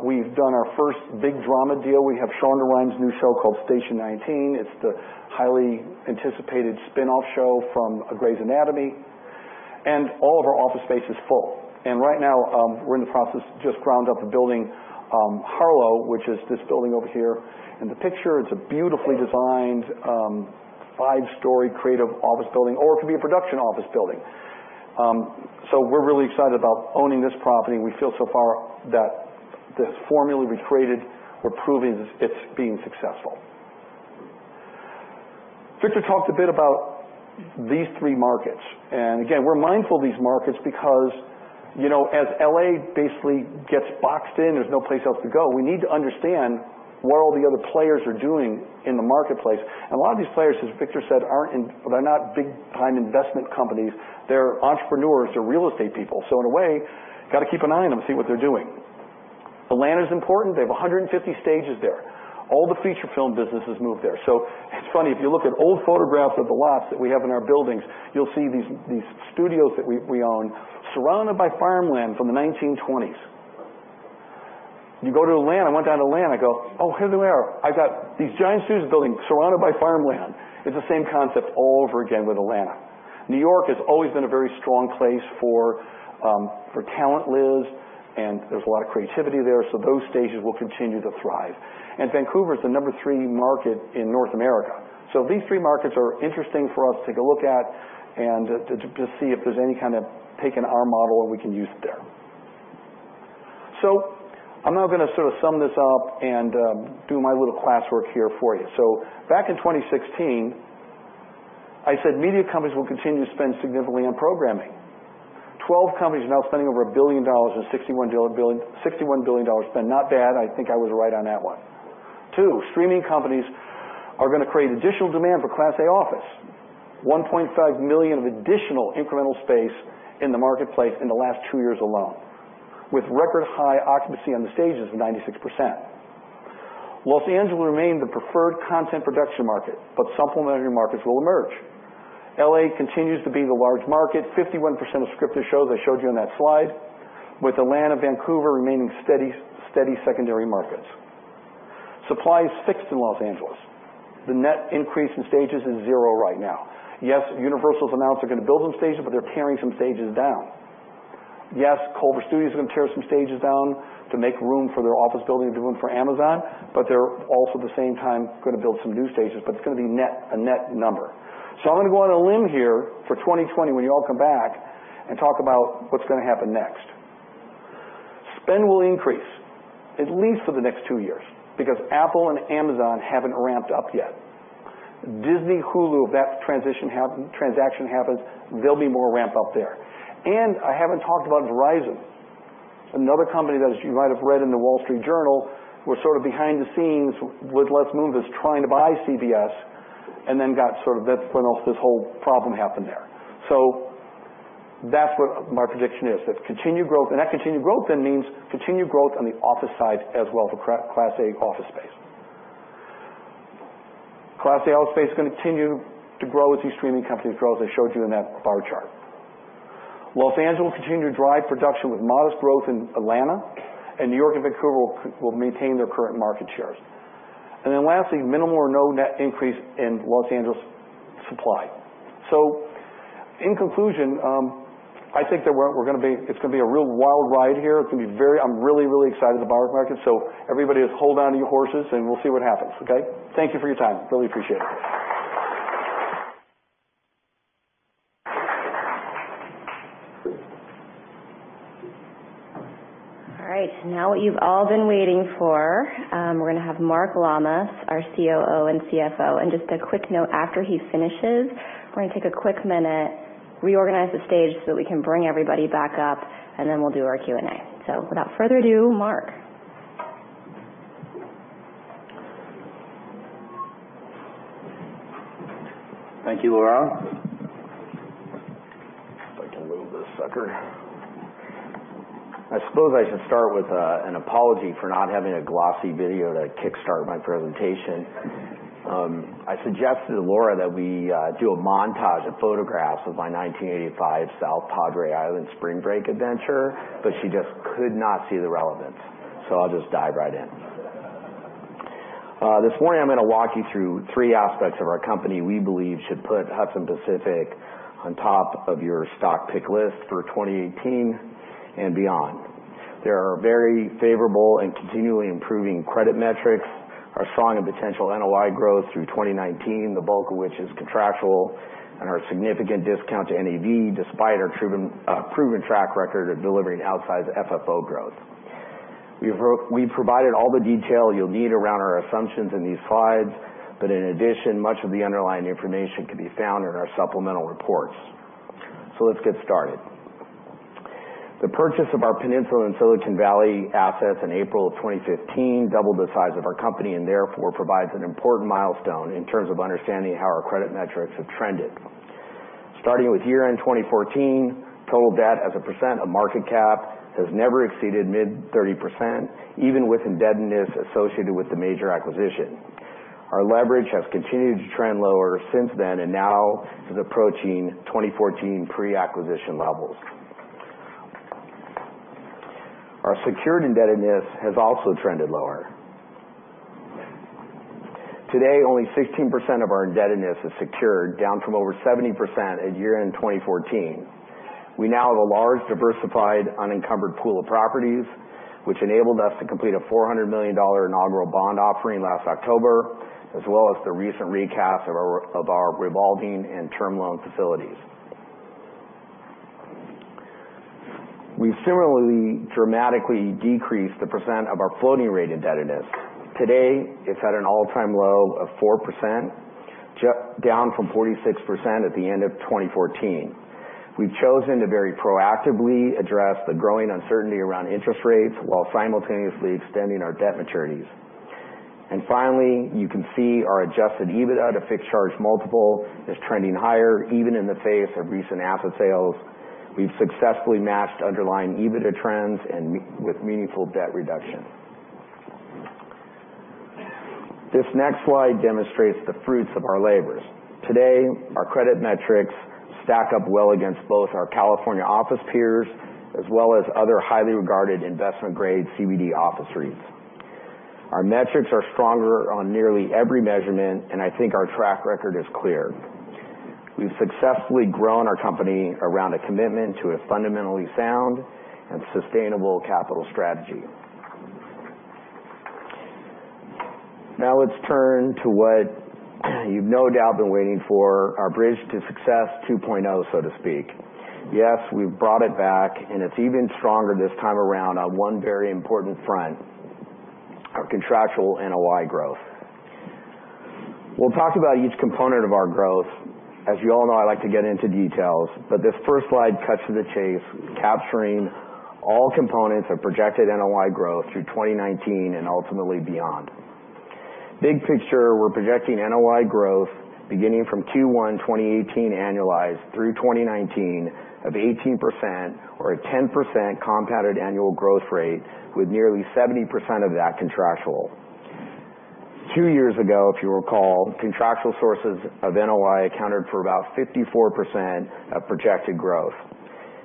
We've done our first big drama deal. We have Shonda Rhimes' new show called "Station 19." It's the highly anticipated spin-off show from "Grey's Anatomy," and all of our office space is full. Right now, we're in the process, just ground up a building, Harlow, which is this building over here in the picture. It's a beautifully designed five-story creative office building, or it could be a production office building. We're really excited about owning this property, and we feel so far that this formula we created, we're proving it's being successful. Victor talked a bit about these three markets. Again, we're mindful of these markets because as LA basically gets boxed in, there's no place else to go. We need to understand what all the other players are doing in the marketplace. A lot of these players, as Victor said, they're not big-time investment companies. They're entrepreneurs. They're real estate people. In a way, got to keep an eye on them and see what they're doing. Atlanta's important. They have 150 stages there. All the feature film business has moved there. It's funny, if you look at old photographs of the lots that we have in our buildings, you'll see these studios that we own surrounded by farmland from the 1920s. You go to Atlanta, I went down to Atlanta, I go, here they are. I've got these giant studio buildings surrounded by farmland. It's the same concept all over again with Atlanta. New York has always been a very strong place for talent lives, and there's a lot of creativity there, so those stages will continue to thrive. Vancouver is the number 3 market in North America. These three markets are interesting for us to take a look at and to see if there's any kind of taking our model and we can use it there. I'm now going to sort of sum this up and do my little classwork here for you. Back in 2016, I said media companies will continue to spend significantly on programming. 12 companies are now spending over $1 billion on $61 billion spend. Not bad. I think I was right on that one. Two, streaming companies are going to create additional demand for Class A office, 1.5 million of additional incremental space in the marketplace in the last two years alone, with record-high occupancy on the stages of 96%. Los Angeles will remain the preferred content production market, but supplementary markets will emerge. L.A. continues to be the large market, 51% of scripted shows, I showed you in that slide, with Atlanta, Vancouver remaining steady secondary markets. Supply is fixed in Los Angeles. The net increase in stages is zero right now. Yes, Universal's announced they're going to build some stages, but they're tearing some stages down. Yes, Culver Studios is going to tear some stages down to make room for their office building, to do one for Amazon, but they're also, at the same time, going to build some new stages, but it's going to be a net number. I'm going to go on a limb here for 2020, when you all come back, and talk about what's going to happen next. Spend will increase, at least for the next two years, because Apple and Amazon haven't ramped up yet. Disney, Hulu, if that transaction happens, there'll be more ramp-up there. I haven't talked about Verizon, another company that you might have read in The Wall Street Journal, was sort of behind the scenes with Les Moonves trying to buy CBS, and that's when this whole problem happened there. That's what my prediction is, that continued growth, and that continued growth then means continued growth on the office side as well for Class A office space. Class A office space is going to continue to grow as these streaming companies grow, as I showed you in that bar chart. Los Angeles will continue to drive production with modest growth in Atlanta, and New York and Vancouver will maintain their current market shares. Lastly, minimal or no net increase in Los Angeles supply. In conclusion, I think that it's going to be a real wild ride here. I'm really, really excited about our market. Everybody just hold on to your horses, and we'll see what happens. Okay? Thank you for your time. Really appreciate it. All right. Now what you've all been waiting for, we're going to have Mark Lammas, our COO and CFO. Just a quick note, after he finishes, we're going to take a quick minute, reorganize the stage so that we can bring everybody back up, and then we'll do our Q&A. Without further ado, Mark. Thank you, Laura. If I can move this sucker. I suppose I should start with an apology for not having a glossy video to kickstart my presentation. I suggested to Laura that we do a montage of photographs of my 1985 South Padre Island spring break adventure, but she just could not see the relevance. I'll just dive right in. This morning, I'm going to walk you through three aspects of our company we believe should put Hudson Pacific on top of your stock pick list for 2018 and beyond. There are very favorable and continually improving credit metrics, our strong and potential NOI growth through 2019, the bulk of which is contractual, and our significant discount to NAV, despite our proven track record of delivering outsized FFO growth. We've provided all the detail you'll need around our assumptions in these slides. In addition, much of the underlying information can be found in our supplemental reports. Let's get started. The purchase of our Peninsula and Silicon Valley assets in April of 2015 doubled the size of our company, and therefore provides an important milestone in terms of understanding how our credit metrics have trended. Starting with year-end 2014, total debt as a % of market cap has never exceeded mid-30%, even with indebtedness associated with the major acquisition. Our leverage has continued to trend lower since then and now is approaching 2014 pre-acquisition levels. Our secured indebtedness has also trended lower. Today, only 16% of our indebtedness is secured, down from over 70% at year-end 2014. We now have a large, diversified, unencumbered pool of properties, which enabled us to complete a $400 million inaugural bond offering last October, as well as the recent recast of our revolving and term loan facilities. We've similarly dramatically decreased the % of our floating rate indebtedness. Today, it's at an all-time low of 4%, down from 46% at the end of 2014. We've chosen to very proactively address the growing uncertainty around interest rates while simultaneously extending our debt maturities. Finally, you can see our adjusted EBITDA to fixed charge multiple is trending higher, even in the face of recent asset sales. We've successfully matched underlying EBITDA trends with meaningful debt reduction. This next slide demonstrates the fruits of our labors. Today, our credit metrics stack up well against both our California office peers, as well as other highly regarded investment-grade CBD office REITs. Our metrics are stronger on nearly every measurement, I think our track record is clear. We've successfully grown our company around a commitment to a fundamentally sound and sustainable capital strategy. Let's turn to what you've no doubt been waiting for, our Bridge to Success 2.0, so to speak. We've brought it back, it's even stronger this time around on one very important front, our contractual NOI growth. We'll talk about each component of our growth. You all know, I like to get into details, this first slide cuts to the chase, capturing all components of projected NOI growth through 2019 and ultimately beyond. Big picture, we're projecting NOI growth beginning from 2/1/2018 annualized through 2019 of 18%, or a 10% compounded annual growth rate, with nearly 70% of that contractual. Two years ago, if you'll recall, contractual sources of NOI accounted for about 54% of projected growth,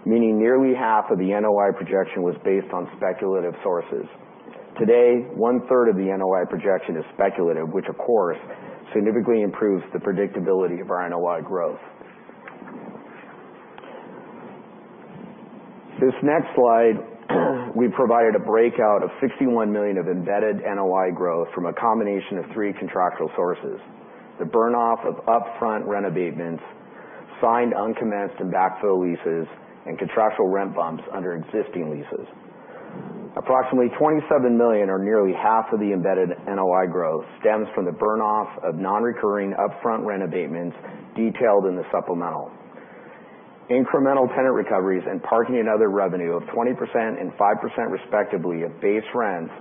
meaning nearly half of the NOI projection was based on speculative sources. Today, one-third of the NOI projection is speculative, of course, significantly improves the predictability of our NOI growth. This next slide, we've provided a breakout of $61 million of embedded NOI growth from a combination of three contractual sources, the burn-off of upfront rent abatements, signed uncommenced and backfill leases, and contractual rent bumps under existing leases. Approximately $27 million, or nearly half of the embedded NOI growth, stems from the burn-off of non-recurring upfront rent abatements detailed in the supplemental. Incremental tenant recoveries and parking and other revenue of 20% and 5% respectively of base rents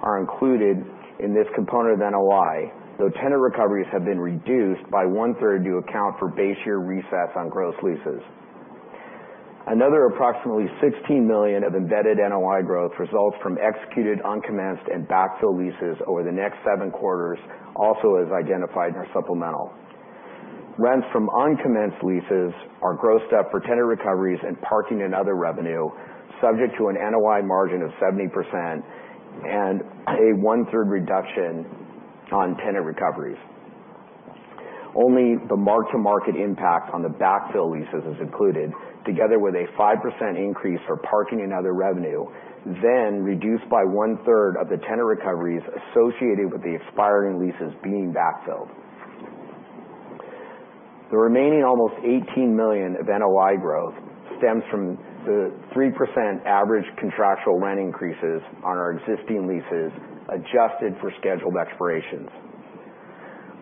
are included in this component of NOI, though tenant recoveries have been reduced by one-third to account for base year resets on gross leases. Approximately $16 million of embedded NOI growth results from executed, uncommenced, and backfill leases over the next seven quarters, also as identified in our supplemental. Rents from uncommenced leases are grossed up for tenant recoveries and parking and other revenue, subject to an NOI margin of 70% and a one-third reduction on tenant recoveries. Only the mark-to-market impact on the backfill leases is included, together with a 5% increase for parking and other revenue, then reduced by one-third of the tenant recoveries associated with the expiring leases being backfilled. The remaining almost $18 million of NOI growth stems from the 3% average contractual rent increases on our existing leases, adjusted for scheduled expirations.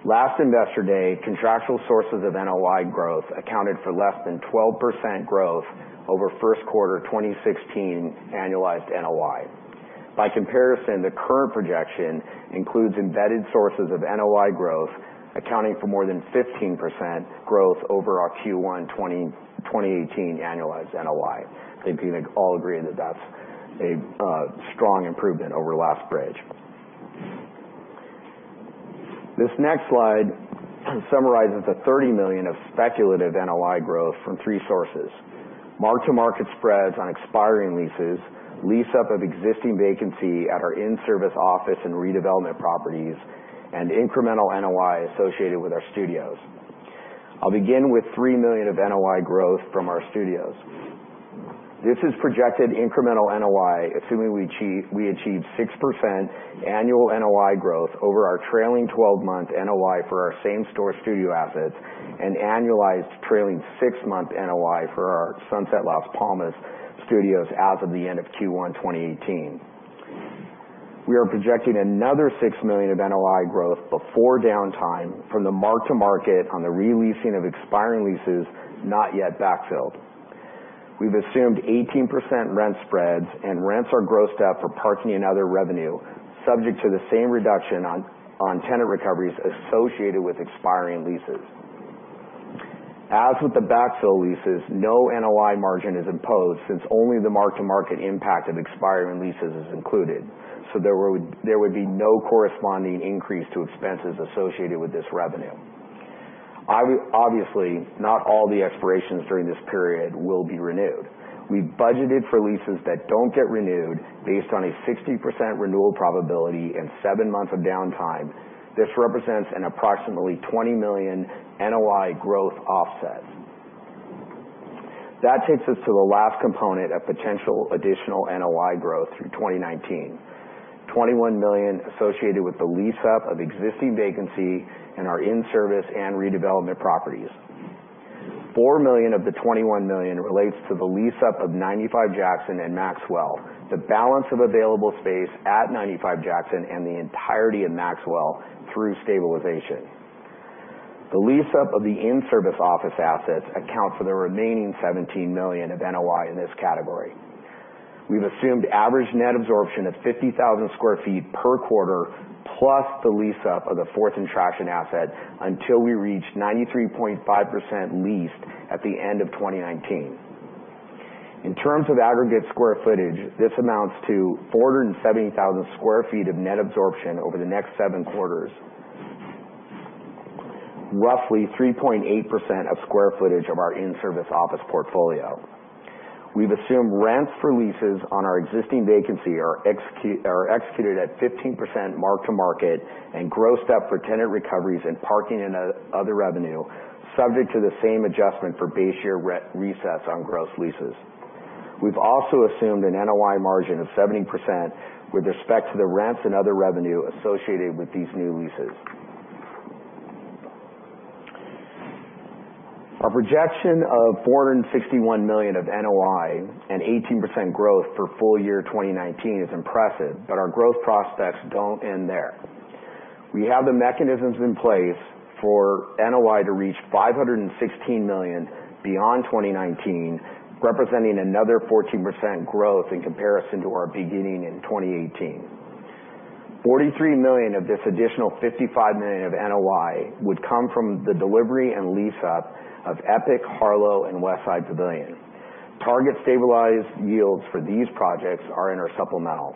Last Investor Day, contractual sources of NOI growth accounted for less than 12% growth over first quarter 2016 annualized NOI. The current projection includes embedded sources of NOI growth accounting for more than 15% growth over our Q1 2018 annualized NOI. I think we can all agree that that's a strong improvement over last bridge. This next slide summarizes the $30 million of speculative NOI growth from three sources. Mark-to-market spreads on expiring leases, lease-up of existing vacancy at our in-service office and redevelopment properties, and incremental NOI associated with our studios. I'll begin with $3 million of NOI growth from our studios. This is projected incremental NOI, assuming we achieve 6% annual NOI growth over our trailing 12-month NOI for our same-store studio assets and annualized trailing six-month NOI for our Sunset Las Palmas Studios as of the end of Q1 2018. We are projecting another $6 million of NOI growth before downtime from the mark-to-market on the re-leasing of expiring leases not yet backfilled. We've assumed 18% rent spreads, and rents are grossed up for parking and other revenue, subject to the same reduction on tenant recoveries associated with expiring leases. As with the backfill leases, no NOI margin is imposed since only the mark-to-market impact of expiring leases is included, so there would be no corresponding increase to expenses associated with this revenue. Obviously, not all the expirations during this period will be renewed. We budgeted for leases that don't get renewed based on a 60% renewal probability and seven months of downtime. This represents an approximately $20 million NOI growth offset. That takes us to the last component of potential additional NOI growth through 2019. $21 million associated with the lease-up of existing vacancy in our in-service and redevelopment properties. $4 million of the $21 million relates to the lease-up of 95 Jackson and Maxwell, the balance of available space at 95 Jackson and the entirety of Maxwell through stabilization. The lease-up of the in-service office assets account for the remaining $17 million of NOI in this category. We've assumed average net absorption of 50,000 square feet per quarter, plus the lease-up of the Fourth & Traction asset until we reach 93.5% leased at the end of 2019. In terms of aggregate square footage, this amounts to 470,000 square feet of net absorption over the next seven quarters. Roughly 3.8% of square footage of our in-service office portfolio. We've assumed rents for leases on our existing vacancy are executed at 15% mark-to-market and grossed up for tenant recoveries and parking and other revenue, subject to the same adjustment for base year rent resets on gross leases. We've also assumed an NOI margin of 70% with respect to the rents and other revenue associated with these new leases. Our projection of $461 million of NOI and 18% growth for full year 2019 is impressive. Our growth prospects don't end there. We have the mechanisms in place for NOI to reach $516 million beyond 2019, representing another 14% growth in comparison to our beginning in 2018. $43 million of this additional $55 million of NOI would come from the delivery and lease-up of Epic, Harlow, and Westside Pavilion. Target stabilized yields for these projects are in our supplemental.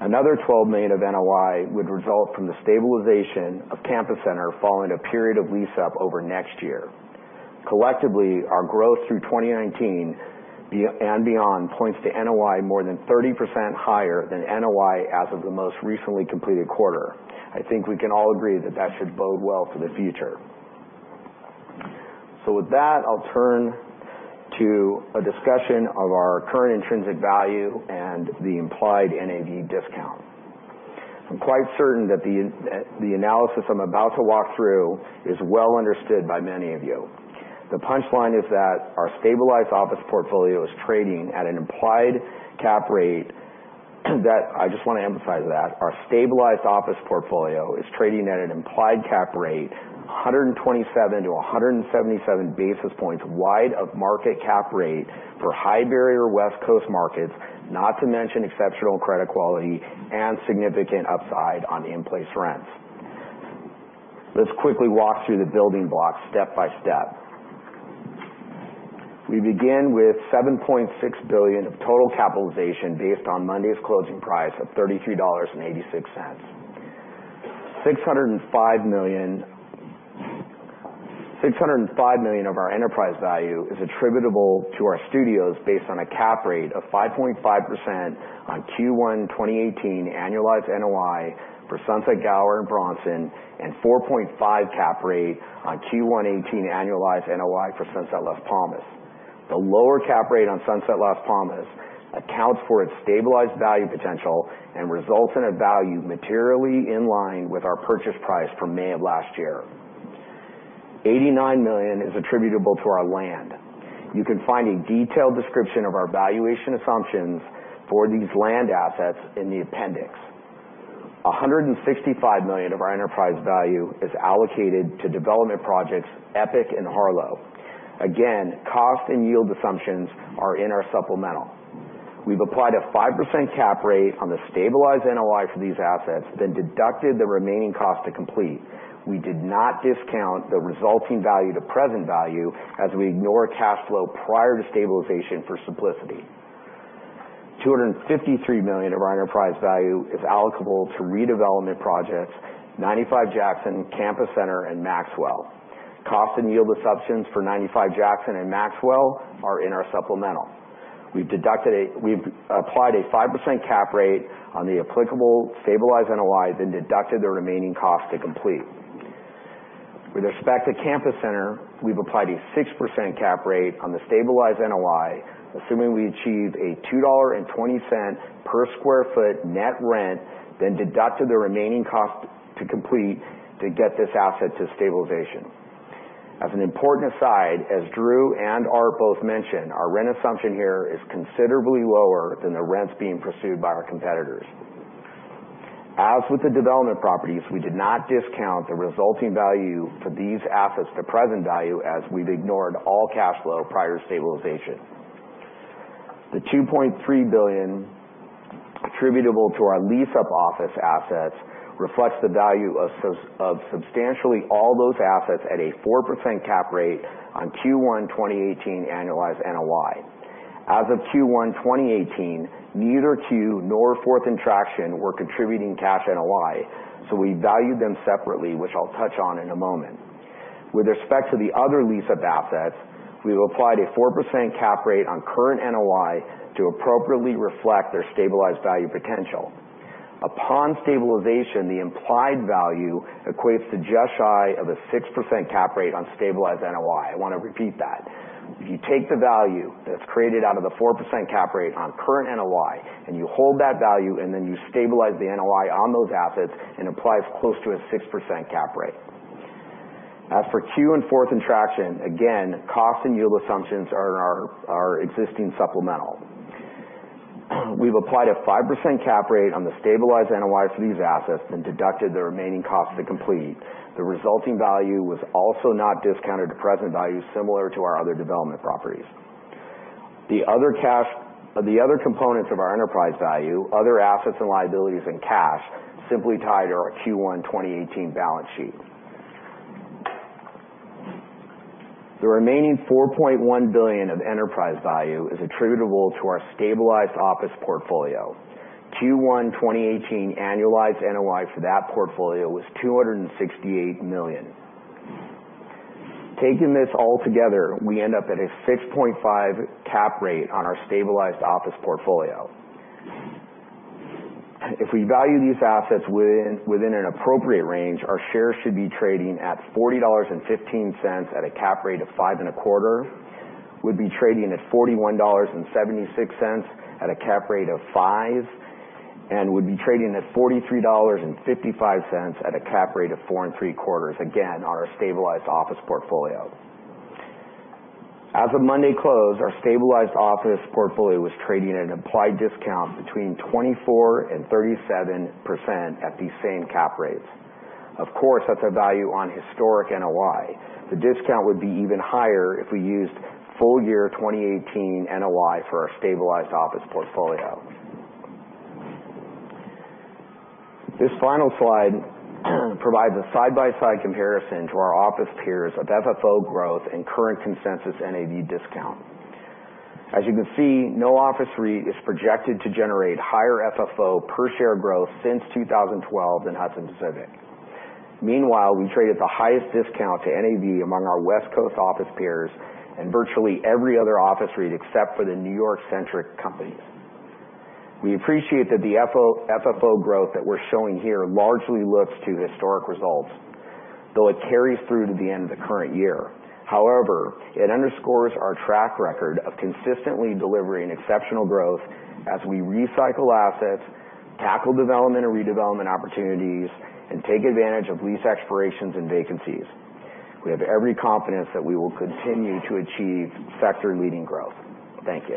Another $12 million of NOI would result from the stabilization of Campus Center following a period of lease-up over next year. Collectively, our growth through 2019 and beyond points to NOI more than 30% higher than NOI as of the most recently completed quarter. I think we can all agree that that should bode well for the future. With that, I'll turn to a discussion of our current intrinsic value and the implied NAV discount. I'm quite certain that the analysis I'm about to walk through is well understood by many of you. The punchline is that our stabilized office portfolio is trading at an implied cap rate that. I just want to emphasize that. Our stabilized office portfolio is trading at an implied cap rate 127 to 177 basis points wide of market cap rate for high-barrier West Coast markets, not to mention exceptional credit quality and significant upside on in-place rents. Let's quickly walk through the building blocks step by step. We begin with $7.6 billion of total capitalization based on Monday's closing price of $33.86. $605 million of our enterprise value is attributable to our studios, based on a cap rate of 5.5% on Q1 2018 annualized NOI for Sunset Gower and Bronson, and 4.5% cap rate on Q1 2018 annualized NOI for Sunset Las Palmas. The lower cap rate on Sunset Las Palmas accounts for its stabilized value potential and results in a value materially in line with our purchase price from May of last year. $89 million is attributable to our land. You can find a detailed description of our valuation assumptions for these land assets in the appendix. $165 million of our enterprise value is allocated to development projects Epic and Harlow. Again, cost and yield assumptions are in our supplemental. We've applied a 5% cap rate on the stabilized NOI for these assets, then deducted the remaining cost to complete. We did not discount the resulting value to present value as we ignore cash flow prior to stabilization for simplicity. $253 million of our enterprise value is allocable to redevelopment projects 95 Jackson, Campus Center, and Maxwell. Cost and yield assumptions for 95 Jackson and Maxwell are in our supplemental. We've applied a 5% cap rate on the applicable stabilized NOI, then deducted the remaining cost to complete. With respect to Campus Center, we've applied a 6% cap rate on the stabilized NOI, assuming we achieve a $2.20 per sq ft net rent, then deducted the remaining cost to complete to get this asset to stabilization. As an important aside, as Drew and Art both mentioned, our rent assumption here is considerably lower than the rents being pursued by our competitors. As with the development properties, we did not discount the resulting value for these assets to present value as we've ignored all cash flow prior stabilization. The $2.3 billion attributable to our lease-up office assets reflects the value of substantially all those assets at a 4% cap rate on Q1 2018 annualized NOI. As of Q1 2018, neither CUE nor Fourth and Traction were contributing cash NOI, so we valued them separately, which I'll touch on in a moment. With respect to the other lease-up assets, we've applied a 4% cap rate on current NOI to appropriately reflect their stabilized value potential. Upon stabilization, the implied value equates to just shy of a 6% cap rate on stabilized NOI. I want to repeat that. If you take the value that's created out of the 4% cap rate on current NOI and you hold that value, and then you stabilize the NOI on those assets and apply as close to a 6% cap rate. As for CUE and Fourth and Traction, again, cost and yield assumptions are in our existing supplemental. We've applied a 5% cap rate on the stabilized NOI for these assets and deducted the remaining cost to complete. The resulting value was also not discounted to present value, similar to our other development properties. The other components of our enterprise value, other assets and liabilities, and cash simply tie to our Q1 2018 balance sheet. The remaining $4.1 billion of enterprise value is attributable to our stabilized office portfolio. Q1 2018 annualized NOI for that portfolio was $268 million. Taking this all together, we end up at a 6.5 cap rate on our stabilized office portfolio. If we value these assets within an appropriate range, our shares should be trading at $40.15 at a cap rate of 5.25. We'd be trading at $41.76 at a cap rate of 5%, and we'd be trading at $43.55 at a cap rate of 4.75, again, on our stabilized office portfolio. As of Monday close, our stabilized office portfolio was trading at an implied discount between 24%-37% at these same cap rates. Of course, that's a value on historic NOI. The discount would be even higher if we used full year 2018 NOI for our stabilized office portfolio. This final slide provides a side-by-side comparison to our office peers of FFO growth and current consensus NAV discount. As you can see, no office REIT is projected to generate higher FFO per share growth since 2012 than Hudson Pacific. Meanwhile, we trade at the highest discount to NAV among our West Coast office peers and virtually every other office REIT except for the New York-centric companies. We appreciate that the FFO growth that we're showing here largely looks to historic results, though it carries through to the end of the current year. However, it underscores our track record of consistently delivering exceptional growth as we recycle assets, tackle development or redevelopment opportunities, and take advantage of lease expirations and vacancies. We have every confidence that we will continue to achieve sector-leading growth. Thank you.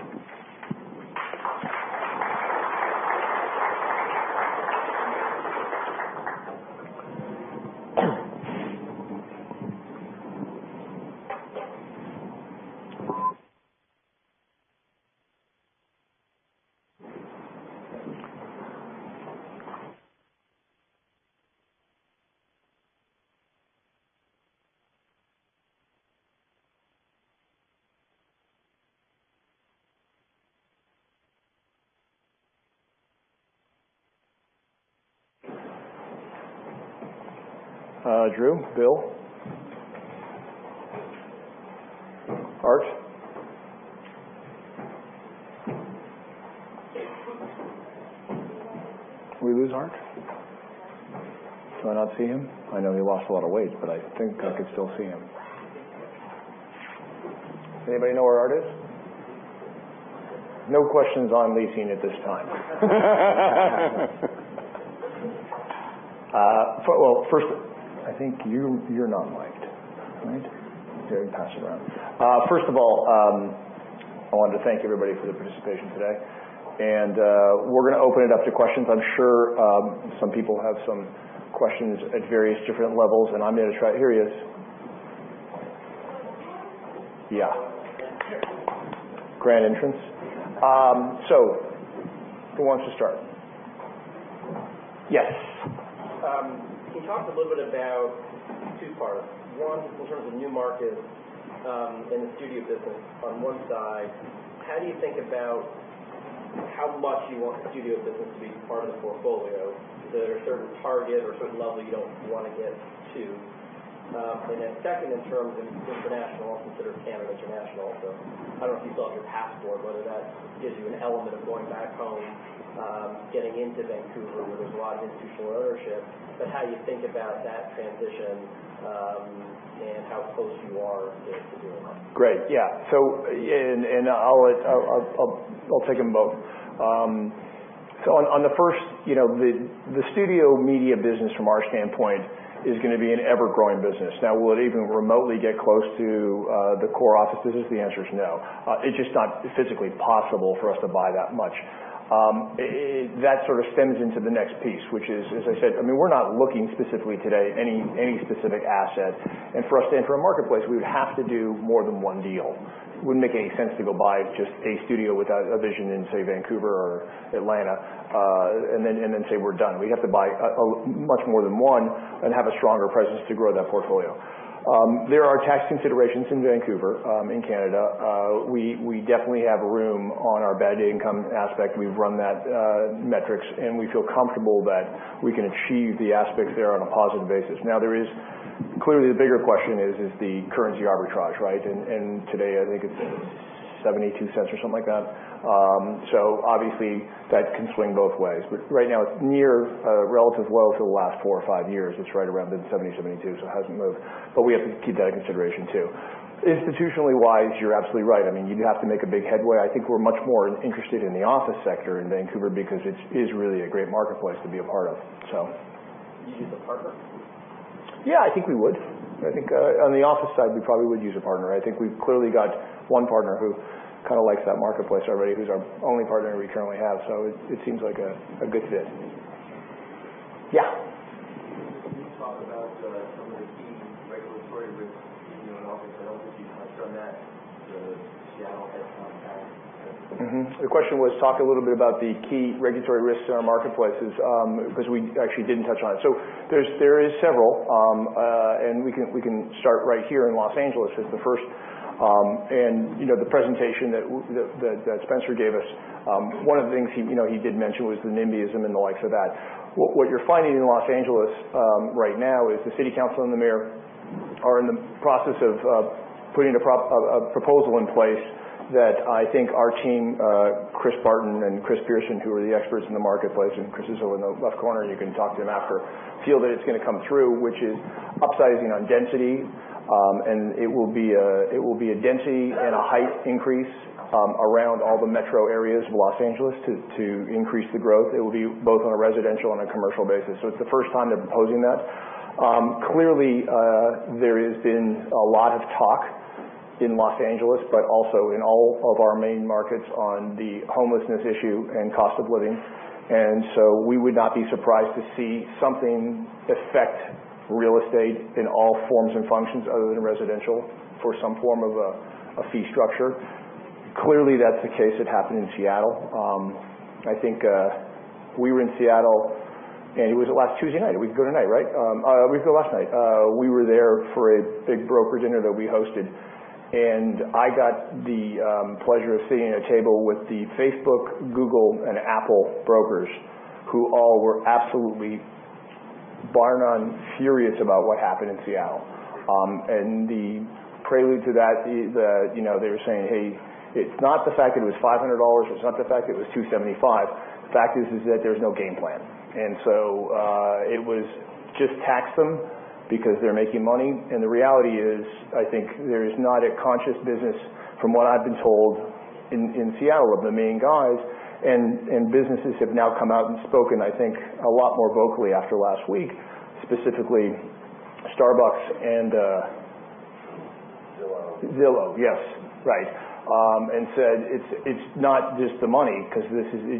Drew, Bill? Art? Did we lose Art? Do I not see him? I know he lost a lot of weight, but I think I could still see him. Anybody know where Art is? No questions on leasing at this time. First, I think you're not mic'd, right? Here, pass it around. I wanted to thank everybody for their participation today. We're going to open it up to questions. I'm sure some people have some questions at various different levels. I'm going to try Here he is. Yeah. Grand entrance. Who wants to start? Yes. You talked a little bit about two parts. One, in terms of new markets, and the studio business on one side, how do you think about how much you want the studio business to be part of the portfolio? Is there a certain target or a certain level you don't want to get to? Second, in terms of international, I'll consider Canada international, so I don't know if you still have your passport, whether that gives you an element of going back home, getting into Vancouver, where there's a lot of institutional ownership, but how you think about that transition, and how close you are to doing that. Great. Yeah. I'll take them both. On the first, the studio media business from our standpoint is going to be an ever-growing business. Will it even remotely get close to the core offices? The answer is no. It's just not physically possible for us to buy that much. That sort of stems into the next piece, which is, as I said, we're not looking specifically today any specific asset. For us to enter a marketplace, we would have to do more than one deal. It wouldn't make any sense to go buy just a studio without a vision in, say, Vancouver or Atlanta, say we're done. We'd have to buy much more than one and have a stronger presence to grow that portfolio. There are tax considerations in Vancouver, in Canada. We definitely have room on our net income aspect. We've run that metrics, we feel comfortable that we can achieve the aspects there on a positive basis. Clearly the bigger question is the currency arbitrage, right? Today, I think it's $0.72 or something like that. Obviously that can swing both ways. Right now it's near a relative low for the last 4 or 5 years. It's right around the 70, 72, it hasn't moved. We have to keep that in consideration, too. Institutionally-wise, you're absolutely right. You'd have to make a big headway. I think we're much more interested in the office sector in Vancouver because it is really a great marketplace to be a part of. Would you use a partner? Yeah, I think we would. I think on the office side, we probably would use a partner. I think we've clearly got one partner who kind of likes that marketplace already, who's our only partner we currently have, so it seems like a good fit. Yeah. Can you talk about some of the key regulatory risks in your office? I don't think you touched on that. The Seattle head tax. The question was, talk a little bit about the key regulatory risks in our marketplaces, because we actually didn't touch on it. There is several, and we can start right here in L.A. as the first. The presentation that Spencer gave us, one of the things he did mention was the nimbyism and the likes of that. What you're finding in L.A. right now is the city council and the mayor are in the process of putting a proposal in place that I think our team, Christopher Barton and Chris Pearson, who are the experts in the marketplace, and Chris is over in the left corner, you can talk to him after, feel that it's going to come through, which is upsizing on density. It will be a density and a height increase around all the metro areas of L.A. to increase the growth. It will be both on a residential and a commercial basis. It's the first time they're proposing that. Clearly, there has been a lot of talk in L.A., but also in all of our main markets on the homelessness issue and cost of living. We would not be surprised to see something affect real estate in all forms and functions other than residential for some form of a fee structure. Clearly, that's the case that happened in Seattle. I think we were in Seattle, and it was last Tuesday night. Did we go tonight, right? We went last night. We were there for a big broker dinner that we hosted, and I got the pleasure of sitting at a table with the Facebook, Google, and Apple brokers, who all were absolutely, bar none, furious about what happened in Seattle. The prelude to that, they were saying, "Hey, it's not the fact that it was $500. It's not the fact that it was $275. The fact is that there's no game plan." It was just tax them because they're making money. The reality is, I think there's not a conscious business, from what I've been told in Seattle of the main guys, and businesses have now come out and spoken, I think, a lot more vocally after last week, specifically Starbucks and Zillow. Zillow, yes. Right. Said it's not just the money, because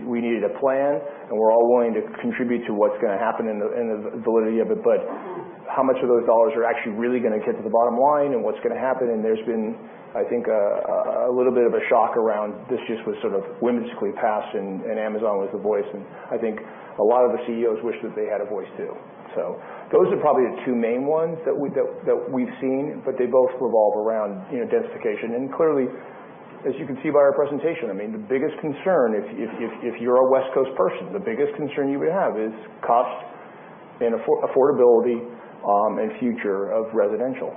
we needed a plan, and we're all willing to contribute to what's going to happen and the validity of it. How much of those dollars are actually really going to get to the bottom line and what's going to happen? There's been, I think, a little bit of a shock around this just was sort of whimsically passed, and Amazon was the voice. I think a lot of the CEOs wish that they had a voice, too. Those are probably the two main ones that we've seen, but they both revolve around densification. Clearly, as you can see by our presentation, the biggest concern if you're a West Coast person, the biggest concern you would have is cost and affordability and future of residential.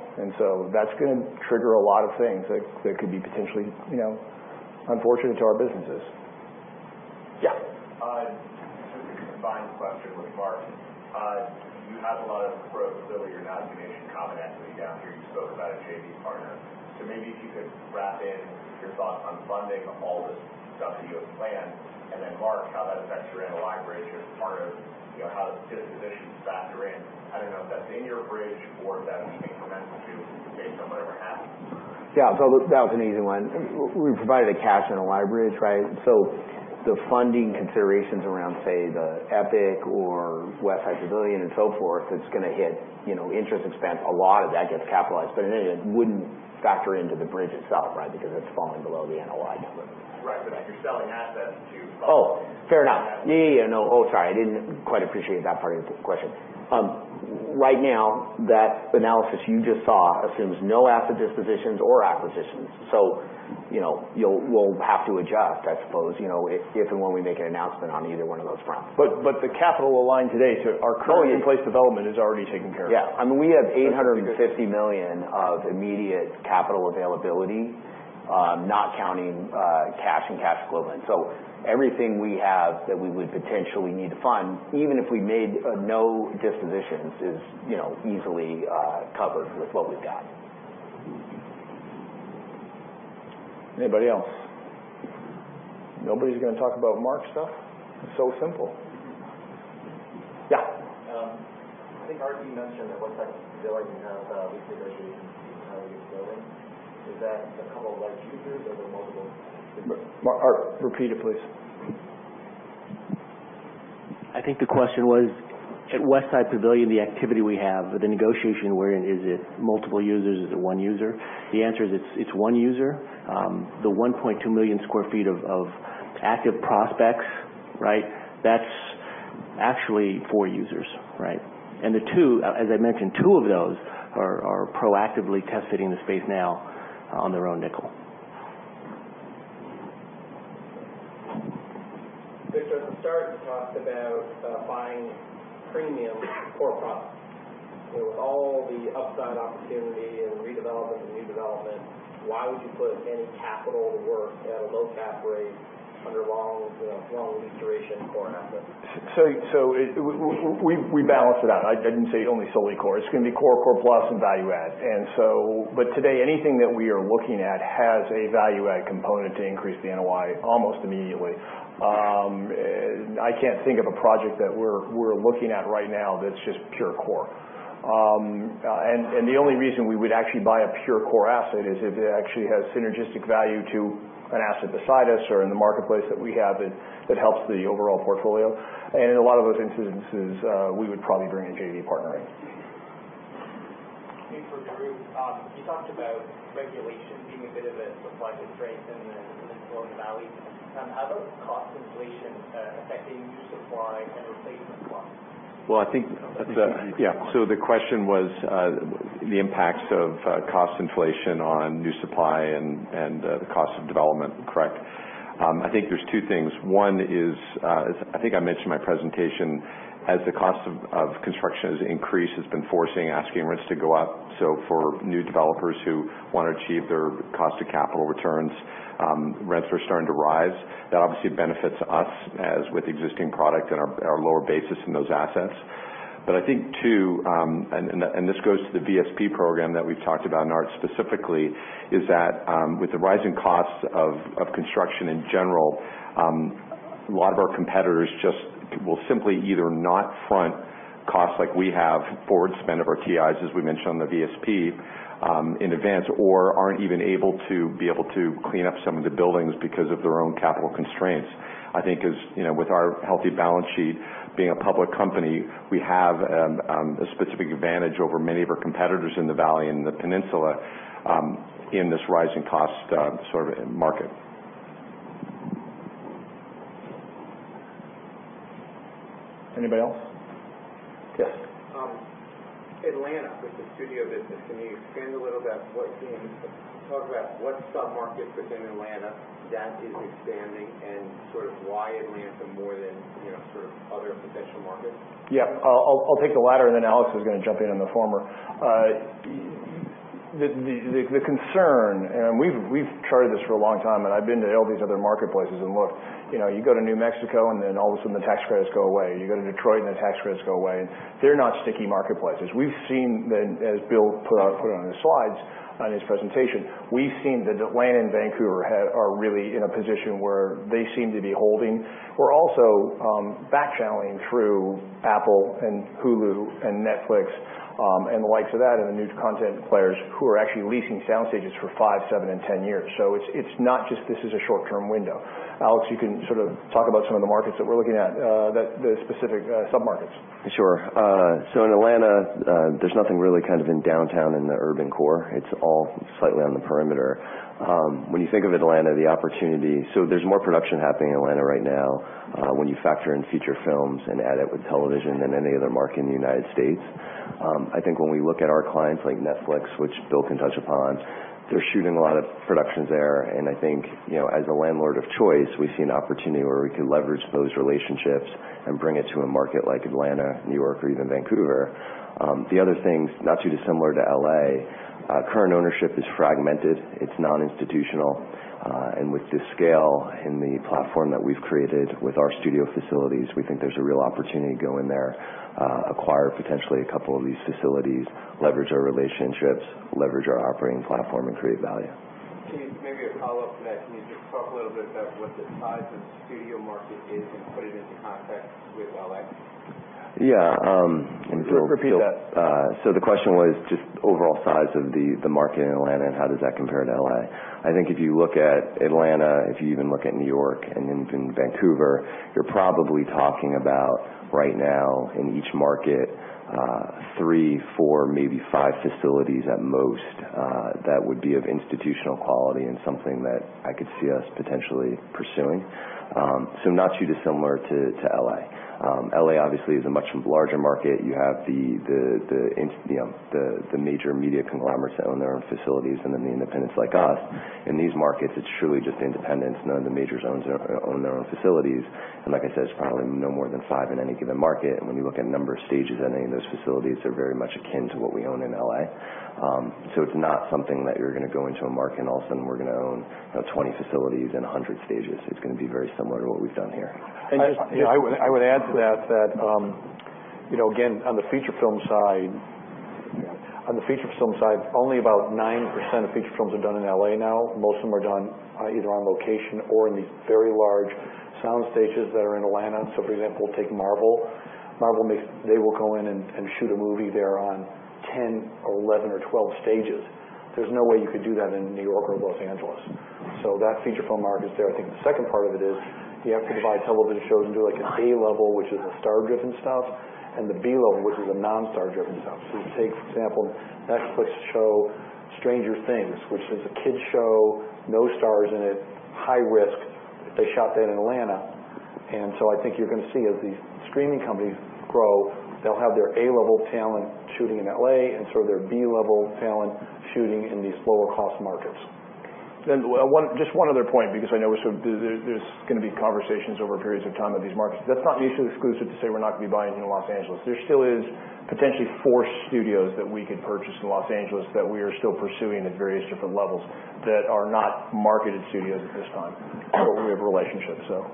That's going to trigger a lot of things that could be potentially unfortunate to our businesses. Yeah. This is a combined question with Mark. You have a lot of growth delivery. You're not doing any common equity down here. You spoke about a JV partner. Maybe if you could wrap in your thoughts on funding of all this stuff that you have planned, and then Mark, how that affects your leverage ratio as part of how the dispositions factor in. I don't know if that's in your bridge or if that's incremental to based on whatever happens. Yeah, that was an easy one. We provided a cash in a library, right? The funding considerations around, say, the Epic or West Side Pavilion and so forth, it's going to hit interest expense. A lot of that gets capitalized, but it wouldn't factor into the bridge itself, right? Because it's falling below the NOI number. Right. If you're selling assets, do you? Oh, fair enough. Yeah. No. Oh, sorry. I didn't quite appreciate that part of the question. Now, that analysis you just saw assumes no asset dispositions or acquisitions. We'll have to adjust, I suppose, if and when we make an announcement on either one of those fronts. The capital aligned today to our currently in place development is already taken care of. Yeah. We have $850 million of immediate capital availability, not counting cash and cash equivalents. Everything we have that we would potentially need to fund, even if we made no dispositions, is easily covered with what we've got. Anybody else? Nobody's going to talk about Mark's stuff? It's so simple. Yeah. I think Art mentioned that Westside Pavilion has lease negotiations with how they're building. Is that a couple of like users or are there multiple different- Art, repeat it, please. I think the question was, at Westside Pavilion, the activity we have, the negotiation we're in, is it multiple users? Is it one user? The answer is it's one user. The 1.2 million sq ft of active prospects, that's actually four users. As I mentioned, two of those are proactively test fitting the space now on their own nickel. Victor, at the start, you talked about buying premium core product. With all the upside opportunity in redevelopment and new development, why would you put any capital to work at a low cap rate under long duration core asset? We balance it out. I didn't say only solely core. It's going to be core plus, and value add. Today, anything that we are looking at has a value add component to increase the NOI almost immediately. I can't think of a project that we're looking at right now that's just pure core. The only reason we would actually buy a pure core asset is if it actually has synergistic value to an asset beside us or in the marketplace that we have that helps the overall portfolio. In a lot of those instances, we would probably bring a JV partner in. For Drew, you talked about regulation being a bit of a supply constraint in the Silicon Valley. How about cost inflation affecting new supply and replacement costs? Yeah. The question was the impacts of cost inflation on new supply and the cost of development, correct? I think there's two things. One is, as I think I mentioned in my presentation, as the cost of construction has increased, it's been forcing asking rents to go up. For new developers who want to achieve their cost of capital returns, rents are starting to rise. That obviously benefits us as with existing product and our lower basis in those assets. I think, too, and this goes to the VSP program that we've talked about, and Art specifically, is that with the rising costs of construction in general, a lot of our competitors just will simply either not front costs like we have, forward spend of our TIs, as we mentioned on the VSP, in advance, or aren't even able to be able to clean up some of the buildings because of their own capital constraints. I think with our healthy balance sheet being a public company, we have a specific advantage over many of our competitors in the valley and the peninsula in this rising cost sort of market. Anybody else? Yes. Atlanta, with the studio business, can you expand a little bit, talk about what sub-market within Atlanta that is expanding and sort of why Atlanta more than sort of other potential markets? I'll take the latter, and then Alex is going to jump in on the former. The concern, and we've charted this for a long time, and I've been to all these other marketplaces and looked. You go to New Mexico, and then all of a sudden, the tax credits go away. You go to Detroit, and the tax credits go away. They're not sticky marketplaces. We've seen, as Bill put on his slides on his presentation We've seen that Atlanta and Vancouver are really in a position where they seem to be holding. We're also back-channeling through Apple and Hulu and Netflix, and the likes of that, and the new content players who are actually leasing sound stages for five, seven, and 10 years. It's not just this is a short-term window. Alex, you can sort of talk about some of the markets that we're looking at, the specific sub-markets. Sure. In Atlanta, there's nothing really kind of in downtown, in the urban core. It's all slightly on the perimeter. When you think of Atlanta, the opportunity. There's more production happening in Atlanta right now, when you factor in feature films and add it with television, than any other market in the United States. I think when we look at our clients like Netflix, which Bill can touch upon, they're shooting a lot of productions there, and I think, as a landlord of choice, we see an opportunity where we could leverage those relationships and bring it to a market like Atlanta, New York, or even Vancouver. The other thing's not too dissimilar to L.A. Current ownership is fragmented, it's non-institutional, and with the scale and the platform that we've created with our studio facilities, we think there's a real opportunity to go in there, acquire potentially a couple of these facilities, leverage our relationships, leverage our operating platform, and create value. Can you, maybe a follow-up to that, can you just talk a little bit about what the size of the studio market is and put it into context with L.A.? Yeah. Just repeat that. The question was just overall size of the market in Atlanta and how does that compare to L.A. I think if you look at Atlanta, if you even look at New York and even Vancouver, you're probably talking about, right now, in each market, 3, 4, maybe 5 facilities at most, that would be of institutional quality and something that I could see us potentially pursuing. Not too dissimilar to L.A. L.A. obviously is a much larger market. You have the major media conglomerates that own their own facilities, and then the independents like us. In these markets, it's truly just independents. None of the majors own their own facilities. Like I said, it's probably no more than 5 in any given market. When we look at number of stages in any of those facilities, they're very much akin to what we own in L.A. It's not something that you're going to go into a market and all of a sudden we're going to own 20 facilities and 100 stages. It's going to be very similar to what we've done here. And just- I would add to that, again, on the feature film side, only about 9% of feature films are done in L.A. now. Most of them are done either on location or in these very large sound stages that are in Atlanta. For example, take Marvel. Marvel, they will go in and shoot a movie there on 10 or 11 or 12 stages. There's no way you could do that in New York or L.A. That feature film market's there. I think the second part of it is you have to divide television shows into an A level, which is the star-driven stuff, and the B level, which is the non-star driven stuff. You take, for example, Netflix show, "Stranger Things," which is a kids show, no stars in it, high-risk. They shot that in Atlanta. I think you're going to see as these streaming companies grow, they'll have their A-level talent shooting in L.A. and sort of their B-level talent shooting in these lower-cost markets. Just one other point, because I know there's going to be conversations over periods of time of these markets. That's not mutually exclusive to say we're not going to be buying in L.A. There still is potentially four studios that we could purchase in L.A. that we are still pursuing at various different levels, that are not marketed studios at this time, but we have relationships, so.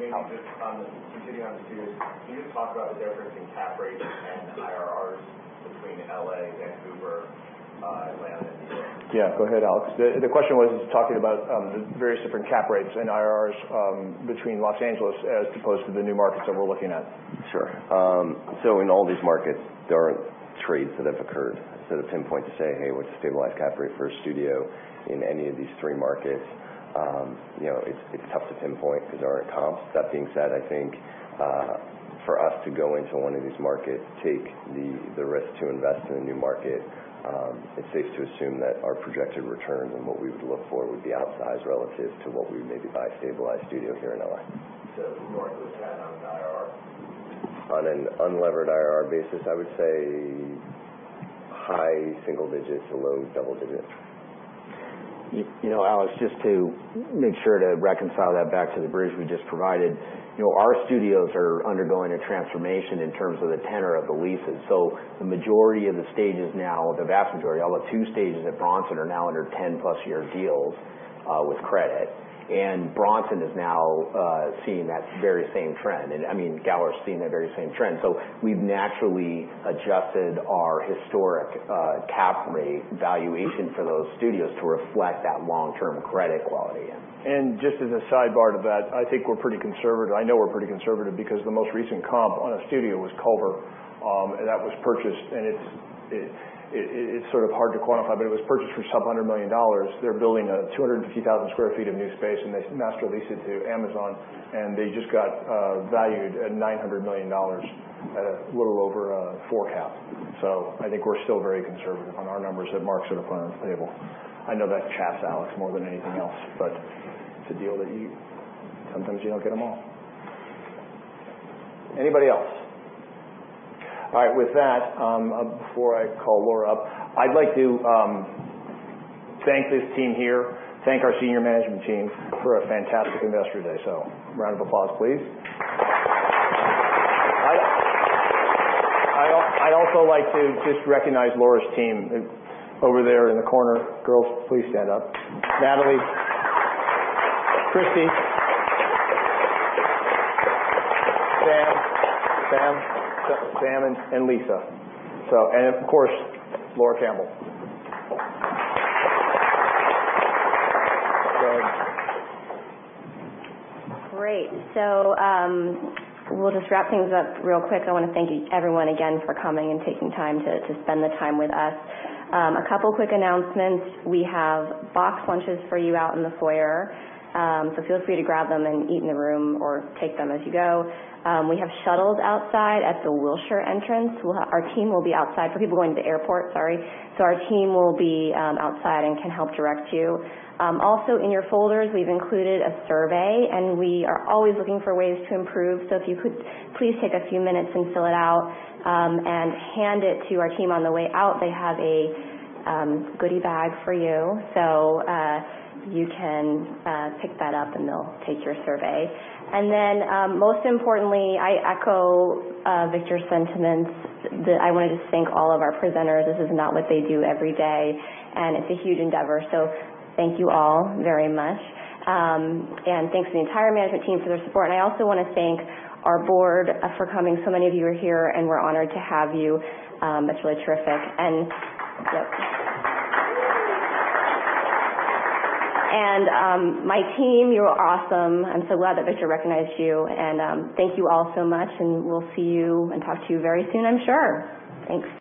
Maybe just continuing on the studios, can you just talk about the difference in cap rates and IRRs between L.A., Vancouver, Atlanta, and New York? Yeah, go ahead, Alex. The question was, he's talking about the various different cap rates and IRRs between Los Angeles as opposed to the new markets that we're looking at. Sure. In all these markets, there aren't trades that have occurred. To pinpoint to say, hey, what's the stabilized cap rate for a studio in any of these three markets, it's tough to pinpoint because there aren't comps. That being said, I think, for us to go into one of these markets, take the risk to invest in a new market, it's safe to assume that our projected returns and what we would look for would be outsized relative to what we maybe buy stabilized studios here in L.A. [inaudible] On an unlevered IRR basis, I would say high single digits or low double digits. Alex, just to make sure to reconcile that back to the briefs we just provided. Our studios are undergoing a transformation in terms of the tenor of the leases. The majority of the stages now, the vast majority, all but 2 stages at Bronson are now under 10-plus year deals, with credit. Bronson is now seeing that very same trend. I mean, Gower's seeing that very same trend. We've naturally adjusted our historic cap rate valuation for those studios to reflect that long-term credit quality. Just as a sidebar to that, I think we're pretty conservative. I know we're pretty conservative because the most recent comp on a studio was Culver, and that was purchased, and it's sort of hard to quantify, but it was purchased for some $100 million. They're building 250,000 sq ft of new space, and they master leased it to Amazon, and they just got valued at $900 million at a little over a 4 cap. I think we're still very conservative on our numbers that Mark sort of put on the table. I know that chaps Alex more than anything else, but it's a deal that Sometimes you don't get them all. Anybody else? All right, with that, before I call Laura up, I'd like to thank this team here, thank our senior management team for a fantastic Investor Day, round of applause, please. I'd also like to just recognize Laura's team over there in the corner. Girls, please stand up. Natalie, Christie, Sam, and Lisa. And of course, Laura Campbell. Great. We'll just wrap things up real quick. I want to thank everyone again for coming and taking time to spend the time with us. A couple quick announcements. We have boxed lunches for you out in the foyer. Feel free to grab them and eat in the room or take them as you go. We have shuttles outside at the Wilshire entrance. Our team will be outside for people going to the airport, sorry. Our team will be outside and can help direct you. Also in your folders, we've included a survey. We are always looking for ways to improve. If you could please take a few minutes and fill it out, and hand it to our team on the way out. They have a goodie bag for you. You can pick that up, and they'll take your survey. Most importantly, I echo Victor's sentiments that I want to just thank all of our presenters. This is not what they do every day, and it's a huge endeavor. Thank you all very much. Thanks to the entire management team for their support. I also want to thank our board for coming. Many of you are here, and we're honored to have you. It's really terrific. My team, you were awesome. I'm so glad that Victor recognized you. Thank you all so much, and we'll see you and talk to you very soon, I'm sure. Thanks.